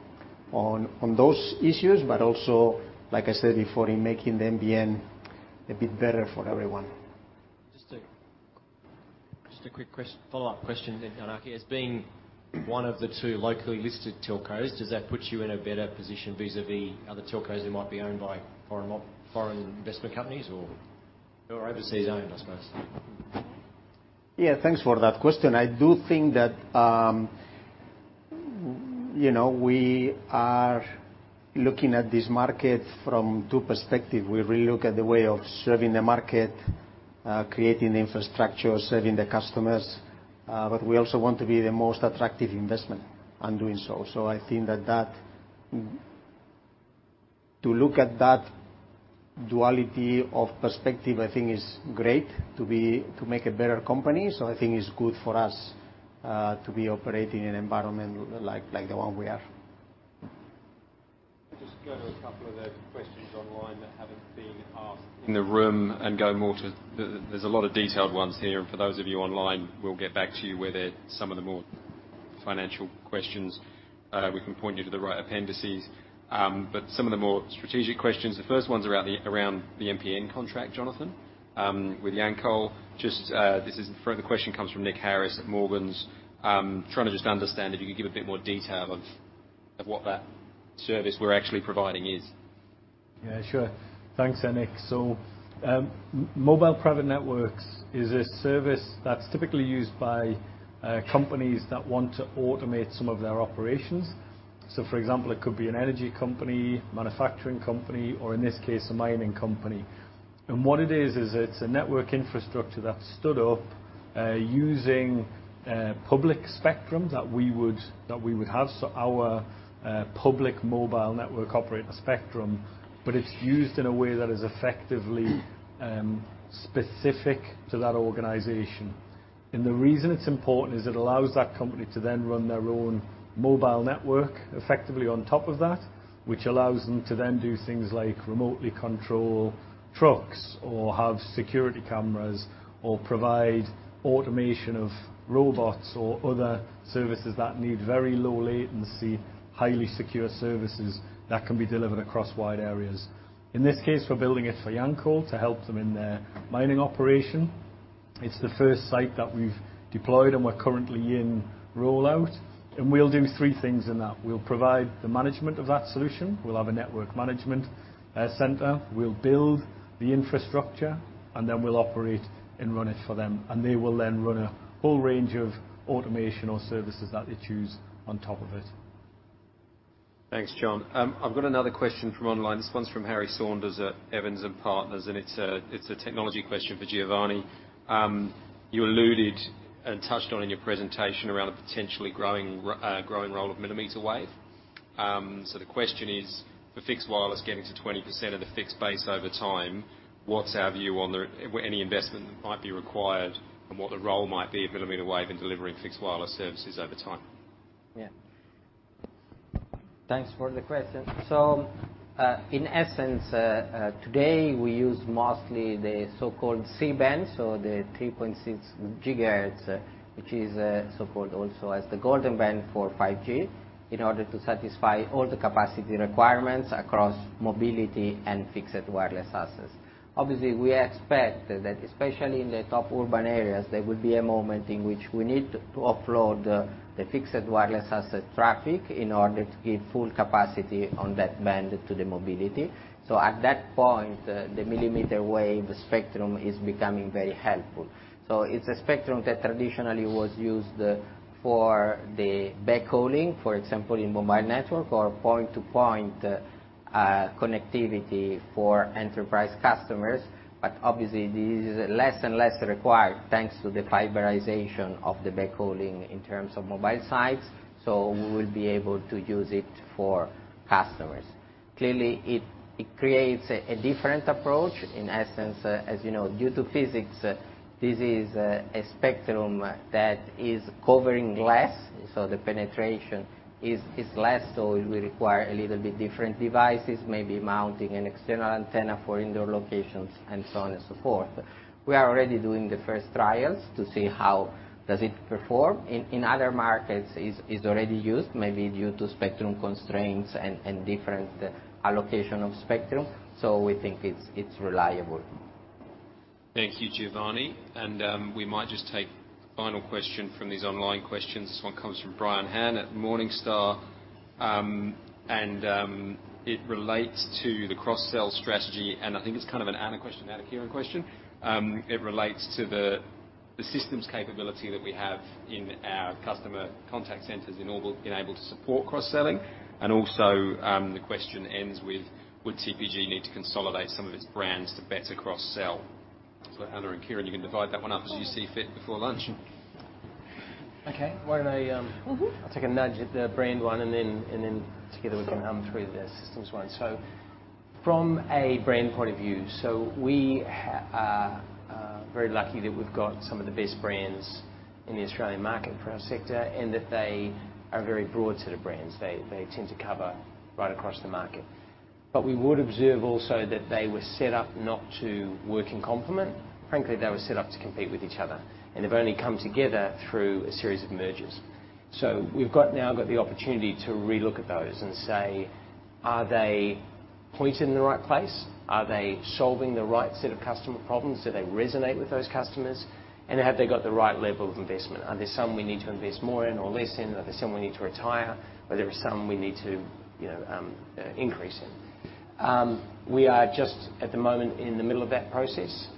on those issues, but also, like I said before, in making the NBN a bit better for everyone. Just a quick follow-up question then, Iñaki. As being one of the two locally listed telcos, does that put you in a better position vis-à-vis other telcos who might be owned by foreign investment companies or overseas-owned, I suppose? Yeah, thanks for that question. I do think that, you know, we are looking at this market from two perspective. We really look at the way of serving the market, creating infrastructure, serving the customers, but we also want to be the most attractive investment on doing so. I think that to look at that duality of perspective, I think is great to make a better company. I think it's good for us, to be operating in an environment like the one we are. Just go to a couple of the questions online that haven't been asked in the room. There's a lot of detailed ones here. For those of you online, we'll get back to you where there are some of the more financial questions. We can point you to the right appendices. But some of the more strategic questions. The first one's around the MPN contract, Jonathan, with Yancoal. The question comes from Nick Harris at Morgans. Trying to just understand if you could give a bit more detail of what that service we're actually providing is. Yeah, sure. Thanks then, Nick. Mobile private networks is a service that's typically used by companies that want to automate some of their operations. For example, it could be an energy company, manufacturing company, or in this case, a mining company. What it is is it's a network infrastructure that's stood up using public spectrum that we would have. Our public mobile network operates on spectrum, but it's used in a way that is effectively specific to that organization. The reason it's important is it allows that company to then run their own mobile network effectively on top of that, which allows them to then do things like remotely control trucks or have security cameras or provide automation of robots or other services that need very low latency, highly secure services that can be delivered across wide areas. In this case, we're building it for Yancoal to help them in their mining operation. It's the first site that we've deployed, and we're currently in rollout. We'll do three things in that. We'll provide the management of that solution. We'll have a network management center. We'll build the infrastructure, and then we'll operate and run it for them. They will then run a whole range of automation or services that they choose on top of it. Thanks, John. I've got another question from online. This one's from Harry Saunders at Evans and Partners, and it's a technology question for Giovanni. You alluded and touched on in your presentation around a potentially growing role of millimeter wave. So the question is, the fixed wireless getting to 20% of the fixed base over time, what's our view on the any investment that might be required and what the role might be of millimeter wave in delivering fixed wireless services over time? Yeah. Thanks for the question. In essence, today, we use mostly the so-called C-band, so the 3.6 gigahertz, which is so-called also as the golden band for 5G, in order to satisfy all the capacity requirements across mobility and fixed wireless access. Obviously, we expect that especially in the top urban areas, there will be a moment in which we need to offload the fixed wireless asset traffic in order to give full capacity on that band to the mobility. At that point, the millimeter wave spectrum is becoming very helpful. It's a spectrum that traditionally was used for the backhauling, for example, in mobile network or point-to-point connectivity for enterprise customers. Obviously, this is less and less required thanks to the fiberization of the backhauling in terms of mobile sites. We will be able to use it for customers. Clearly, it creates a different approach. In essence, as you know, due to physics, this is a spectrum that is covering less, so the penetration is less. It will require a little bit different devices, maybe mounting an external antenna for indoor locations and so on and so forth. We are already doing the first trials to see how does it perform. In other markets, it's already used, maybe due to spectrum constraints and different allocation of spectrum. We think it's reliable. Thank you, Giovanni. We might just take the final question from these online questions. This one comes from Brian Han at Morningstar. It relates to the cross-sell strategy, and I think it's kind of an Ana question, Ana Kieren question. It relates to the system's capability that we have in our customer contact centers enabled to support cross-selling. Also, the question ends with would TPG need to consolidate some of its brands to better cross-sell? Ana and Kieren, you can divide that one up as you see fit before lunch. Okay. Why don't I take a nudge at the brand one, and then together we can [inaudible] through the systems one. From a brand point of view, we're very lucky that we've got some of the best brands in the Australian market for our sector, and that they are a very broad set of brands. They tend to cover right across the market. We would observe also that they were set up not to work in complement. Frankly, they were set up to compete with each other, and they've only come together through a series of mergers. We've now got the opportunity to relook at those and say, are they pointed in the right place? Are they solving the right set of customer problems? Do they resonate with those customers? And have they got the right level of investment? Are there some we need to invest more in or less in? Are there some we need to retire, but there are some we need to, you know, increase in? We are just at the moment in the middle of that process.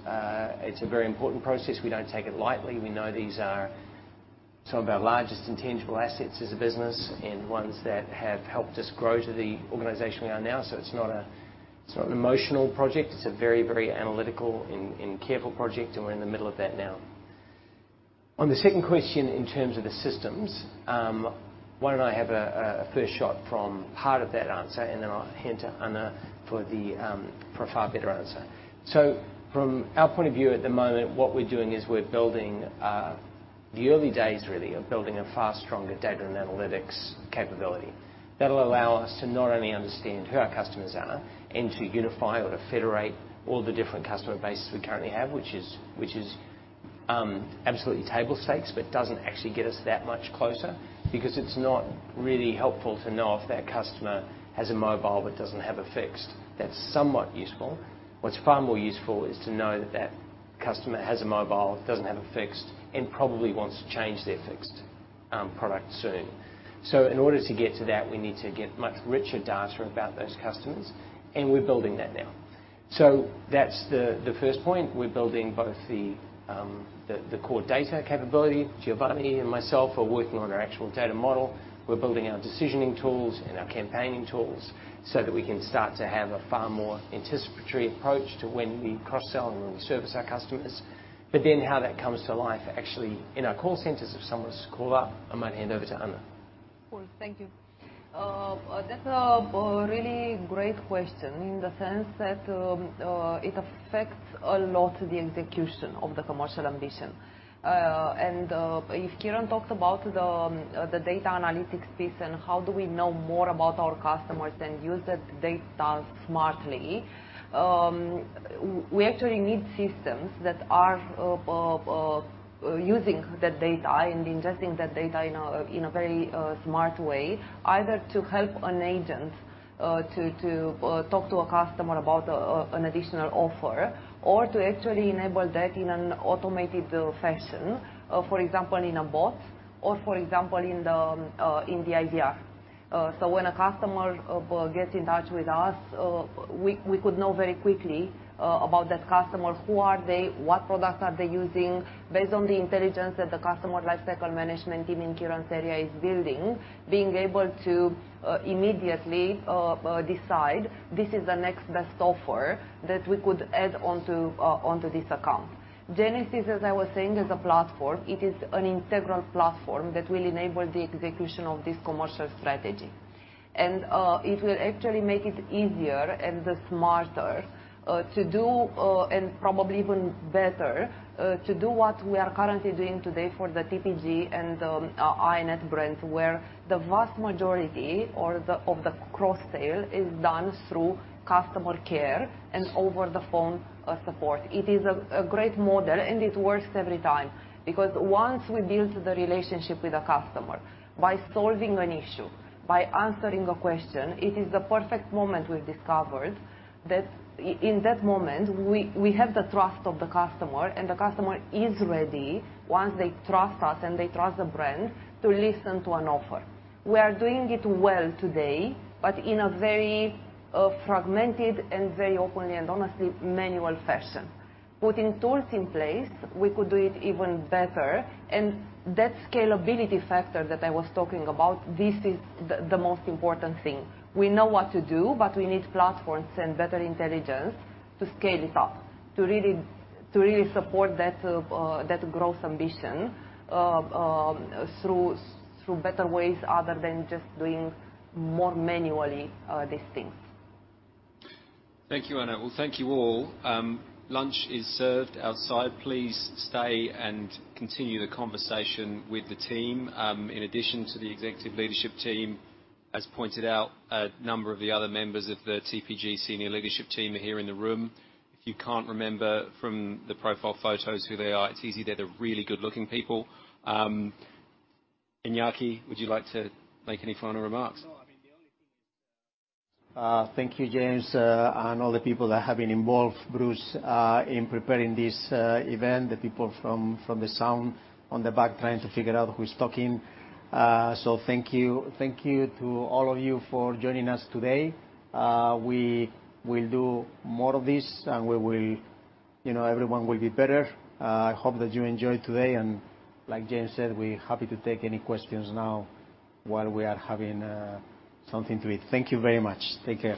It's a very important process. We don't take it lightly. We know these are some of our largest intangible assets as a business and ones that have helped us grow to the organization we are now, so it's not an emotional project. It's a very, very analytical and careful project, and we're in the middle of that now. On the second question, in terms of the systems, why don't I have a first shot at part of that answer, and then I'll hand to Ana for a far better answer. From our point of view, at the moment, what we're doing is we're building the early days really of building a far stronger data and analytics capability. That'll allow us to not only understand who our customers are and to unify or to federate all the different customer bases we currently have, which is absolutely table stakes. It doesn't actually get us that much closer because it's not really helpful to know if that customer has a mobile but doesn't have a fixed. That's somewhat useful. What's far more useful is to know that that customer has a mobile, doesn't have a fixed, and probably wants to change their fixed product soon. In order to get to that, we need to get much richer data about those customers, and we're building that now. That's the first point. We're building both the core data capability. Giovanni and myself are working on our actual data model. We're building our decisioning tools and our campaigning tools so that we can start to have a far more anticipatory approach to when we cross-sell and when we service our customers. How that comes to life, actually in our call centers if someone calls up, I might hand over to Ana. Of course. Thank you. That's a really great question in the sense that it affects a lot of the execution of the commercial ambition. If Kieren talked about the data analytics piece and how do we know more about our customers and use that data smartly, we actually need systems that are using that data and ingesting that data in a very smart way, either to help an agent to talk to a customer about an additional offer or to actually enable that in an automated fashion. For example, in a bot or for example in the IVR. So when a customer gets in touch with us, we could know very quickly about that customer, who are they, what products are they using? Based on the intelligence that the customer lifecycle management team in Kieren's area is building, being able to immediately decide this is the next best offer that we could add onto this account. Genesys, as I was saying, is a platform. It is an integral platform that will enable the execution of this commercial strategy. It will actually make it easier and smarter to do, and probably even better, to do what we are currently doing today for the TPG and our iiNet brands, where the vast majority of the cross-sale is done through customer care and over the phone support. It is a great model and it works every time. Because once we build the relationship with the customer, by solving an issue, by answering a question, it is the perfect moment we've discovered that in that moment, we have the trust of the customer, and the customer is ready, once they trust us and they trust the brand, to listen to an offer. We are doing it well today, but in a very, fragmented and very openly and honestly manual fashion. Putting tools in place, we could do it even better. That scalability factor that I was talking about, this is the most important thing. We know what to do, but we need platforms and better intelligence to scale it up, to really support that growth ambition through better ways other than just doing more manually these things. Thank you, Ana. Well, thank you all. Lunch is served outside. Please stay and continue the conversation with the team. In addition to the executive leadership team, as pointed out, a number of the other members of the TPG senior leadership team are here in the room. If you can't remember from the profile photos who they are, it's easy, they're the really good-looking people. Iñaki, would you like to make any final remarks? No, I mean, the only thing is, thank you, James, and all the people that have been involved, Bruce, in preparing this event. The people from the sound on the back trying to figure out who's talking. So thank you. Thank you to all of you for joining us today. We will do more of this, and we will, you know, everyone will be better. I hope that you enjoyed today. Like James said, we're happy to take any questions now while we are having something to eat. Thank you very much. Take care.